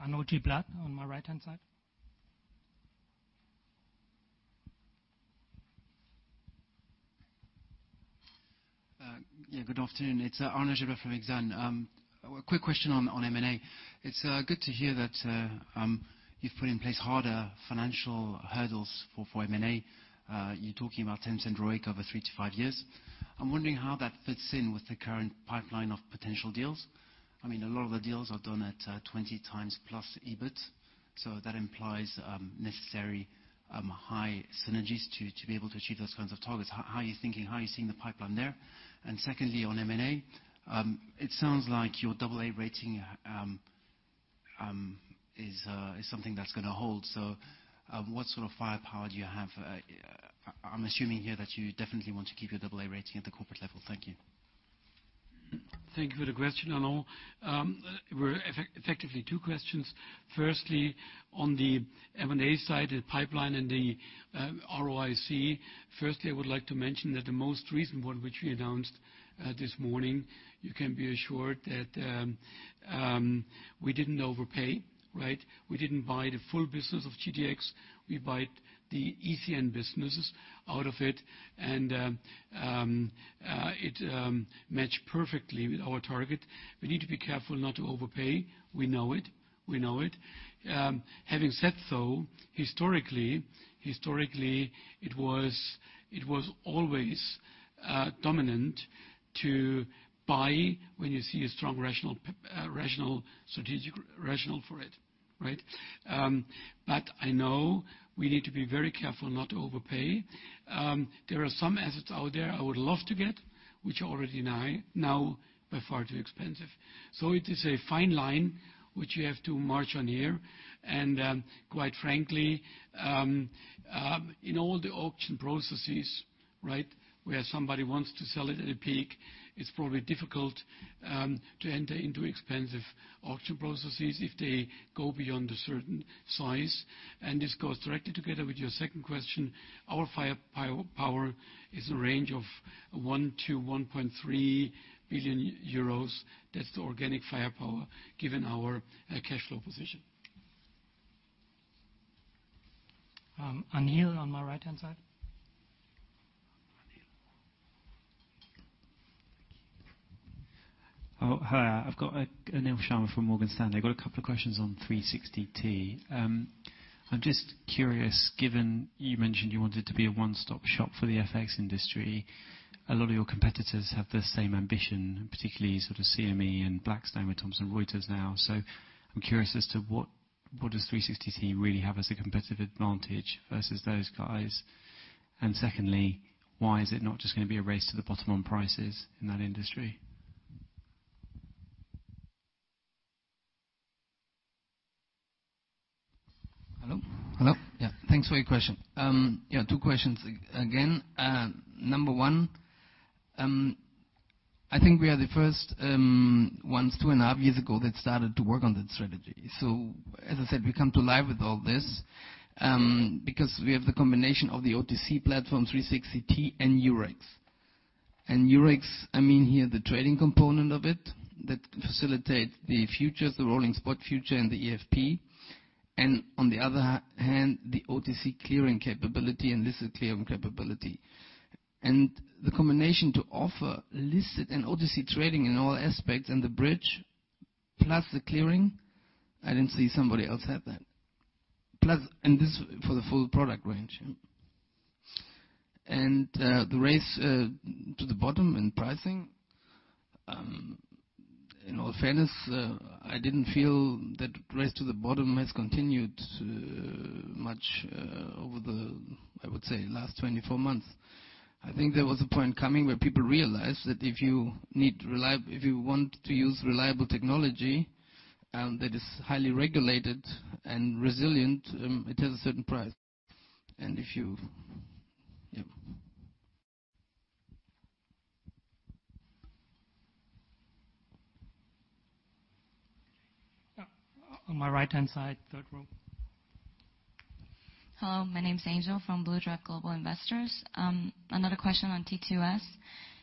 Arnaud Giblat, on my right-hand side. Yeah, good afternoon. It's Arnaud Giblat from Exane. A quick question on M&A. It's good to hear that you've put in place harder financial hurdles for M&A. You're talking about 10% ROIC over three to five years. I'm wondering how that fits in with the current pipeline of potential deals. I mean, a lot of the deals are done at 20 times plus EBIT, so that implies necessary high synergies to be able to achieve those kinds of targets. How are you thinking, how are you seeing the pipeline there? Secondly, on M&A, it sounds like your AA rating is something that's going to hold. What sort of firepower do you have? I'm assuming here that you definitely want to keep your AA rating at the corporate level. Thank you. Thank you for the question, Arnaud. There were effectively two questions. Firstly, on the M&A side, the pipeline and the ROIC. Firstly, I would like to mention that the most recent one, which we announced this morning, you can be assured that we didn't overpay. We didn't buy the full business of GTX. We bought the ECN businesses out of it, and it matched perfectly with our target. We need to be careful not to overpay. We know it. Having said so, historically, it was always dominant to buy when you see a strong strategic rationale for it. I know we need to be very careful not to overpay. There are some assets out there I would love to get, which are already now by far too expensive. It is a fine line which we have to march on here. Quite frankly, in all the auction processes where somebody wants to sell it at a peak, it's probably difficult to enter into expensive auction processes if they go beyond a certain size. This goes directly together with your second question. Our firepower is in the range of 1 billion-1.3 billion euros. That's the organic firepower, given our cash flow position. Anil, on my right-hand side. Anil. Thank you. Oh, hi. Anil Sharma from Morgan Stanley. I've got a couple of questions on 360T. I'm just curious, given you mentioned you wanted to be a one-stop shop for the FX industry, a lot of your competitors have the same ambition, particularly CME and Blackstone with Thomson Reuters now. I'm curious as to what does 360T really have as a competitive advantage versus those guys? Secondly, why is it not just going to be a race to the bottom on prices in that industry? Hello? Yeah, thanks for your question. Two questions again. Number one, I think we are the first ones two and a half years ago that started to work on that strategy. As I said, we come to life with all this, because we have the combination of the OTC platform, 360T, and Eurex. Eurex, I mean here the trading component of it that facilitate the futures, the rolling spot future and the EFP. On the other hand, the OTC clearing capability and listed clearing capability. The combination to offer listed and OTC trading in all aspects and the bridge, plus the clearing, I didn't see somebody else have that. This for the full product range. The race to the bottom in pricing. In all fairness, I didn't feel that race to the bottom has continued much over the, I would say, last 24 months. I think there was a point coming where people realized that if you want to use reliable technology that is highly regulated and resilient, it has a certain price. If you Yeah. On my right-hand side, third row. Hello, my name's Angel from Blue Dragon Global Investors. Another question on T2S.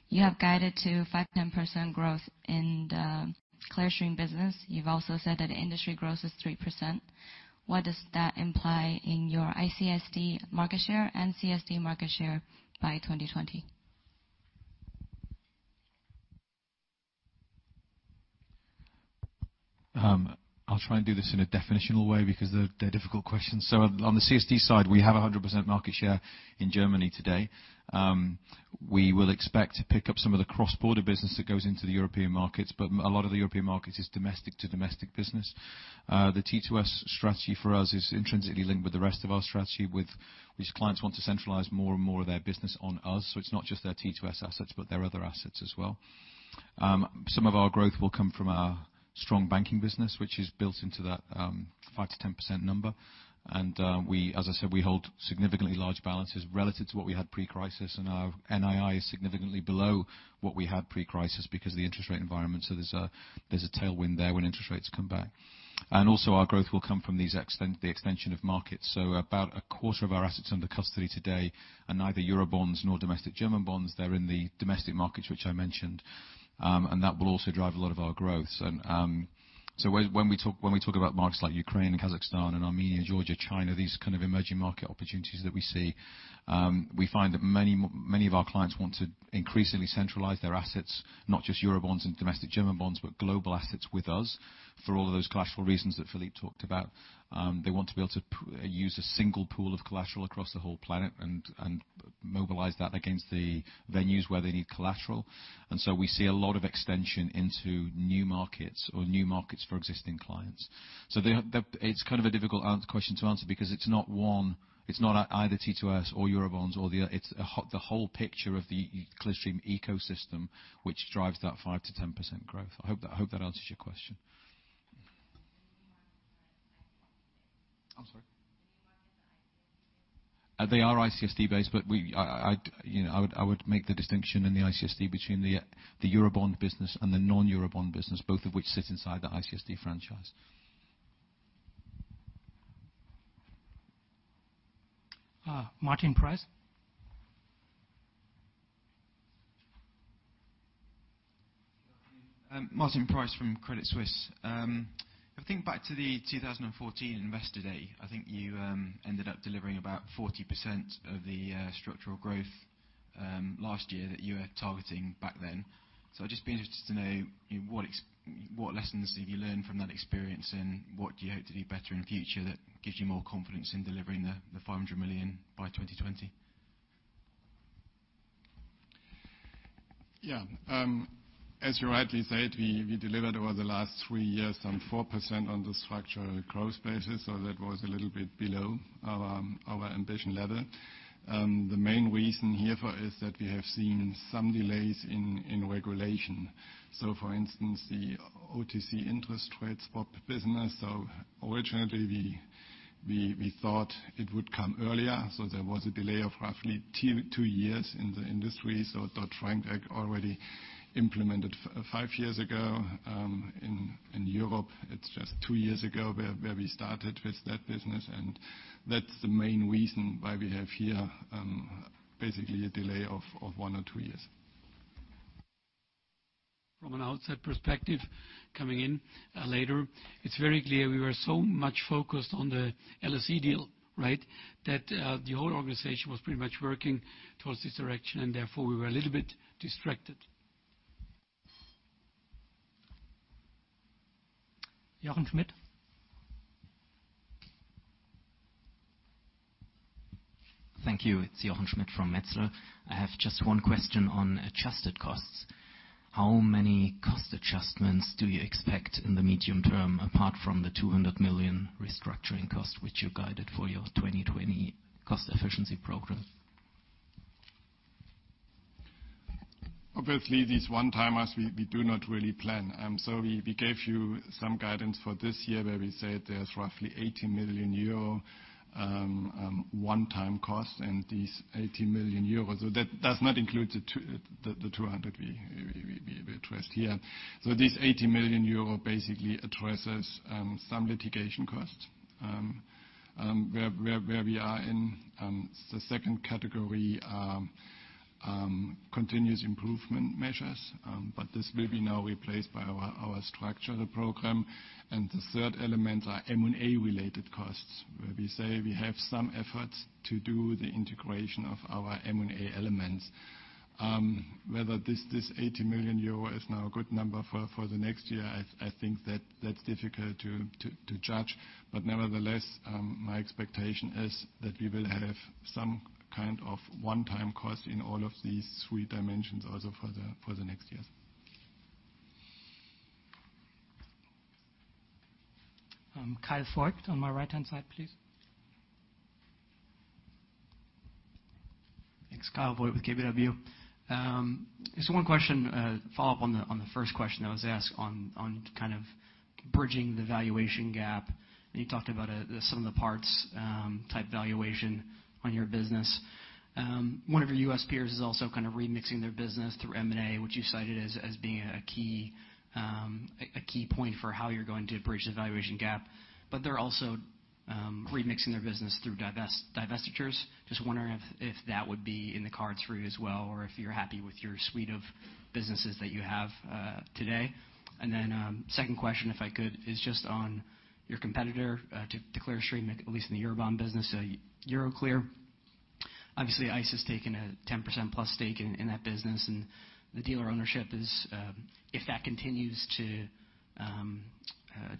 You have guided to 5%-10% growth in the Clearstream business. You've also said that industry growth is 3%. What does that imply in your ICSD market share and CSD market share by 2020? On the CSD side, we have 100% market share in Germany today. We will expect to pick up some of the cross-border business that goes into the European markets, but a lot of the European markets is domestic to domestic business. The T2S strategy for us is intrinsically linked with the rest of our strategy, which clients want to centralize more and more of their business on us. It's not just their T2S assets, but their other assets as well. Some of our growth will come from our strong banking business, which is built into that 5%-10% number. As I said, we hold significantly large balances relative to what we had pre-crisis. Our NII is significantly below what we had pre-crisis because of the interest rate environment. There's a tailwind there when interest rates come back. Also our growth will come from the extension of markets. About a quarter of our assets under custody today are neither Eurobonds nor domestic German bonds. They're in the domestic markets, which I mentioned. That will also drive a lot of our growth. When we talk about markets like Ukraine and Kazakhstan and Armenia, Georgia, China, these kind of emerging market opportunities that we see, we find that many of our clients want to increasingly centralize their assets, not just Eurobonds and domestic German bonds, but global assets with us, for all of those collateral reasons that Philippe talked about. They want to be able to use a single pool of collateral across the whole planet and mobilize that against the venues where they need collateral. We see a lot of extension into new markets or new markets for existing clients. It's kind of a difficult question to answer because it's not either T2S or Eurobonds or the other. It's the whole picture of the Clearstream ecosystem which drives that 5%-10% growth. I hope that answers your question. I'm sorry. They are ICSD-based, but I would make the distinction in the ICSD between the Eurobond business and the non-Eurobond business, both of which sit inside the ICSD franchise. Martin Price. Martin Price from Credit Suisse. If I think back to the 2014 Investor Day, I think you ended up delivering about 40% of the structural growth last year that you were targeting back then. I would just be interested to know what lessons have you learned from that experience, and what do you hope to do better in future that gives you more confidence in delivering the 500 million by 2020? Yeah. As you rightly said, we delivered over the last three years some 4% on the structural growth basis. That was a little bit below our ambition level. The main reason here for is that we have seen some delays in regulation. For instance, the OTC interest rate swap business, so originally we thought it would come earlier. There was a delay of roughly two years in the industry. Dodd-Frank Act already implemented five years ago. In Europe, it's just two years ago where we started with that business, and that's the main reason why we have here basically a delay of one or two years. From an outside perspective coming in later, it's very clear we were so much focused on the LSE deal, right? That the whole organization was pretty much working towards this direction, therefore we were a little bit distracted. Jochen Schmitt. Thank you. It's Jochen Schmitt from Metzler. I have just one question on adjusted costs. How many cost adjustments do you expect in the medium term apart from the 200 million restructuring cost, which you guided for your 2020 cost efficiency program? Obviously, these one-timers, we do not really plan. We gave you some guidance for this year where we said there's roughly 80 million euro one-time cost. These 80 million euros, that does not include the 200 we addressed here. This 80 million euro basically addresses some litigation costs where we are in the second category, continuous improvement measures. This will be now replaced by our structural program. The third element are M&A-related costs, where we say we have some efforts to do the integration of our M&A elements. Whether this 80 million euro is now a good number for the next year, I think that's difficult to judge. Nevertheless, my expectation is that we will have some kind of one-time cost in all of these three dimensions also for the next years. Kyle Voigt on my right-hand side, please. Thanks. Kyle Voigt with KBW. Just one question, follow-up on the first question that was asked on kind of bridging the valuation gap. You talked about some of the parts type valuation on your business. One of your U.S. peers is also kind of remixing their business through M&A, which you cited as being a key point for how you're going to bridge the valuation gap. They're also remixing their business through divestitures. Just wondering if that would be in the cards for you as well, or if you're happy with your suite of businesses that you have today. Second question, if I could, is just on your competitor to Clearstream, at least in the Eurobond business, Euroclear. Obviously, ICE has taken a 10% plus stake in that business. The dealer ownership is, if that continues to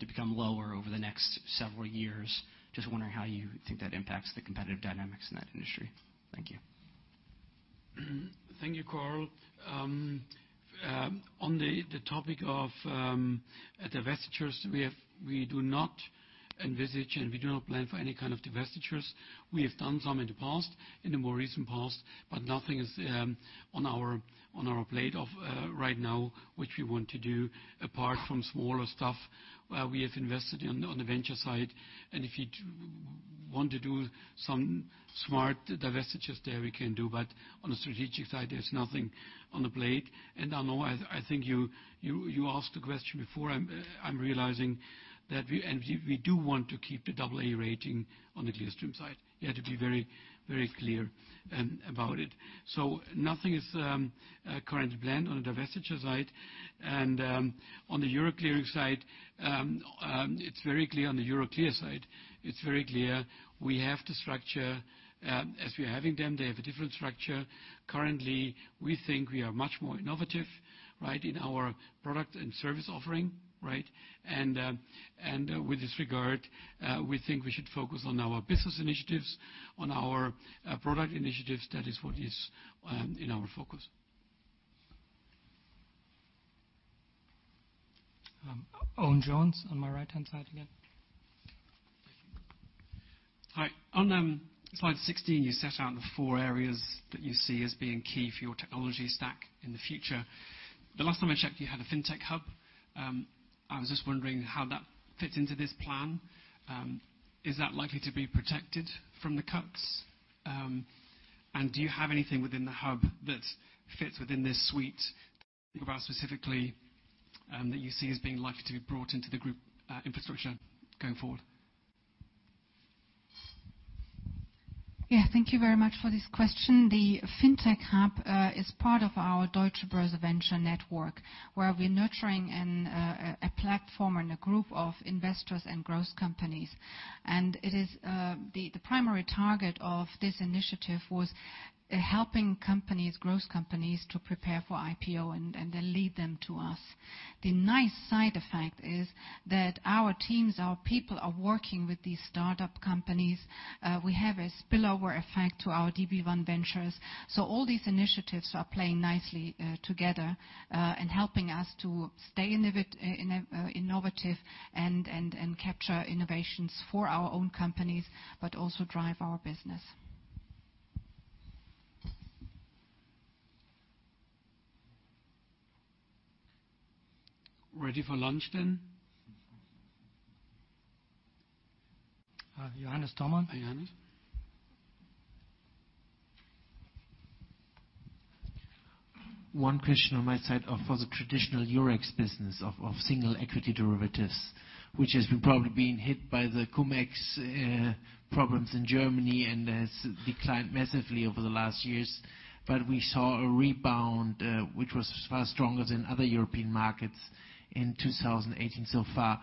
become lower over the next several years, just wondering how you think that impacts the competitive dynamics in that industry. Thank you. Thank you, Kyle. On the topic of divestitures, we do not envisage and we do not plan for any kind of divestitures. We have done some in the past, in the more recent past. Nothing is on our plate right now, which we want to do apart from smaller stuff where we have invested on the venture side. If you want to do some smart divestitures there, we can do, on the strategic side, there's nothing on the plate. I know, I think you asked the question before, I'm realizing that we do want to keep the AA rating on the Clearstream side. Yeah, to be very clear about it. Nothing is currently planned on the divestiture side and on the Euroclear side. It's very clear on the Euroclear side, it's very clear we have to structure, as we are having them, they have a different structure. Currently, we think we are much more innovative, right, in our product and service offering, right? With this regard, we think we should focus on our business initiatives, on our product initiatives. That is what is in our focus. Owen Jones on my right-hand side again. Hi. On slide 16, you set out the four areas that you see as being key for your technology stack in the future. The last time I checked, you had a fintech hub. I was just wondering how that fits into this plan. Is that likely to be protected from the cuts? Do you have anything within the hub that fits within this suite specifically, that you see as being likely to be brought into the group infrastructure going forward? Yeah, thank you very much for this question. The fintech hub is part of our Deutsche Börse Venture Network, where we're nurturing a platform and a group of investors and growth companies. The primary target of this initiative was helping companies, growth companies to prepare for IPO and then lead them to us. The nice side effect is that our teams, our people are working with these startup companies. We have a spillover effect to our DB1 Ventures. All these initiatives are playing nicely together, and helping us to stay innovative and capture innovations for our own companies, but also drive our business. Ready for lunch then? Johannes Thormann. Hi, Johannes. One question on my side for the traditional Eurex business of single equity derivatives, which has probably been hit by the Cum-Ex problems in Germany and has declined massively over the last years. We saw a rebound, which was far stronger than other European markets in 2018 so far.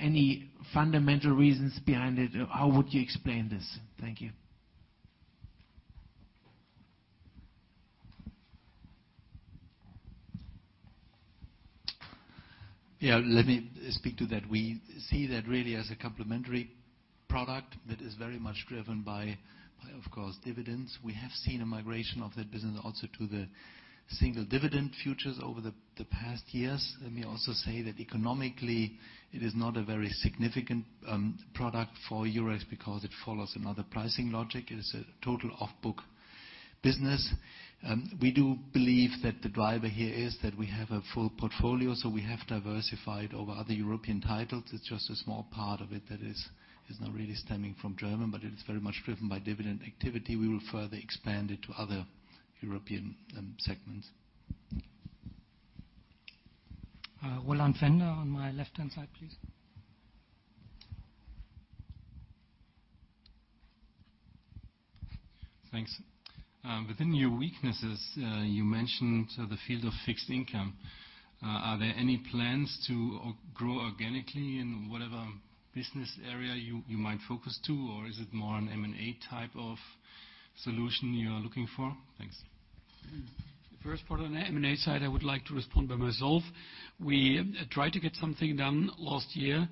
Any fundamental reasons behind it? How would you explain this? Thank you. Yeah, let me speak to that. We see that really as a complementary product that is very much driven by, of course, dividends. We have seen a migration of that business also to the single dividend futures over the past years. Let me also say that economically it is not a very significant product for Eurex because it follows another pricing logic. It is a total off-book business. We do believe that the driver here is that we have a full portfolio. We have diversified over other European titles. It is just a small part of it that is not really stemming from German. It is very much driven by dividend activity. We will further expand it to other European segments. Roland Fender on my left-hand side, please. Thanks. Within your weaknesses, you mentioned the field of fixed income. Are there any plans to grow organically in whatever business area you might focus to, or is it more an M&A type of solution you are looking for? Thanks. The first part on the M&A side, I would like to respond by myself. We tried to get something done last year.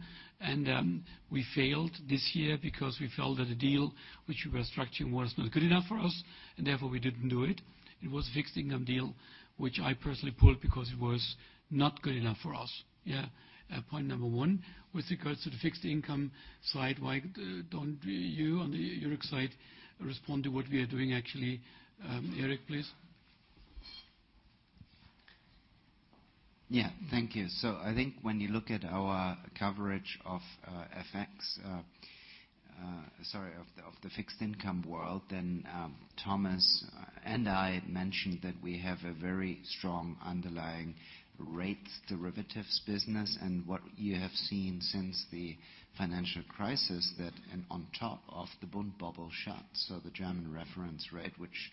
We failed this year because we felt that the deal which we were structuring was not good enough for us. Therefore, we didn't do it. It was a fixed income deal, which I personally pulled because it was not good enough for us. Yeah. Point number 1. With regards to the fixed income side, why don't you on the Eurex side respond to what we are doing actually. Erik, please. Thank you. I think when you look at our coverage of FX, sorry, of the fixed income world, Thomas and I mentioned that we have a very strong underlying rates derivatives business. What you have seen since the financial crisis that on top of the Bund, Bobl, Schatz, so the German reference rate which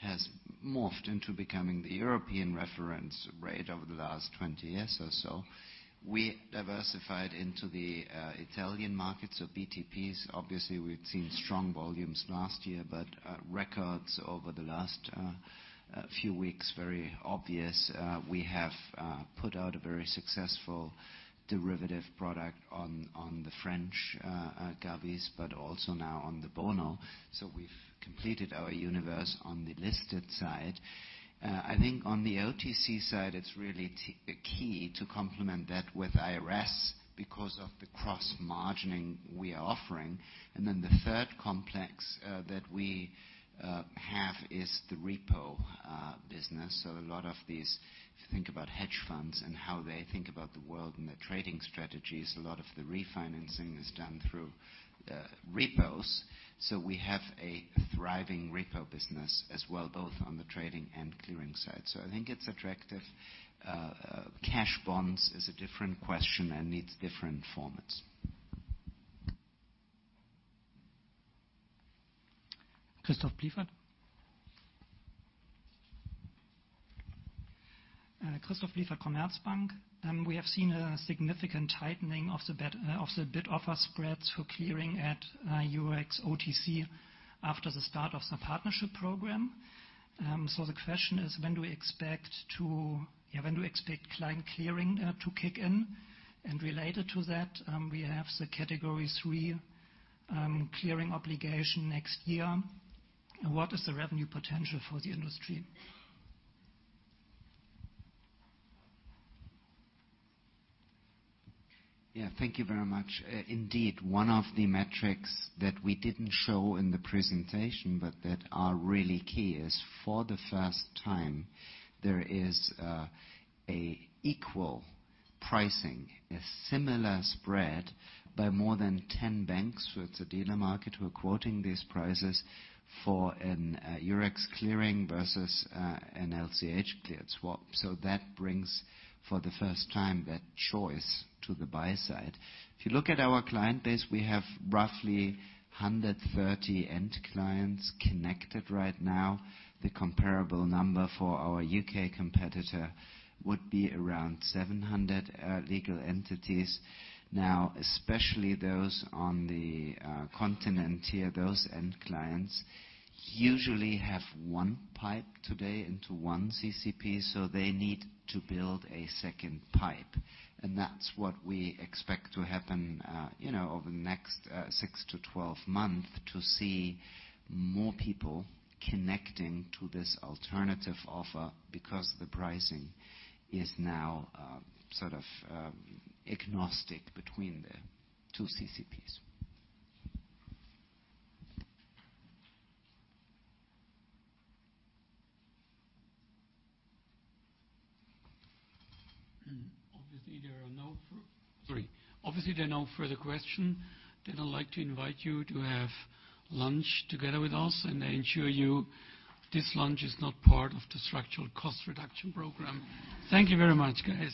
has morphed into becoming the European reference rate over the last 20 years or so. We diversified into the Italian markets, BTPs, obviously, we've seen strong volumes last year, records over the last few weeks, very obvious. We have put out a very successful derivative product on the French OATs, but also now on the BONO. We've completed our universe on the listed side. On the OTC side, it's really key to complement that with IRS because of the cross-margining we are offering. The third complex that we have is the repo business. A lot of these, if you think about hedge funds and how they think about the world and their trading strategies, a lot of the refinancing is done through repos. We have a thriving repo business as well, both on the trading and clearing side. I think it's attractive. Cash bonds is a different question and needs different formats. Christoph Blieffert. Christoph Blieffert, Commerzbank. We have seen a significant tightening of the bid-offer spreads for clearing at Eurex OTC after the start of the partnership program. The question is, when do we expect client clearing to kick in? Related to that, we have the category 3 clearing obligation next year. What is the revenue potential for the industry? Thank you very much. Indeed, one of the metrics that we didn't show in the presentation but that are really key is for the first time, there is a equal pricing, a similar spread by more than 10 banks with the dealer market who are quoting these prices for an Eurex clearing versus an LCH cleared swap. That brings for the first time that choice to the buy side. If you look at our client base, we have roughly 130 end clients connected right now. The comparable number for our U.K. competitor would be around 700 legal entities. Especially those on the continent tier, those end clients usually have one pipe today into one CCP, so they need to build a second pipe. That's what we expect to happen over the next 6-12 months to see more people connecting to this alternative offer because the pricing is now agnostic between the two CCPs. Obviously, there are no further question. I'd like to invite you to have lunch together with us, and I ensure you this lunch is not part of the structural cost reduction program. Thank you very much, guys.